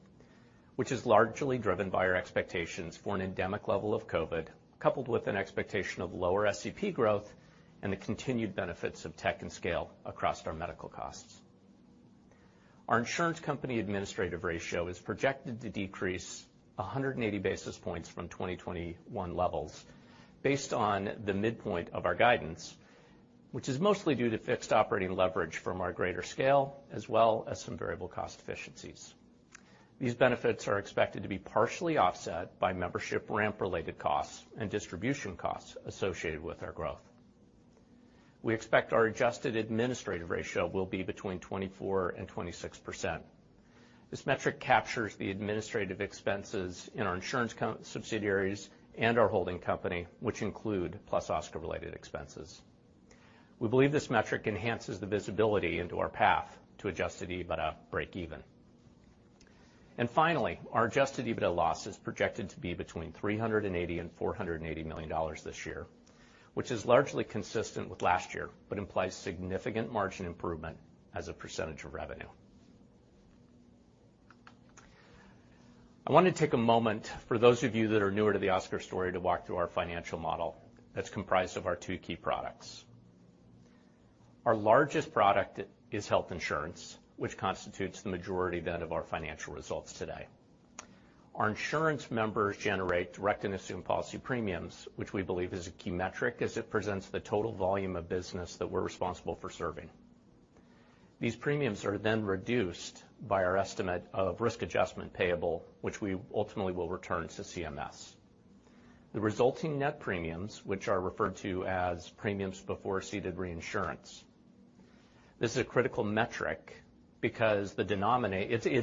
[SPEAKER 5] which is largely driven by our expectations for an endemic level of COVID, coupled with an expectation of lower SEP growth and the continued benefits of tech and scale across our medical costs. Our InsuranceCo administrative ratio is projected to decrease 180 basis points from 2021 levels based on the midpoint of our guidance, which is mostly due to fixed operating leverage from our greater scale as well as some variable cost efficiencies. These benefits are expected to be partially offset by membership ramp related costs and distribution costs associated with our growth. We expect our adjusted administrative ratio will be between 24% and 26%. This metric captures the administrative expenses in our InsuranceCo subsidiaries and our holding company, which include +Oscar related expenses. We believe this metric enhances the visibility into our path to Adjusted EBITDA breakeven. Finally, our Adjusted EBITDA loss is projected to be between $380 million and $480 million this year, which is largely consistent with last year, but implies significant margin improvement as a percentage of revenue. I want to take a moment for those of you that are newer to the Oscar story to walk through our financial model that's comprised of our two key products. Our largest product is health insurance, which constitutes the majority then of our financial results today. Our insurance members generate direct and assumed policy premiums, which we believe is a key metric as it presents the total volume of business that we're responsible for serving. These premiums are then reduced by our estimate of risk adjustment payable, which we ultimately will return to CMS. The resulting net premiums, which are referred to as premiums before ceded reinsurance. This is a critical metric because it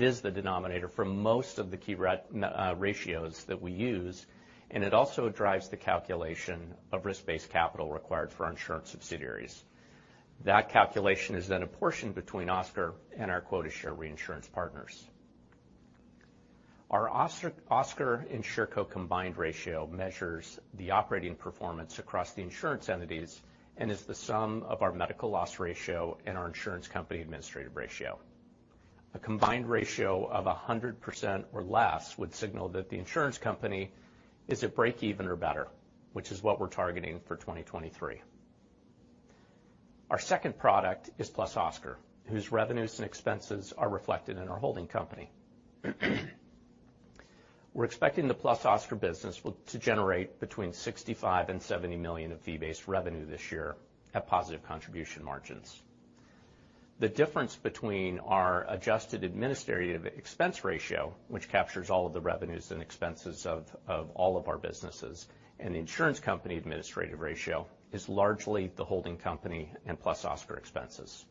[SPEAKER 5] is the denominator for most of the key ratios that we use, and it also drives the calculation of risk-based capital required for our insurance subsidiaries. That calculation is then a portion between Oscar and our quota share reinsurance partners. Our Oscar InsuranceCo combined ratio measures the operating performance across the insurance entities and is the sum of our medical loss ratio and our insurance company administrative ratio. A combined ratio of 100% or less would signal that the insurance company is at breakeven or better, which is what we're targeting for 2023. Our second product is +Oscar, whose revenues and expenses are reflected in our holding company. We're expecting the +Oscar business to generate between $65 million and $70 million of fee-based revenue this year at positive contribution margins. The difference between our adjusted administrative expense ratio, which captures all of the revenues and expenses of all of our businesses and the insurance company administrative ratio is largely the holding company and +Oscar expenses.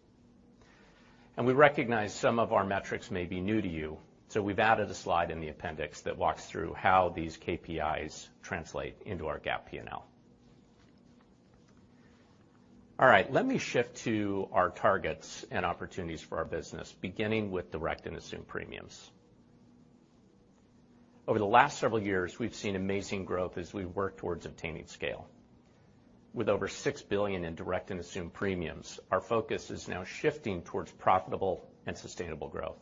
[SPEAKER 5] We recognize some of our metrics may be new to you, so we've added a slide in the appendix that walks through how these KPIs translate into our GAAP P&L. All right, let me shift to our targets and opportunities for our business, beginning with direct and assumed premiums. Over the last several years, we've seen amazing growth as we work towards obtaining scale. With over $6 billion in direct and assumed premiums, our focus is now shifting towards profitable and sustainable growth.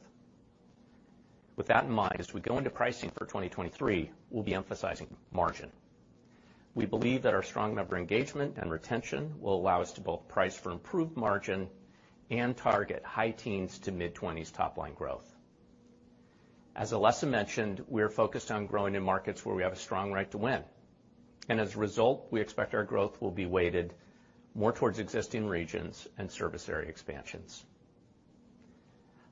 [SPEAKER 5] With that in mind, as we go into pricing for 2023, we'll be emphasizing margin. We believe that our strong member engagement and retention will allow us to both price for improved margin and target high teens% to mid-20s% top line growth. As Alessa mentioned, we are focused on growing in markets where we have a strong right to win. As a result, we expect our growth will be weighted more towards existing regions and service area expansions.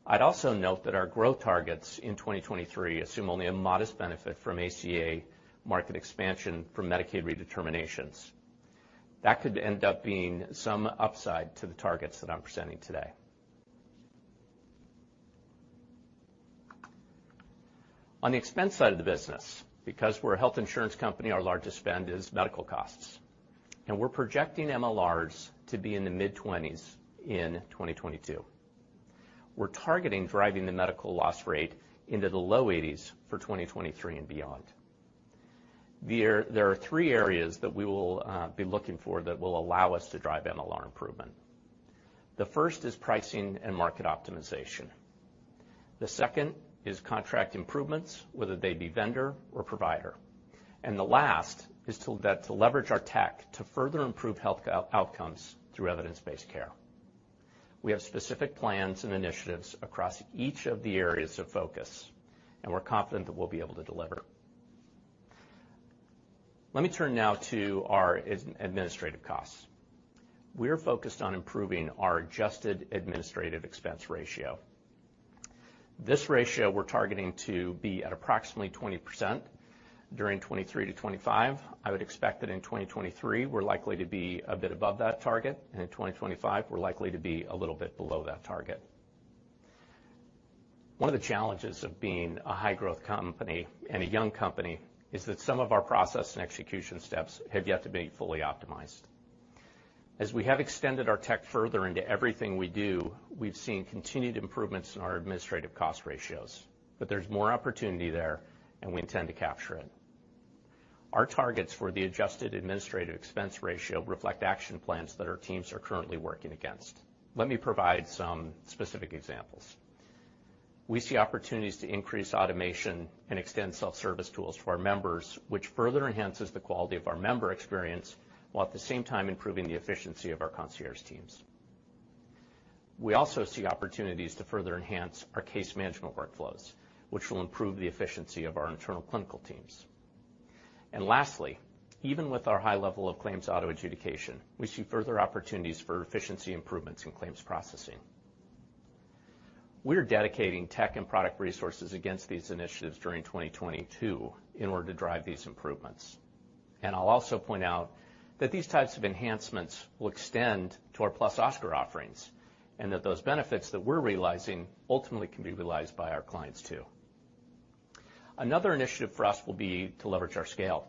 [SPEAKER 5] I'd also note that our growth targets in 2023 assume only a modest benefit from ACA market expansion for Medicaid redeterminations. That could end up being some upside to the targets that I'm presenting today. On the expense side of the business, because we're a health insurance company, our largest spend is medical costs, and we're projecting MLRs to be in the mid-80s% in 2022. We're targeting driving the medical loss rate into the low 80s% for 2023 and beyond. There are three areas that we will be looking for that will allow us to drive MLR improvement. The first is pricing and market optimization. The second is contract improvements, whether they be vendor or provider. The last is to leverage our tech to further improve health outcomes through evidence-based care. We have specific plans and initiatives across each of the areas of focus, and we're confident that we'll be able to deliver. Let me turn now to our administrative costs. We are focused on improving our adjusted administrative expense ratio. This ratio we're targeting to be at approximately 20% during 2023 to 2025. I would expect that in 2023, we're likely to be a bit above that target, and in 2025, we're likely to be a little bit below that target. One of the challenges of being a high growth company and a young company is that some of our process and execution steps have yet to be fully optimized. As we have extended our tech further into everything we do, we've seen continued improvements in our administrative cost ratios, but there's more opportunity there, and we intend to capture it. Our targets for the adjusted administrative expense ratio reflect action plans that our teams are currently working against. Let me provide some specific examples. We see opportunities to increase automation and extend self-service tools to our members, which further enhances the quality of our member experience, while at the same time improving the efficiency of our concierge teams. We also see opportunities to further enhance our case management workflows, which will improve the efficiency of our internal clinical teams. Lastly, even with our high level of claims auto adjudication, we see further opportunities for efficiency improvements in claims processing. We're dedicating tech and product resources against these initiatives during 2022 in order to drive these improvements. I'll also point out that these types of enhancements will extend to our +Oscar offerings, and that those benefits that we're realizing ultimately can be realized by our clients too. Another initiative for us will be to leverage our scale.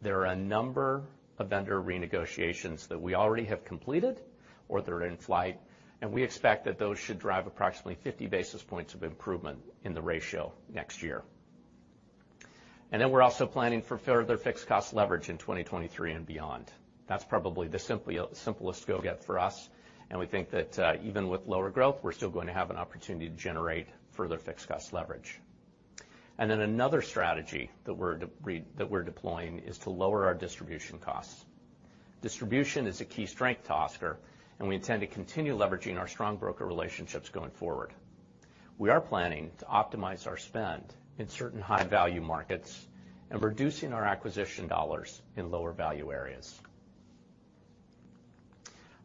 [SPEAKER 5] There are a number of vendor renegotiations that we already have completed or that are in flight, and we expect that those should drive approximately 50 basis points of improvement in the ratio next year. We're also planning for further fixed cost leverage in 2023 and beyond. That's probably the simplest go get for us, and we think that, even with lower growth, we're still going to have an opportunity to generate further fixed cost leverage. Another strategy that we're deploying is to lower our distribution costs. Distribution is a key strength to Oscar, and we intend to continue leveraging our strong broker relationships going forward. We are planning to optimize our spend in certain high value markets and reducing our acquisition dollars in lower value areas.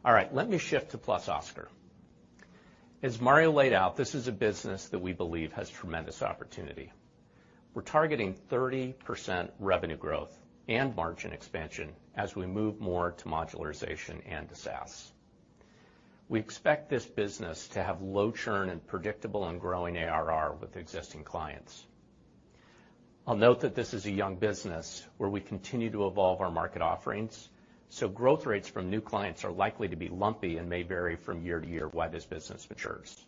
[SPEAKER 5] All right. Let me shift to +Oscar. As Mario laid out, this is a business that we believe has tremendous opportunity. We're targeting 30% revenue growth and margin expansion as we move more to modularization and to SaaS. We expect this business to have low churn and predictable and growing ARR with existing clients. I'll note that this is a young business where we continue to evolve our market offerings, so growth rates from new clients are likely to be lumpy and may vary from year to year while this business matures.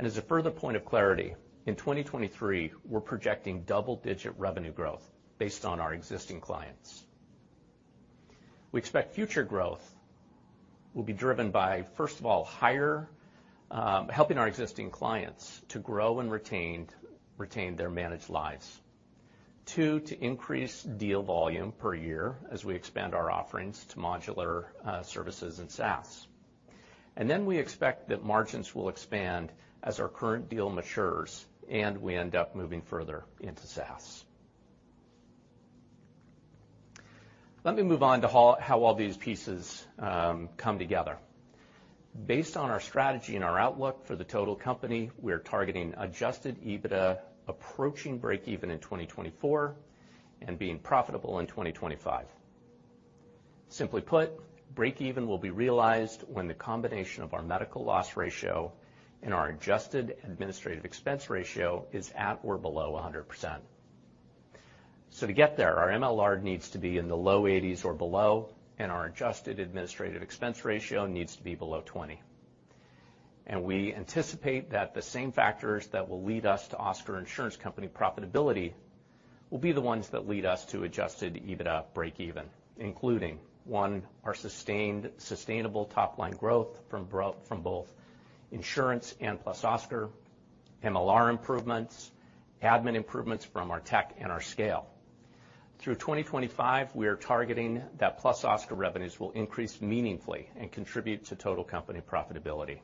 [SPEAKER 5] As a further point of clarity, in 2023, we're projecting double-digit revenue growth based on our existing clients. We expect future growth will be driven by, first of all, higher, helping our existing clients to grow and retain their managed lives. Two, to increase deal volume per year as we expand our offerings to modular, services and SaaS. We expect that margins will expand as our current deal matures and we end up moving further into SaaS. Let me move on to how all these pieces come together. Based on our strategy and our outlook for the total company, we're targeting Adjusted EBITDA approaching breakeven in 2024 and being profitable in 2025. Simply put, breakeven will be realized when the combination of our medical loss ratio and our adjusted administrative expense ratio is at or below 100%. To get there, our MLR needs to be in the low 80s or below, and our adjusted administrative expense ratio needs to be below 20. We anticipate that the same factors that will lead us to Oscar InsuranceCo profitability will be the ones that lead us to Adjusted EBITDA breakeven, including 1, our sustained sustainable top-line growth from both insurance and +Oscar, MLR improvements, admin improvements from our tech and our scale. Through 2025, we are targeting that +Oscar revenues will increase meaningfully and contribute to total company profitability.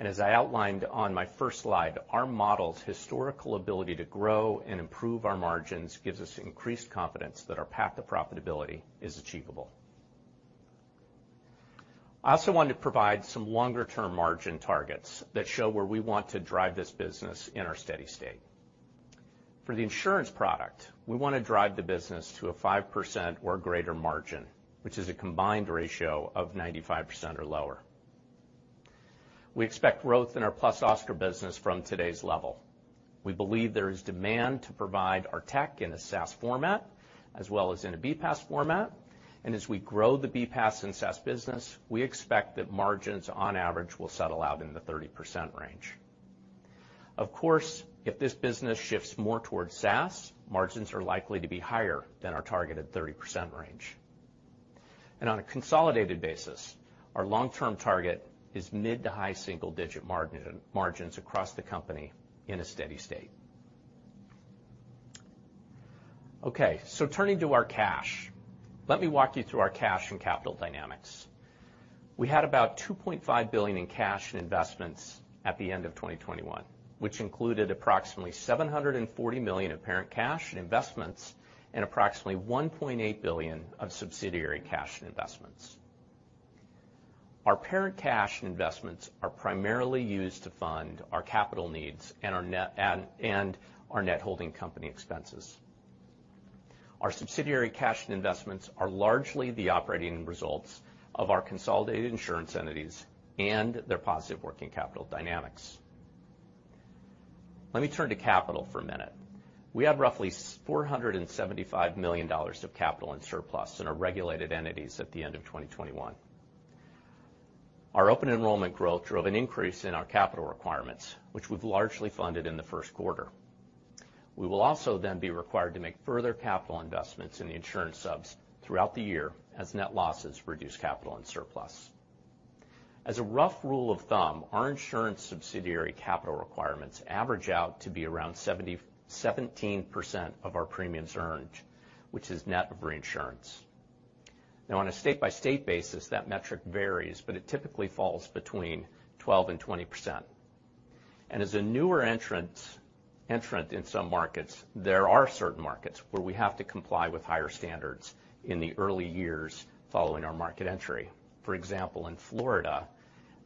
[SPEAKER 5] As I outlined on my first slide, our model's historical ability to grow and improve our margins gives us increased confidence that our path to profitability is achievable. I also want to provide some longer-term margin targets that show where we want to drive this business in our steady state. For the insurance product, we wanna drive the business to a 5% or greater margin, which is a combined ratio of 95% or lower. We expect growth in our +Oscar business from today's level. We believe there is demand to provide our tech in a SaaS format as well as in a BPaaS format. As we grow the BPaaS and SaaS business, we expect that margins on average will settle out in the 30% range. Of course, if this business shifts more towards SaaS, margins are likely to be higher than our targeted 30% range. On a consolidated basis, our long-term target is mid- to high-single-digit margins across the company in a steady state. Okay, turning to our cash, let me walk you through our cash and capital dynamics. We had about $2.5 billion in cash and investments at the end of 2021, which included approximately $740 million of parent cash and investments and approximately $1.8 billion of subsidiary cash and investments. Our parent cash and investments are primarily used to fund our capital needs and our net holding company expenses. Our subsidiary cash and investments are largely the operating results of our consolidated insurance entities and their positive working capital dynamics. Let me turn to capital for a minute. We have roughly $475 million of capital and surplus in our regulated entities at the end of 2021. Our open enrollment growth drove an increase in our capital requirements, which we've largely funded in the first quarter. We will also then be required to make further capital investments in the insurance subs throughout the year as net losses reduce capital and surplus. As a rough rule of thumb, our insurance subsidiary capital requirements average out to be around 17% of our premiums earned, which is net of reinsurance. Now, on a state-by-state basis, that metric varies, but it typically falls between 12% and 20%. As a newer entrant in some markets, there are certain markets where we have to comply with higher standards in the early years following our market entry. For example, in Florida,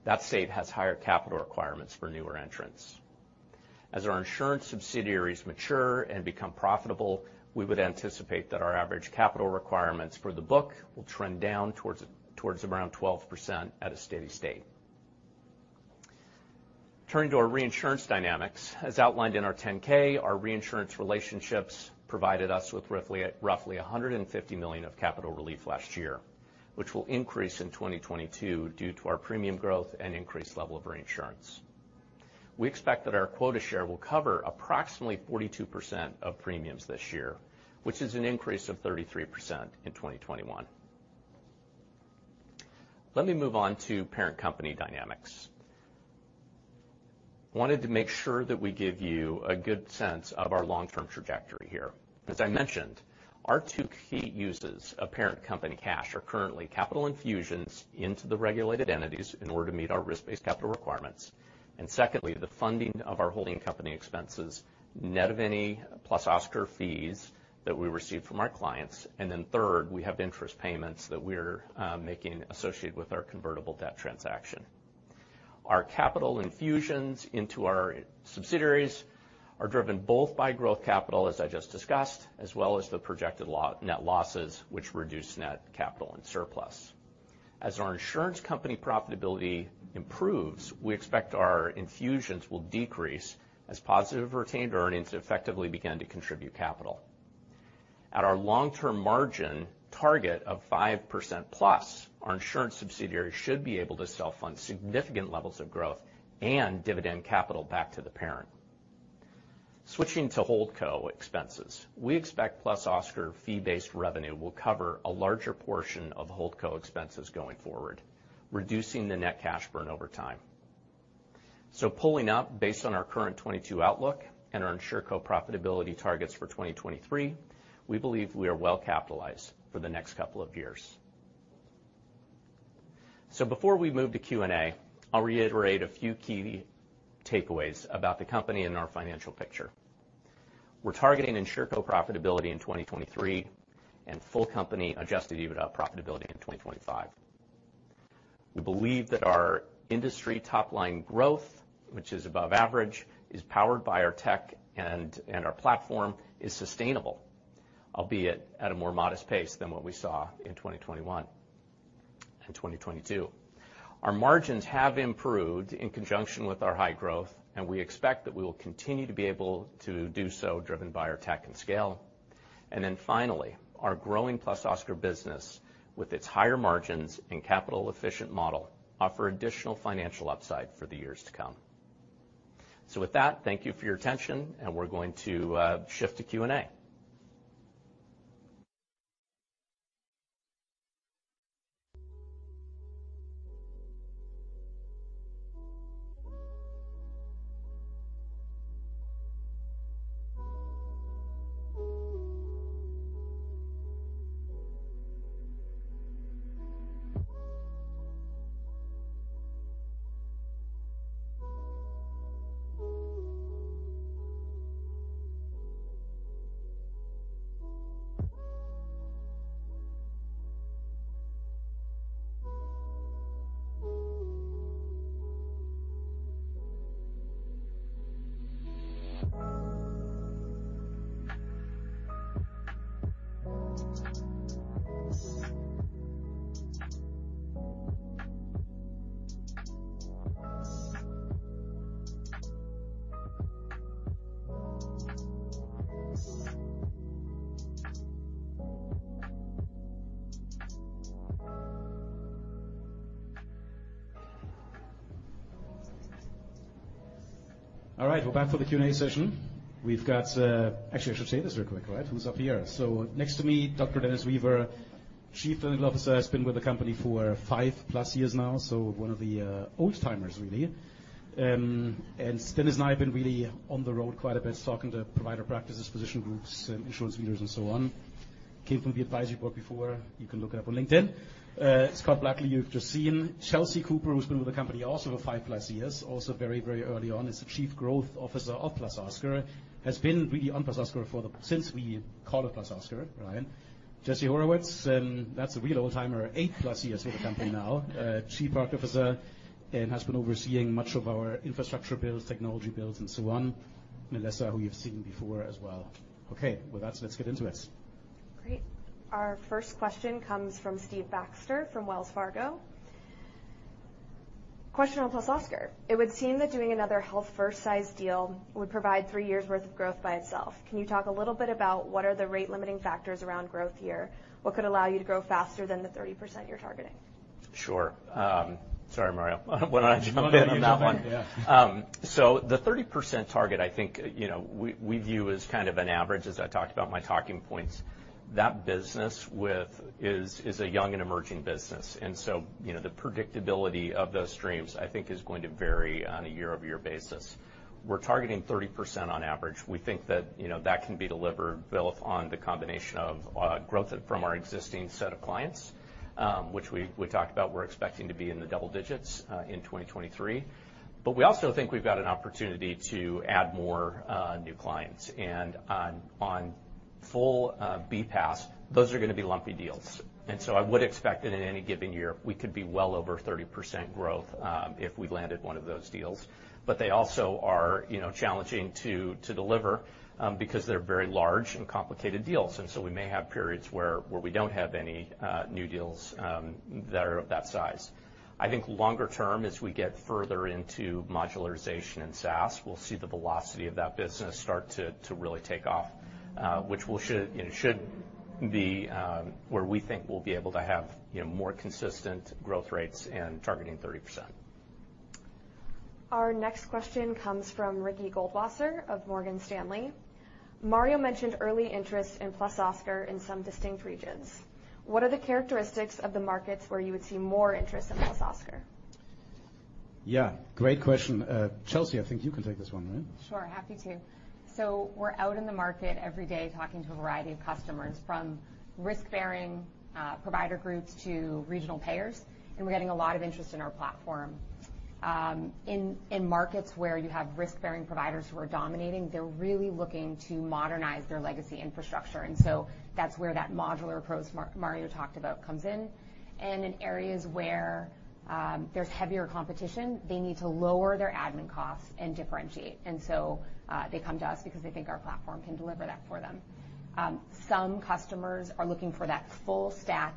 [SPEAKER 5] that state has higher capital requirements for newer entrants. As our insurance subsidiaries mature and become profitable, we would anticipate that our average capital requirements for the book will trend down towards around 12% at a steady state. Turning to our reinsurance dynamics. As outlined in our 10-K, our reinsurance relationships provided us with roughly $150 million of capital relief last year, which will increase in 2022 due to our premium growth and increased level of reinsurance. We expect that our quota share will cover approximately 42% of premiums this year, which is an increase of 33% in 2021. Let me move on to parent company dynamics. Wanted to make sure that we give you a good sense of our long-term trajectory here. As I mentioned, our two key uses of parent company cash are currently capital infusions into the regulated entities in order to meet our risk-based capital requirements. Secondly, the funding of our holding company expenses, net of any +Oscar fees that we receive from our clients. Third, we have interest payments that we're making associated with our convertible debt transaction. Our capital infusions into our subsidiaries are driven both by growth capital, as I just discussed, as well as the projected net losses, which reduce net capital and surplus. As our insurance company profitability improves, we expect our infusions will decrease as positive retained earnings effectively begin to contribute capital. At our long-term margin target of 5%+, our insurance subsidiary should be able to self-fund significant levels of growth and dividend capital back to the parent. Switching to Holdco expenses. We expect +Oscar fee-based revenue will cover a larger portion of Holdco expenses going forward, reducing the net cash burn over time. Pulling up based on our current 2022 outlook and our InsuranceCo profitability targets for 2023, we believe we are well capitalized for the next couple of years. Before we move to Q&A, I'll reiterate a few key takeaways about the company and our financial picture. We're targeting InsuranceCo profitability in 2023 and full company Adjusted EBITDA profitability in 2025. We believe that our industry top line growth, which is above average, is powered by our tech and our platform is sustainable, albeit at a more modest pace than what we saw in 2021 and 2022. Our margins have improved in conjunction with our high growth, and we expect that we will continue to be able to do so driven by our tech and scale. Then finally, our growing +Oscar business with its higher margins and capital efficient model offer additional financial upside for the years to come. With that, thank you for your attention, and we're going to shift to Q&A.
[SPEAKER 2] All right, we're back for the Q&A session. We've got. Actually, I should say this real quick, right? Who's up here? So next to me, Dr. Dennis Weaver, Chief Medical Officer, has been with the company for 5-plus years now, so one of the old-timers, really. And Dennis and I have been really on the road quite a bit, talking to provider practices, physician groups, insurance leaders, and so on. Came from the Advisory Board before. You can look it up on LinkedIn. Scott Blackley, you've just seen. Chelsea Cooper, who's been with the company also for 5-plus years, also very, very early on, is the Chief Growth Officer of +Oscar, has been really on +Oscar since we called it +Oscar, right? Jesse Horowitz, that's a real old-timer, 8-plus years with the company now. Chief Product Officer and has been overseeing much of our infrastructure builds, technology builds, and so on. Melissa, who you've seen before as well. Okay. With that, let's get into it.
[SPEAKER 1] Great. Our first question comes from Stephen Baxter from Wells Fargo. Question on +Oscar, it would seem that doing another Health First size deal would provide three years' worth of growth by itself. Can you talk a little bit about what are the rate limiting factors around growth here? What could allow you to grow faster than the 30% you're targeting?
[SPEAKER 5] Sure. Sorry, Mario. Why don't I jump in on that one?
[SPEAKER 2] Go ahead, yeah.
[SPEAKER 5] The 30% target, I think, you know, we view as kind of an average as I talked about in my talking points. That business is a young and emerging business. You know, the predictability of those streams, I think is going to vary on a year-over-year basis. We're targeting 30% on average. We think that, you know, that can be delivered both on the combination of growth from our existing set of clients, which we talked about, we're expecting to be in the double digits in 2023. We also think we've got an opportunity to add more new clients. On full BPaaS, those are gonna be lumpy deals. I would expect that in any given year, we could be well over 30% growth, if we landed one of those deals. But they also are, you know, challenging to deliver, because they're very large and complicated deals. We may have periods where we don't have any new deals that are of that size. I think longer term, as we get further into modularization and SaaS, we'll see the velocity of that business start to really take off, which should be where we think we'll be able to have, you know, more consistent growth rates in targeting 30%.
[SPEAKER 1] Our next question comes from Ricky Goldwasser of Morgan Stanley. Mario mentioned early interest in +Oscar in some distinct regions. What are the characteristics of the markets where you would see more interest in +Oscar?
[SPEAKER 2] Yeah, great question. Chelsea, I think you can take this one, right?
[SPEAKER 7] Sure, happy to. We're out in the market every day talking to a variety of customers, from risk-bearing provider groups to regional payers, and we're getting a lot of interest in our platform. In markets where you have risk-bearing providers who are dominating, they're really looking to modernize their legacy infrastructure. That's where that modular approach Mario talked about comes in. In areas where there's heavier competition, they need to lower their admin costs and differentiate. They come to us because they think our platform can deliver that for them. Some customers are looking for that full stack,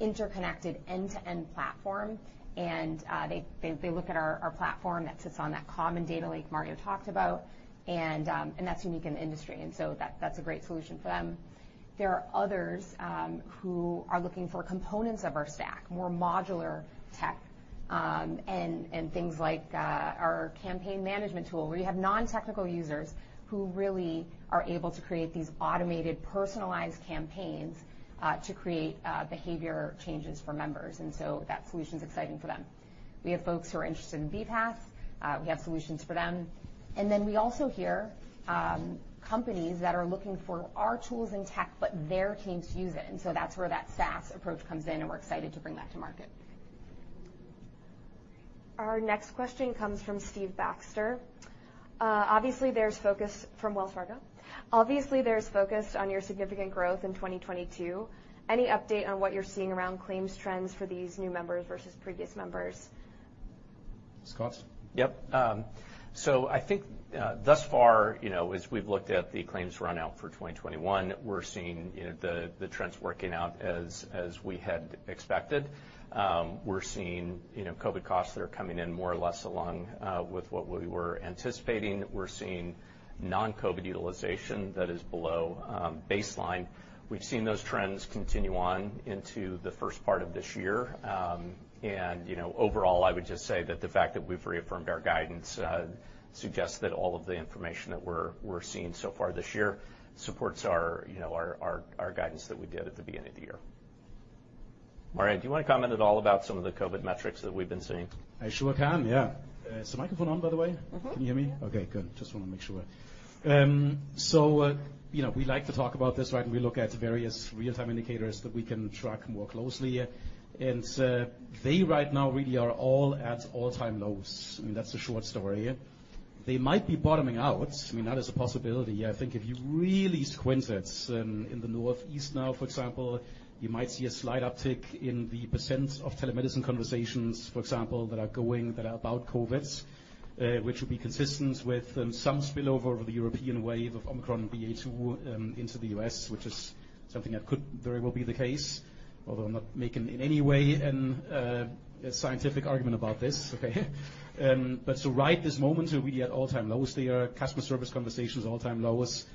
[SPEAKER 7] interconnected end-to-end platform, and they look at our platform that sits on that common data lake Mario talked about, and that's unique in the industry, and that's a great solution for them. There are others who are looking for components of our stack, more modular tech, and things like our campaign management tool, where you have non-technical users who really are able to create these automated, personalized campaigns to create behavior changes for members. That solution's exciting for them. We have folks who are interested in BPaaS, we have solutions for them. We also hear companies that are looking for our tools and tech, but their teams use it. That's where that SaaS approach comes in, and we're excited to bring that to market.
[SPEAKER 1] Our next question comes from Stephen Baxter from Wells Fargo. Obviously, there's focus on your significant growth in 2022. Any update on what you're seeing around claims trends for these new members versus previous members?
[SPEAKER 2] Scott?
[SPEAKER 5] Yep. So I think, thus far, you know, as we've looked at the claims run out for 2021, we're seeing, you know, the trends working out as we had expected. We're seeing, you know, COVID costs that are coming in more or less along with what we were anticipating. We're seeing non-COVID utilization that is below baseline. We've seen those trends continue on into the first part of this year. And, you know, overall, I would just say that the fact that we've reaffirmed our guidance suggests that all of the information that we're seeing so far this year supports our, you know, our guidance that we did at the beginning of the year. Mario, do you wanna comment at all about some of the COVID metrics that we've been seeing?
[SPEAKER 2] I sure can, yeah. Is the microphone on, by the way?
[SPEAKER 1] Mm-hmm.
[SPEAKER 2] Can you hear me? Okay, good. Just wanna make sure. So, you know, we like to talk about this, right? We look at various real-time indicators that we can track more closely. They right now really are all at all-time lows. I mean, that's the short story. They might be bottoming out. I mean, that is a possibility. I think if you really squint it, in the Northeast now, for example, you might see a slight uptick in the % of telemedicine conversations, for example, that are going, that are about COVID, which would be consistent with, some spillover of the European wave of Omicron BA.2, into the U.S., which is something that could very well be the case, although I'm not making in any way a scientific argument about this. Okay. Right this moment, we're really at all-time lows there. Customer service conversations, all-time lows.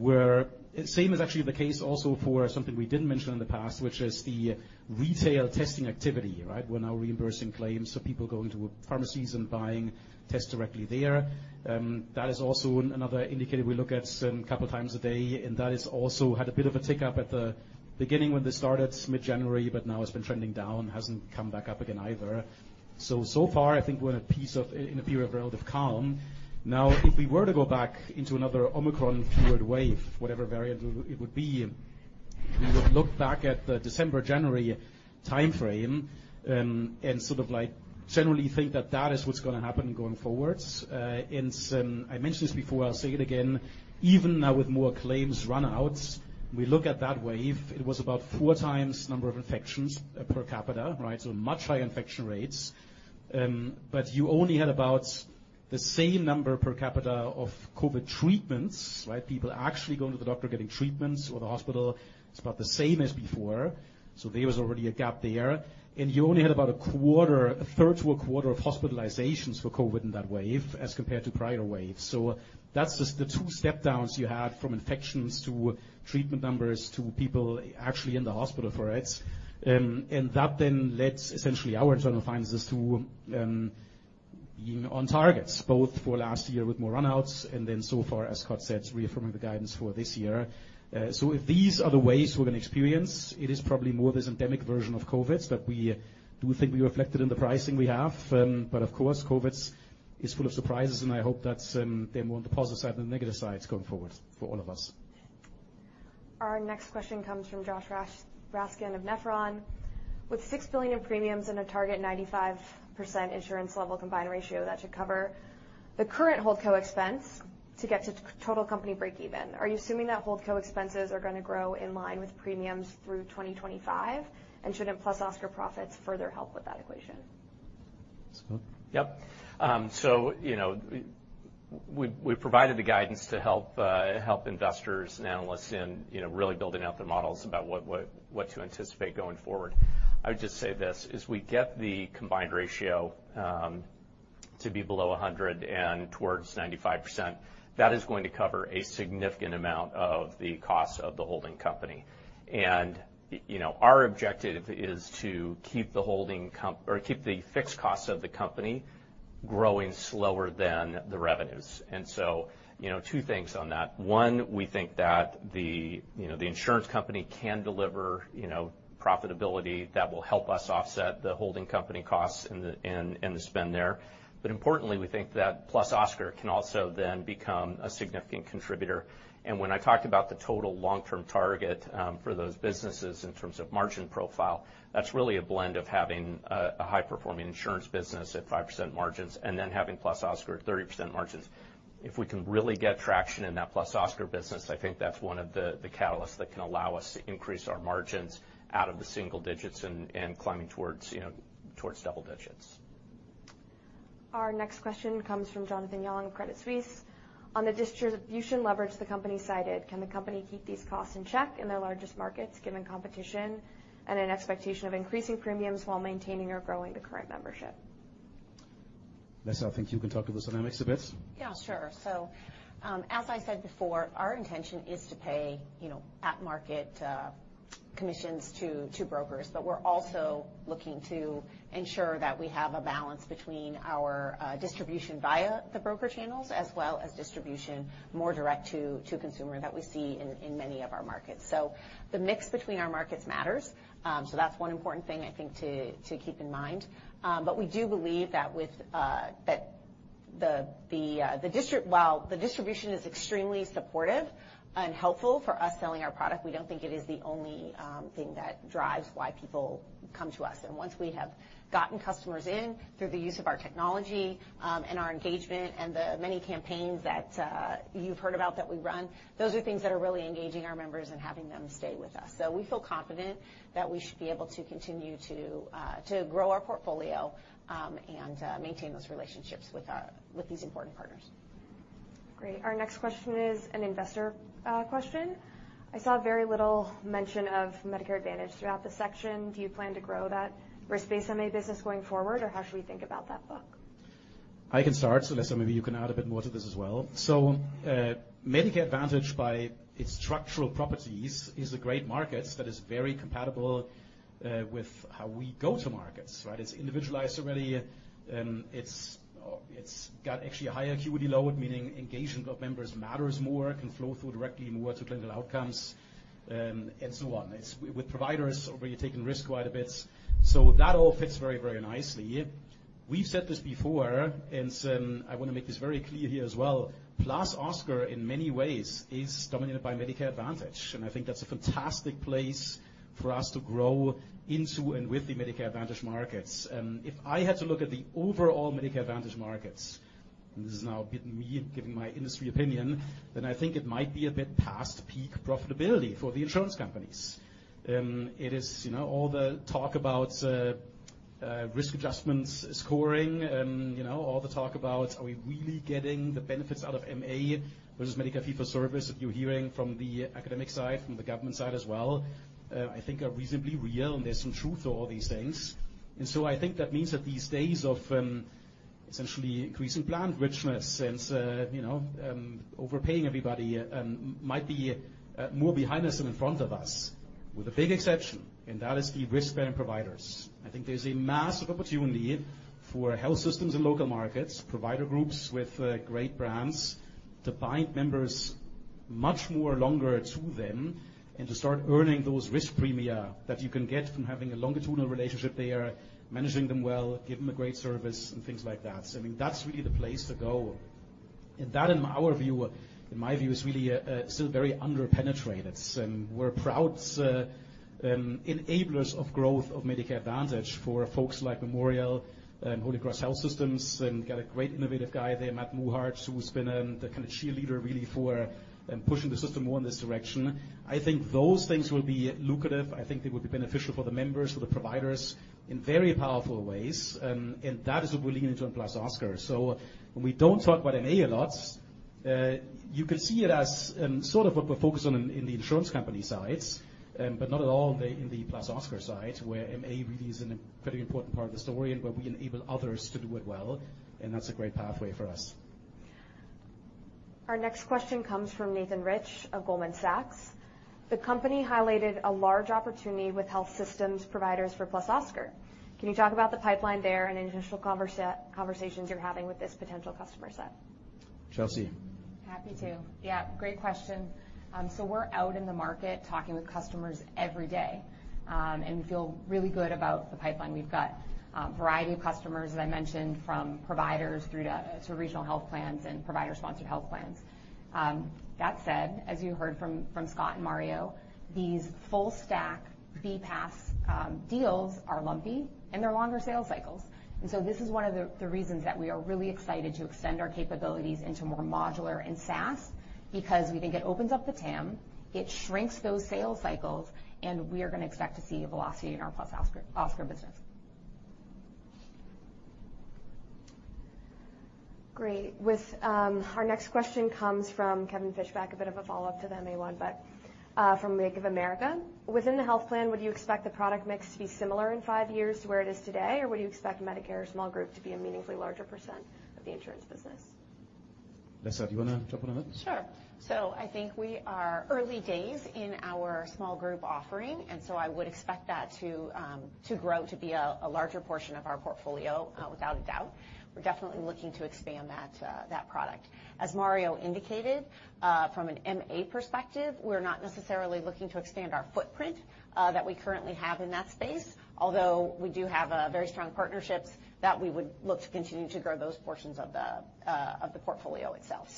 [SPEAKER 2] The same is actually the case also for something we didn't mention in the past, which is the retail testing activity, right? We're now reimbursing claims, so people going to pharmacies and buying tests directly there. That is also another indicator we look at a couple of times a day, and that has also had a bit of a tick-up at the beginning when this started mid-January, but now it's been trending down, hasn't come back up again either. So far, I think we're in a period of relative calm. Now, if we were to go back into another Omicron-fueled wave, whatever variant it would. We would look back at the December, January time frame, and sort of like generally think that that is what's gonna happen going forwards. I mentioned this before, I'll say it again. Even now with more claims runouts, we look at that wave, it was about four times the number of infections per capita, right? Much higher infection rates. You only had about the same number per capita of COVID treatments, right? People actually going to the doctor, getting treatments or the hospital, it's about the same as before. There was already a gap there. You only had about a quarter, a third to a quarter of hospitalizations for COVID in that wave as compared to prior waves. That's just the two step downs you had from infections to treatment numbers to people actually in the hospital for it. That then led essentially our internal finances to being on targets, both for last year with more runouts, and then so far, as Scott said, reaffirming the guidance for this year. If these are the waves we're gonna experience, it is probably more of this endemic version of COVID that we do think we reflected in the pricing we have. Of course, COVID is full of surprises, and I hope that they're more on the positive side than the negative side going forward for all of us.
[SPEAKER 1] Our next question comes from Josh Raskin of Nephron Research. With $6 billion in premiums and a target 95% InsuranceCo combined ratio, that should cover the current Holdco expense to get to total company breakeven. Are you assuming that Holdco expenses are gonna grow in line with premiums through 2025? Shouldn't +Oscar profits further help with that equation?
[SPEAKER 2] Scott?
[SPEAKER 5] Yep. So, you know, we provided the guidance to help investors and analysts in, you know, really building out their models about what to anticipate going forward. I would just say this, as we get the combined ratio to be below 100 and towards 95%, that is going to cover a significant amount of the cost of the holding company. You know, our objective is to keep the fixed cost of the company growing slower than the revenues. You know, two things on that. One, we think that you know, the insurance company can deliver you know, profitability that will help us offset the holding company costs and the spend there. Importantly, we think that +Oscar can also then become a significant contributor. When I talked about the total long-term target, for those businesses in terms of margin profile, that's really a blend of having a high-performing insurance business at 5% margins and then having +Oscar at 30% margins. If we can really get traction in that +Oscar business, I think that's one of the catalysts that can allow us to increase our margins out of the single digits and climbing towards, you know, towards double digits.
[SPEAKER 1] Our next question comes from Jonathan Yong of Credit Suisse. On the distribution leverage the company cited, can the company keep these costs in check in their largest markets given competition and an expectation of increasing premiums while maintaining or growing the current membership?
[SPEAKER 2] Alessa, I think you can talk to those dynamics a bit.
[SPEAKER 4] Yeah, sure. As I said before, our intention is to pay, you know, at-market commissions to brokers. We're also looking to ensure that we have a balance between our distribution via the broker channels as well as distribution more direct to consumer that we see in many of our markets. The mix between our markets matters, so that's one important thing I think to keep in mind. We do believe that while the distribution is extremely supportive and helpful for us selling our product, we don't think it is the only thing that drives why people come to us. Once we have gotten customers in through the use of our technology, and our engagement and the many campaigns that you've heard about that we run, those are things that are really engaging our members and having them stay with us. We feel confident that we should be able to continue to grow our portfolio, and maintain those relationships with these important partners.
[SPEAKER 1] Great. Our next question is an investor question. I saw very little mention of Medicare Advantage throughout the section. Do you plan to grow that risk-based MA business going forward, or how should we think about that book?
[SPEAKER 2] I can start. Alessa, maybe you can add a bit more to this as well. Medicare Advantage by its structural properties is a great market that is very compatible with how we go to markets, right? It's individualized already. It's got actually a higher acuity load, meaning engagement of members matters more, can flow through directly more to clinical outcomes, and so on. It's with providers already taking risk quite a bit. That all fits very, very nicely. We've said this before, and I wanna make this very clear here as well. +Oscar in many ways is dominated by Medicare Advantage, and I think that's a fantastic place for us to grow into and with the Medicare Advantage markets. If I had to look at the overall Medicare Advantage markets, and this is now a bit me giving my industry opinion, then I think it might be a bit past peak profitability for the insurance companies. It is, you know, all the talk about risk adjustments, scoring, you know, all the talk about are we really getting the benefits out of MA versus Medicare fee-for-service that you're hearing from the academic side, from the government side as well, I think are reasonably real, and there's some truth to all these things. I think that means that these days of essentially increasing plan richness and, you know, overpaying everybody might be more behind us than in front of us, with a big exception, and that is the risk-bearing providers. I think there's a massive opportunity for health systems in local markets, provider groups with great brands to bind members much more longer to them and to start earning those risk premia that you can get from having a longitudinal relationship there, managing them well, give them a great service, and things like that. I mean, that's really the place to go. That in our view, in my view, is really still very under-penetrated. We're proud enablers of growth of Medicare Advantage for folks like Memorial and Holy Cross Health Systems, and got a great innovative guy there, Matt Muhart, who's been the kind of cheerleader really for pushing the system more in this direction. I think those things will be lucrative. I think they will be beneficial for the members, for the providers in very powerful ways, and that is what we're leaning into in +Oscar. When we don't talk about MA a lot, you can see it as sort of what we're focused on in the insurance company sides, but not at all in the +Oscar side, where MA really is a pretty important part of the story and where we enable others to do it well, and that's a great pathway for us.
[SPEAKER 1] Our next question comes from Nathan Rich of Goldman Sachs. The company highlighted a large opportunity with health systems providers for +Oscar. Can you talk about the pipeline there and any initial conversations you're having with this potential customer set?
[SPEAKER 2] Chelsea.
[SPEAKER 7] Happy to. Yeah, great question. So we're out in the market talking with customers every day, and we feel really good about the pipeline. We've got a variety of customers, as I mentioned, from providers through to regional health plans and provider-sponsored health plans. That said, as you heard from Scott and Mario, these full stack BPaaS deals are lumpy, and they're longer sales cycles. This is one of the reasons that we are really excited to extend our capabilities into more modular and SaaS because we think it opens up the TAM, it shrinks those sales cycles, and we are gonna expect to see velocity in our +Oscar business. Great. With our next question comes from Kevin Fischbeck, a bit of a follow-up to the MA one, but from Bank of America. Within the health plan, would you expect the product mix to be similar in five years to where it is today? Or would you expect Medicare Small Group to be a meaningfully larger % of the insurance business?
[SPEAKER 2] Alessa, do you wanna jump on that?
[SPEAKER 4] Sure. I think we are early days in our small group offering, and I would expect that to grow to be a larger portion of our portfolio, without a doubt. We're definitely looking to expand that product. As Mario indicated, from an MA perspective, we're not necessarily looking to expand our footprint that we currently have in that space, although we do have very strong partnerships that we would look to continue to grow those portions of the portfolio itself.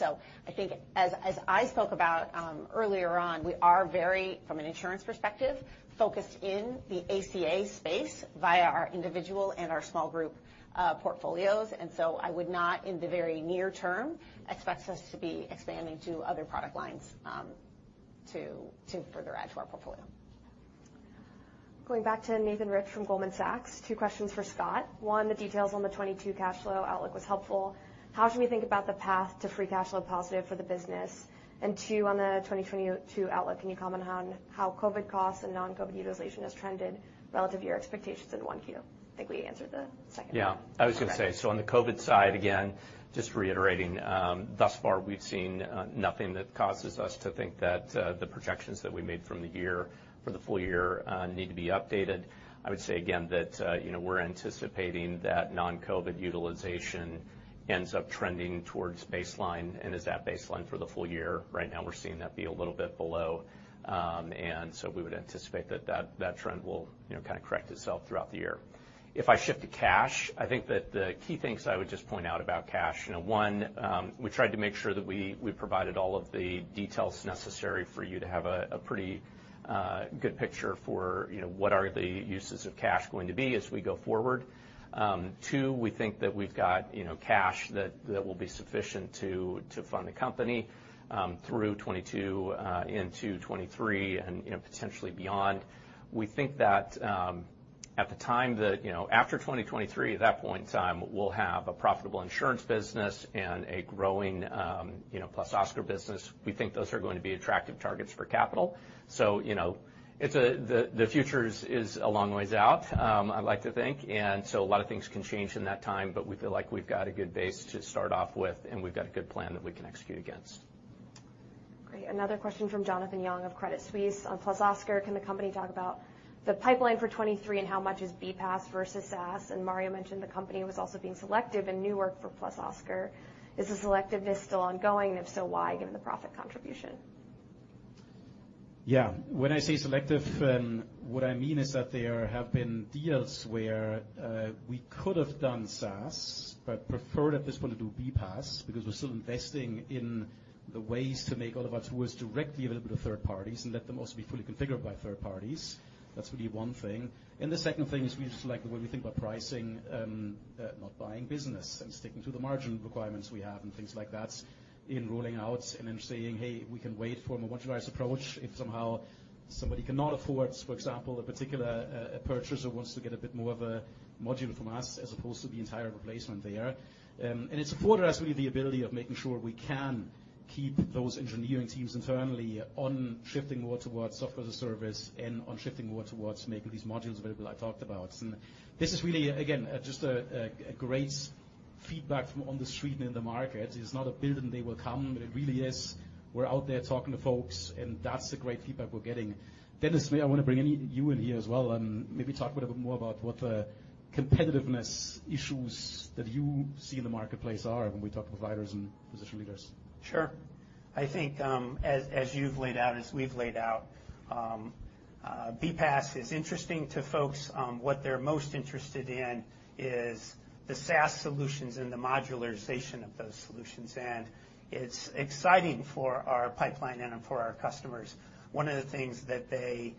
[SPEAKER 4] I think as I spoke about earlier on, we are very from an insurance perspective focused in the ACA space via our individual and our small group portfolios. I would not, in the very near term, expect us to be expanding to other product lines, to further add to our portfolio.
[SPEAKER 1] Going back to Nathan Rich from Goldman Sachs, 2 questions for Scott. One, the details on the 2022 cash flow outlook was helpful. How should we think about the path to free cash flow positive for the business? And two, on the 2022 outlook, can you comment on how COVID costs and non-COVID utilization has trended relative to your expectations in 1Q? I think we answered the second one.
[SPEAKER 5] Yeah.
[SPEAKER 1] Okay.
[SPEAKER 5] I was gonna say. On the COVID side, again, just reiterating, thus far we've seen nothing that causes us to think that the projections that we made for the year, for the full year, need to be updated. I would say again that, you know, we're anticipating that non-COVID utilization ends up trending towards baseline and is at baseline for the full year. Right now we're seeing that be a little bit below. We would anticipate that trend will, you know, kinda correct itself throughout the year. If I shift to cash, I think that the key things I would just point out about cash, you know, one, we tried to make sure that we provided all of the details necessary for you to have a pretty good picture for, you know, what are the uses of cash going to be as we go forward. Two, we think that we've got, you know, cash that will be sufficient to fund the company through 2022 into 2023, and, you know, potentially beyond. We think that at the time that, you know, after 2023, at that point in time, we'll have a profitable insurance business and a growing, you know, +Oscar business. We think those are going to be attractive targets for capital. So, you know, it's a. The future is a long ways out. I'd like to think. A lot of things can change in that time, but we feel like we've got a good base to start off with, and we've got a good plan that we can execute against.
[SPEAKER 1] Great. Another question from Jonathan Yong of Credit Suisse. On +Oscar, can the company talk about the pipeline for 2023, and how much is BPaaS versus SaaS? Mario mentioned the company was also being selective in Newark for +Oscar. Is the selectiveness still ongoing? If so, why, given the profit contribution?
[SPEAKER 2] Yeah. When I say selective, what I mean is that there have been deals where we could have done SaaS, but we prefer at this point to do BPaaS, because we're still investing in the ways to make all of our tools directly available to third parties and let them also be fully configurable by third parties. That's really one thing. The second thing is we just like the way we think about pricing, not buying business and sticking to the margin requirements we have and things like that in rolling out and then saying, "Hey, we can wait for a modularized approach if somehow somebody cannot afford, for example, a particular purchase or wants to get a bit more of a module from us as opposed to the entire replacement there." It supported us with the ability of making sure we can keep those engineering teams internally on shifting more towards software as a service and on shifting more towards making these modules available I talked about. This is really, again, just great feedback from on the street and in the market. It's not a build and they will come, but it really is we're out there talking to folks, and that's the great feedback we're getting. Dennis, I may want to bring you in here as well and maybe talk a little bit more about what competitiveness issues that you see in the marketplace are when we talk to providers and physician leaders.
[SPEAKER 8] Sure. I think, as we've laid out, BPaaS is interesting to folks. What they're most interested in is the SaaS solutions and the modularization of those solutions. It's exciting for our pipeline and then for our customers. One of the things that they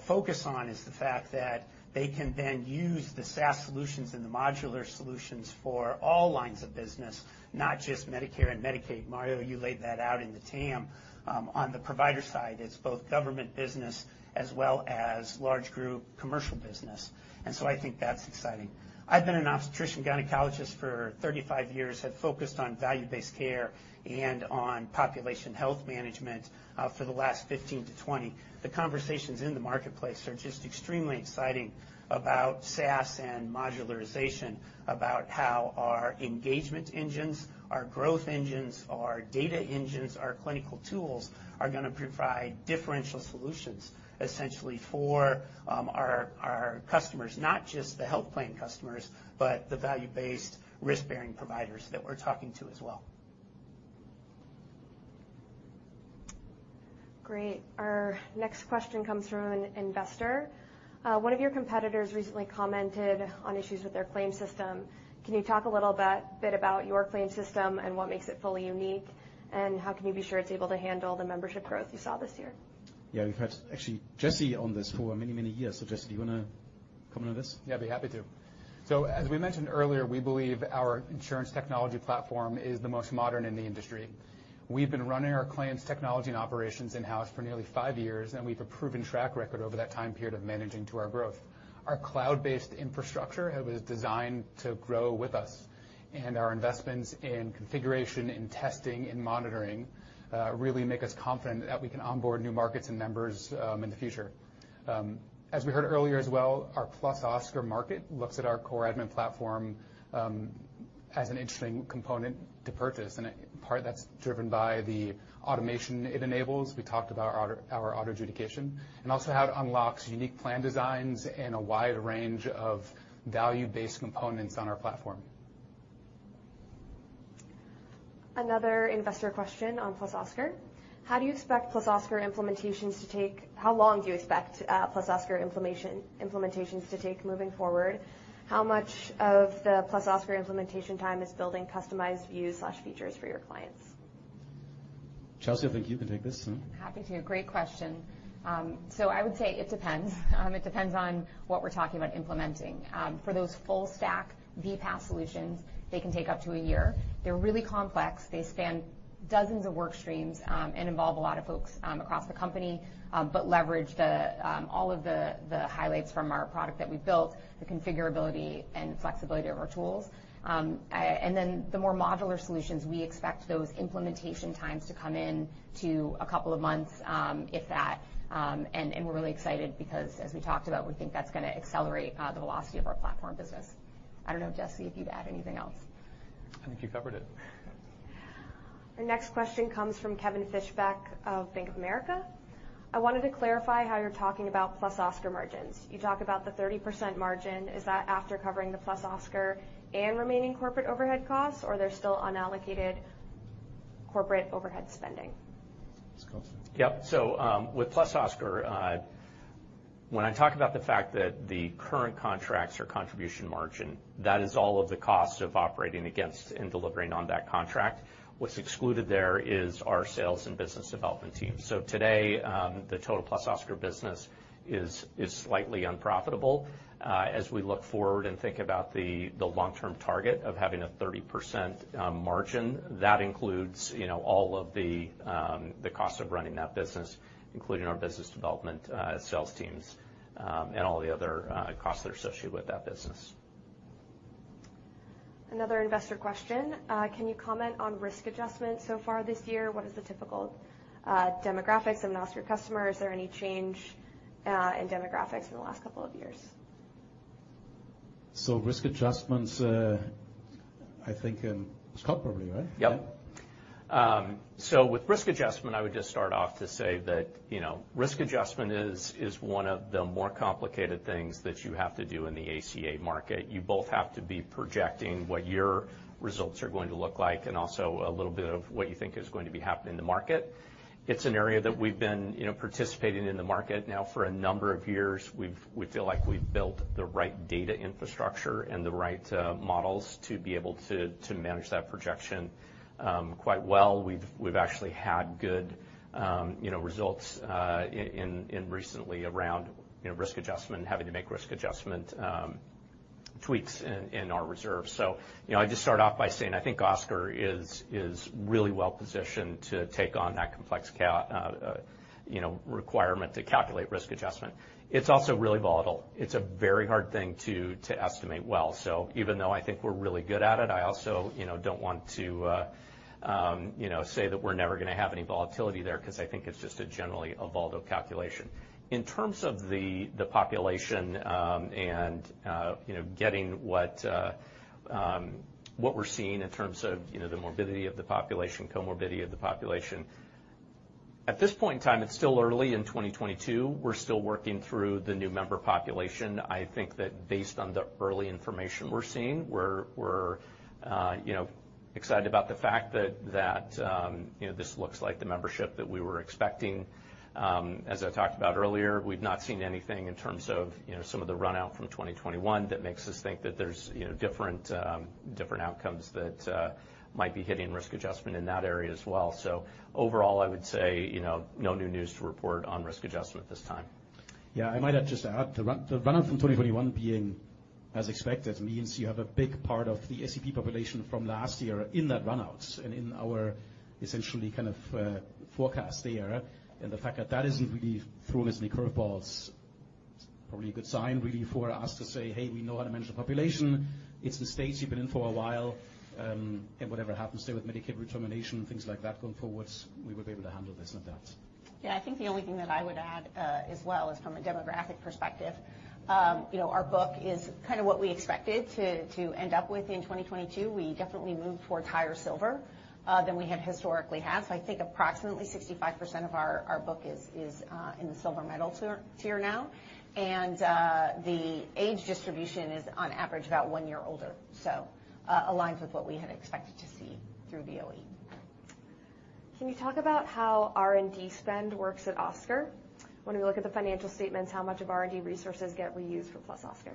[SPEAKER 8] focus on is the fact that they can then use the SaaS solutions and the modular solutions for all lines of business, not just Medicare and Medicaid. Mario, you laid that out in the TAM. On the provider side, it's both government business as well as large group commercial business. I think that's exciting. I've been an obstetrician gynecologist for 35 years and have focused on value-based care and on population health management for the last 15 to 20. The conversations in the marketplace are just extremely exciting about SaaS and modularization, about how our engagement engines, our growth engines, our data engines, our clinical tools are gonna provide differential solutions essentially for our customers. Not just the health plan customers, but the value-based risk-bearing providers that we're talking to as well.
[SPEAKER 1] Great. Our next question comes from an investor. One of your competitors recently commented on issues with their claim system. Can you talk a little bit about your claim system and what makes it fully unique? How can you be sure it's able to handle the membership growth you saw this year?
[SPEAKER 2] Yeah. We've had actually Jesse on this for many, many years. Jesse, do you wanna comment on this?
[SPEAKER 9] Yeah, I'd be happy to. As we mentioned earlier, we believe our insurance technology platform is the most modern in the industry. We've been running our claims technology and operations in-house for nearly five years, and we've a proven track record over that time period of managing to our growth. Our cloud-based infrastructure was designed to grow with us, and our investments in configuration and testing and monitoring really make us confident that we can onboard new markets and members in the future. As we heard earlier as well, our +Oscar market looks at our core admin platform as an interesting component to purchase, and part that's driven by the automation it enables. We talked about our auto adjudication, and also how it unlocks unique plan designs and a wide range of value-based components on our platform.
[SPEAKER 1] Another investor question on +Oscar. How long do you expect +Oscar implementations to take moving forward? How much of the +Oscar implementation time is building customized views/features for your clients?
[SPEAKER 2] Chelsea, I think you can take this.
[SPEAKER 7] Happy to. Great question. I would say it depends. It depends on what we're talking about implementing. For those full-stack BPaaS solutions, they can take up to a year. They're really complex. They span dozens of work streams and involve a lot of folks across the company, but leverage all of the highlights from our product that we've built, the configurability and flexibility of our tools. The more modular solutions, we expect those implementation times to come in to a couple of months, if that. We're really excited because, as we talked about, we think that's gonna accelerate the velocity of our platform business. I don't know, Jesse, if you'd add anything else.
[SPEAKER 9] I think you covered it.
[SPEAKER 1] The next question comes from Kevin Fischbeck of Bank of America. I wanted to clarify how you're talking about +Oscar margins. You talk about the 30% margin. Is that after covering the +Oscar and remaining corporate overhead costs, or they're still unallocated corporate overhead spending?
[SPEAKER 2] Scott.
[SPEAKER 5] Yep. With +Oscar, when I talk about the fact that the current contracts or contribution margin, that is all of the cost of operating against and delivering on that contract. What's excluded there is our sales and business development team. Today, the total +Oscar business is slightly unprofitable. As we look forward and think about the long-term target of having a 30% margin, that includes, you know, all of the cost of running that business, including our business development sales teams, and all the other costs that are associated with that business.
[SPEAKER 1] Another investor question. Can you comment on risk adjustment so far this year? What is the typical demographics of an Oscar customer? Is there any change in demographics in the last couple of years?
[SPEAKER 2] Risk adjustments, I think it's Scott probably, right?
[SPEAKER 5] Yep. With risk adjustment, I would just start off to say that, you know, risk adjustment is one of the more complicated things that you have to do in the ACA market. You both have to be projecting what your results are going to look like and also a little bit of what you think is going to be happening in the market. It's an area that we've been, you know, participating in the market now for a number of years. We feel like we've built the right data infrastructure and the right models to be able to manage that projection quite well. We've actually had good, you know, results in recent years around, you know, risk adjustment and having to make risk adjustment tweaks in our reserves. You know, I just start off by saying I think Oscar is really well positioned to take on that complex requirement to calculate risk adjustment. It's also really volatile. It's a very hard thing to estimate well. Even though I think we're really good at it, I also, you know, don't want to say that we're never gonna have any volatility there cause I think it's just generally a volatile calculation. In terms of the population and getting what we're seeing in terms of the morbidity of the population, comorbidity of the population. At this point in time, it's still early in 2022. We're still working through the new member population. I think that based on the early information we're seeing, we're you know excited about the fact that you know this looks like the membership that we were expecting. As I talked about earlier, we've not seen anything in terms of you know some of the run-out from 2021 that makes us think that there's you know different outcomes that might be hitting risk adjustment in that area as well. Overall, I would say you know no new news to report on risk adjustment this time.
[SPEAKER 2] Yeah. I might have just add, the run-out from 2021 being as expected means you have a big part of the SEP population from last year in that run-out and in our essentially kind of forecast there. The fact that that isn't really throwing us any curve balls is probably a good sign really for us to say, "Hey, we know how to manage the population. It's the stage you've been in for a while, and whatever happens there with Medicaid redetermination, things like that going forwards, we would be able to handle this and that.
[SPEAKER 4] Yeah. I think the only thing that I would add as well is from a demographic perspective, you know, our book is kind of what we expected to end up with in 2022. We definitely moved towards higher silver than we had historically have. I think approximately 65% of our book is in the silver metal tier now. The age distribution is on average about one year older, so aligns with what we had expected to see through OE.
[SPEAKER 1] Can you talk about how R&D spend works at Oscar? When we look at the financial statements, how much of R&D resources get reused for +Oscar?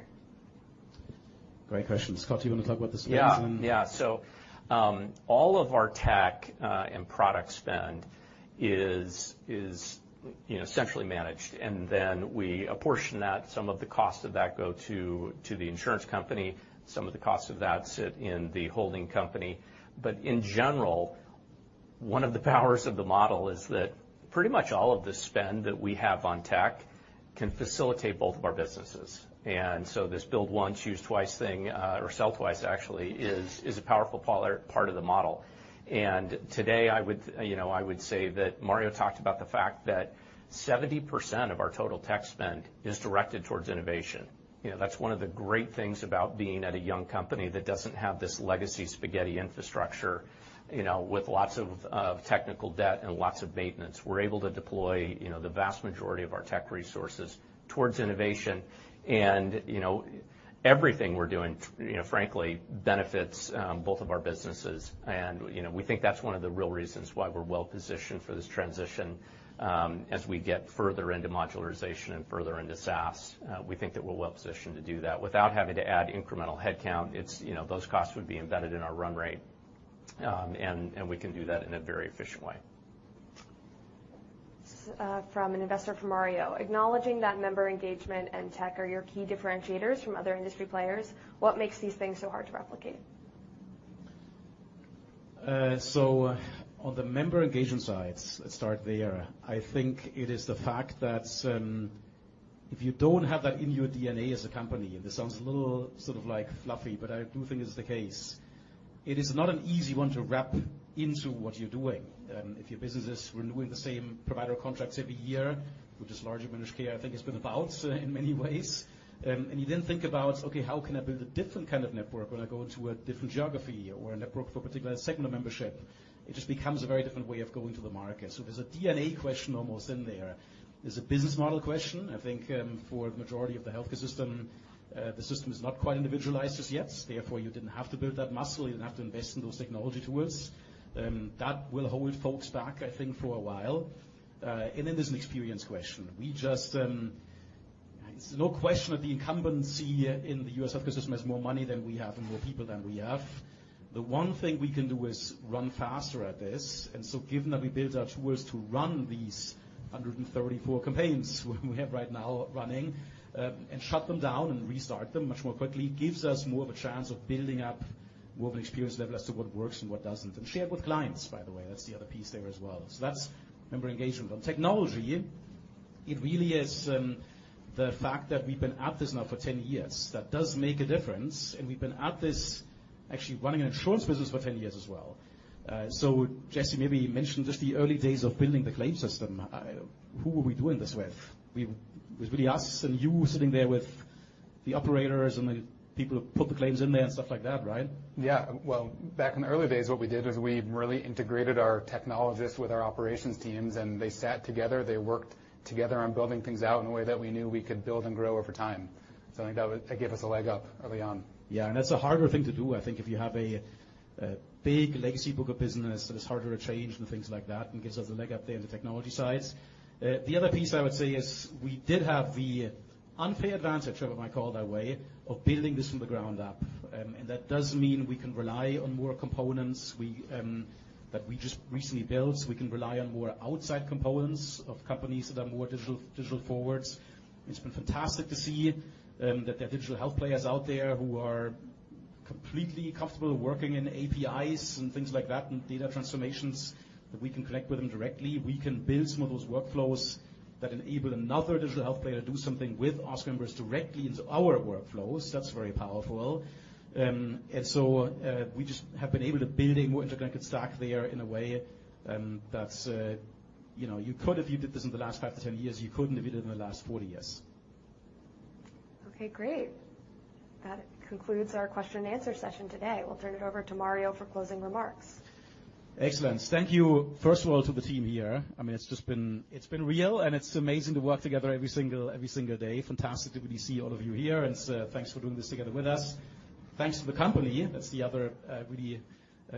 [SPEAKER 2] Great question. Scott, do you want to talk about the spend and-
[SPEAKER 5] All of our tech and product spend is, you know, centrally managed, and then we apportion that. Some of the cost of that go to the insurance company, some of the costs of that sit in the holding company. But in general, one of the powers of the model is that pretty much all of the spend that we have on tech can facilitate both of our businesses. This build once, use twice thing, or sell twice, actually, is a powerful part of the model. Today, I would, you know, say that Mario talked about the fact that 70% of our total tech spend is directed towards innovation. You know, that's one of the great things about being at a young company that doesn't have this legacy spaghetti infrastructure, you know, with lots of technical debt and lots of maintenance. We're able to deploy, you know, the vast majority of our tech resources towards innovation. You know, everything we're doing, you know, frankly, benefits both of our businesses. You know, we think that's one of the real reasons why we're well positioned for this transition as we get further into modularization and further into SaaS. We think that we're well positioned to do that without having to add incremental headcount. It's, you know, those costs would be embedded in our run rate. We can do that in a very efficient way.
[SPEAKER 1] From an investor for Mario. Acknowledging that member engagement and tech are your key differentiators from other industry players, what makes these things so hard to replicate?
[SPEAKER 2] On the member engagement side, let's start there. I think it is the fact that, if you don't have that in your DNA as a company, this sounds a little sort of like fluffy, but I do think it's the case. It is not an easy one to wrap into what you're doing. If your business is renewing the same provider contracts every year, which is largely managed care, I think it's been about in many ways. You then think about, okay, how can I build a different kind of network when I go into a different geography or a network for a particular segment of membership? It just becomes a very different way of going to the market. There's a DNA question almost in there. There's a business model question. I think, for the majority of the healthcare system, the system is not quite individualized just yet. Therefore, you didn't have to build that muscle, you didn't have to invest in those technology tools. That will hold folks back, I think, for a while. And then there's an experience question. It's no question that the incumbency in the U.S. healthcare system has more money than we have and more people than we have. The one thing we can do is run faster at this. Given that we built our tools to run these 134 campaigns we have right now running and shut them down and restart them much more quickly, gives us more of a chance of building up more of an experience level as to what works and what doesn't. Share it with clients, by the way. That's the other piece there as well. That's member engagement. On technology, it really is the fact that we've been at this now for 10 years, that does make a difference. We've been at this actually running an insurance business for 10 years as well. Jesse maybe mentioned just the early days of building the claim system. Who were we doing this with? It was really us and you sitting there with the operators and the people who put the claims in there and stuff like that, right?
[SPEAKER 9] Yeah. Well, back in the early days, what we did is we really integrated our technologists with our operations teams, and they sat together, they worked together on building things out in a way that we knew we could build and grow over time. I think that gave us a leg up early on.
[SPEAKER 2] Yeah. That's a harder thing to do, I think, if you have a big legacy book of business that is harder to change and things like that, and gives us a leg up there on the technology side. The other piece I would say is we did have the unfair advantage, Trevor might call it that way, of building this from the ground up. That does mean we can rely on more components that we just recently built. We can rely on more outside components of companies that are more digital forwards. It's been fantastic to see that there are digital health players out there who are completely comfortable working in APIs and things like that, and data transformations, that we can connect with them directly. We can build some of those workflows that enable another digital health player to do something with Oscar members directly into our workflows. That's very powerful. We just have been able to build a more integrated stack there in a way that you know you could if you did this in the last 5-10 years, you couldn't if you did it in the last 40 years.
[SPEAKER 1] Okay, great. That concludes our question and answer session today. We'll turn it over to Mario for closing remarks.
[SPEAKER 2] Excellent. Thank you first of all to the team here. I mean, it's just been real, and it's amazing to work together every single day. Fantastic to really see all of you here, and so thanks for doing this together with us. Thanks to the company. That's the other really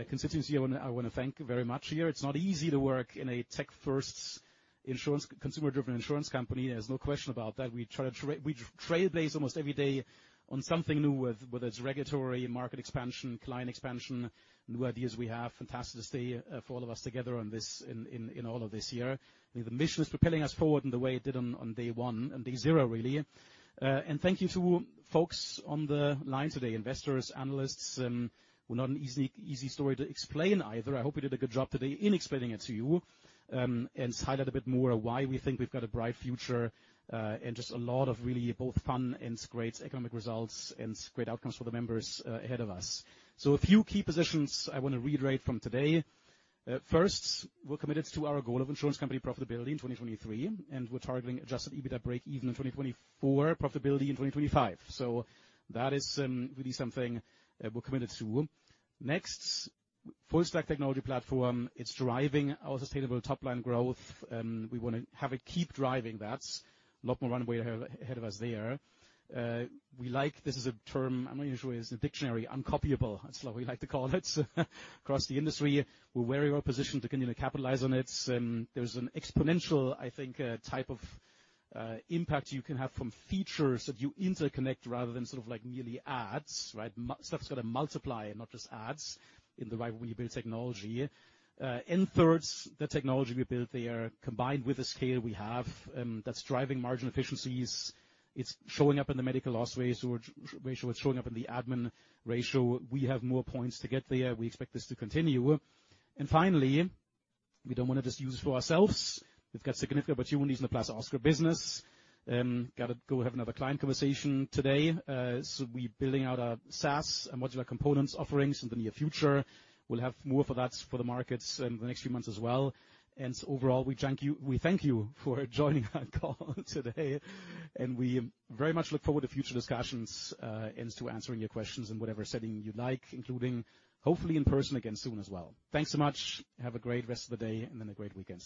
[SPEAKER 2] constituency I wanna thank very much here. It's not easy to work in a tech-first insurance, consumer-driven insurance company. There's no question about that. We trailblaze almost every day on something new, whether it's regulatory, market expansion, client expansion, new ideas we have. Fantastic to see for all of us together on this in all of this year. The mission is propelling us forward in the way it did on day one, on day zero, really. Thank you to folks on the line today, investors, analysts. We're not an easy story to explain either. I hope we did a good job today in explaining it to you, and highlight a bit more why we think we've got a bright future, and just a lot of really both fun and great economic results and great outcomes for the members, ahead of us. A few key positions I wanna reiterate from today. First, we're committed to our goal of insurance company profitability in 2023, and we're targeting Adjusted EBITDA break-even in 2024, profitability in 2025. That is really something that we're committed to. Next, full stack technology platform, it's driving our sustainable top-line growth. We wanna have it keep driving that. A lot more runway ahead of us there. We like... This is a term, I'm not even sure it's in the dictionary, uncopyable. That's what we like to call it across the industry. We're very well positioned to continue to capitalize on it. There's an exponential, I think, type of impact you can have from features that you interconnect rather than sort of like merely ads, right? Stuff's gotta multiply and not just ads in the right way you build technology. Third, the technology we built there combined with the scale we have, that's driving margin efficiencies. It's showing up in the medical loss ratio. It's showing up in the admin ratio. We have more points to get there. We expect this to continue. Finally, we don't wanna just use it for ourselves. We've got significant opportunities in the +Oscar business. Gotta go have another client conversation today. We building out our SaaS and modular components offerings in the near future. We'll have more for that for the markets in the next few months as well. Overall, we thank you for joining our call today, and we very much look forward to future discussions and to answering your questions in whatever setting you'd like, including hopefully in person again soon as well. Thanks so much. Have a great rest of the day and then a great weekend.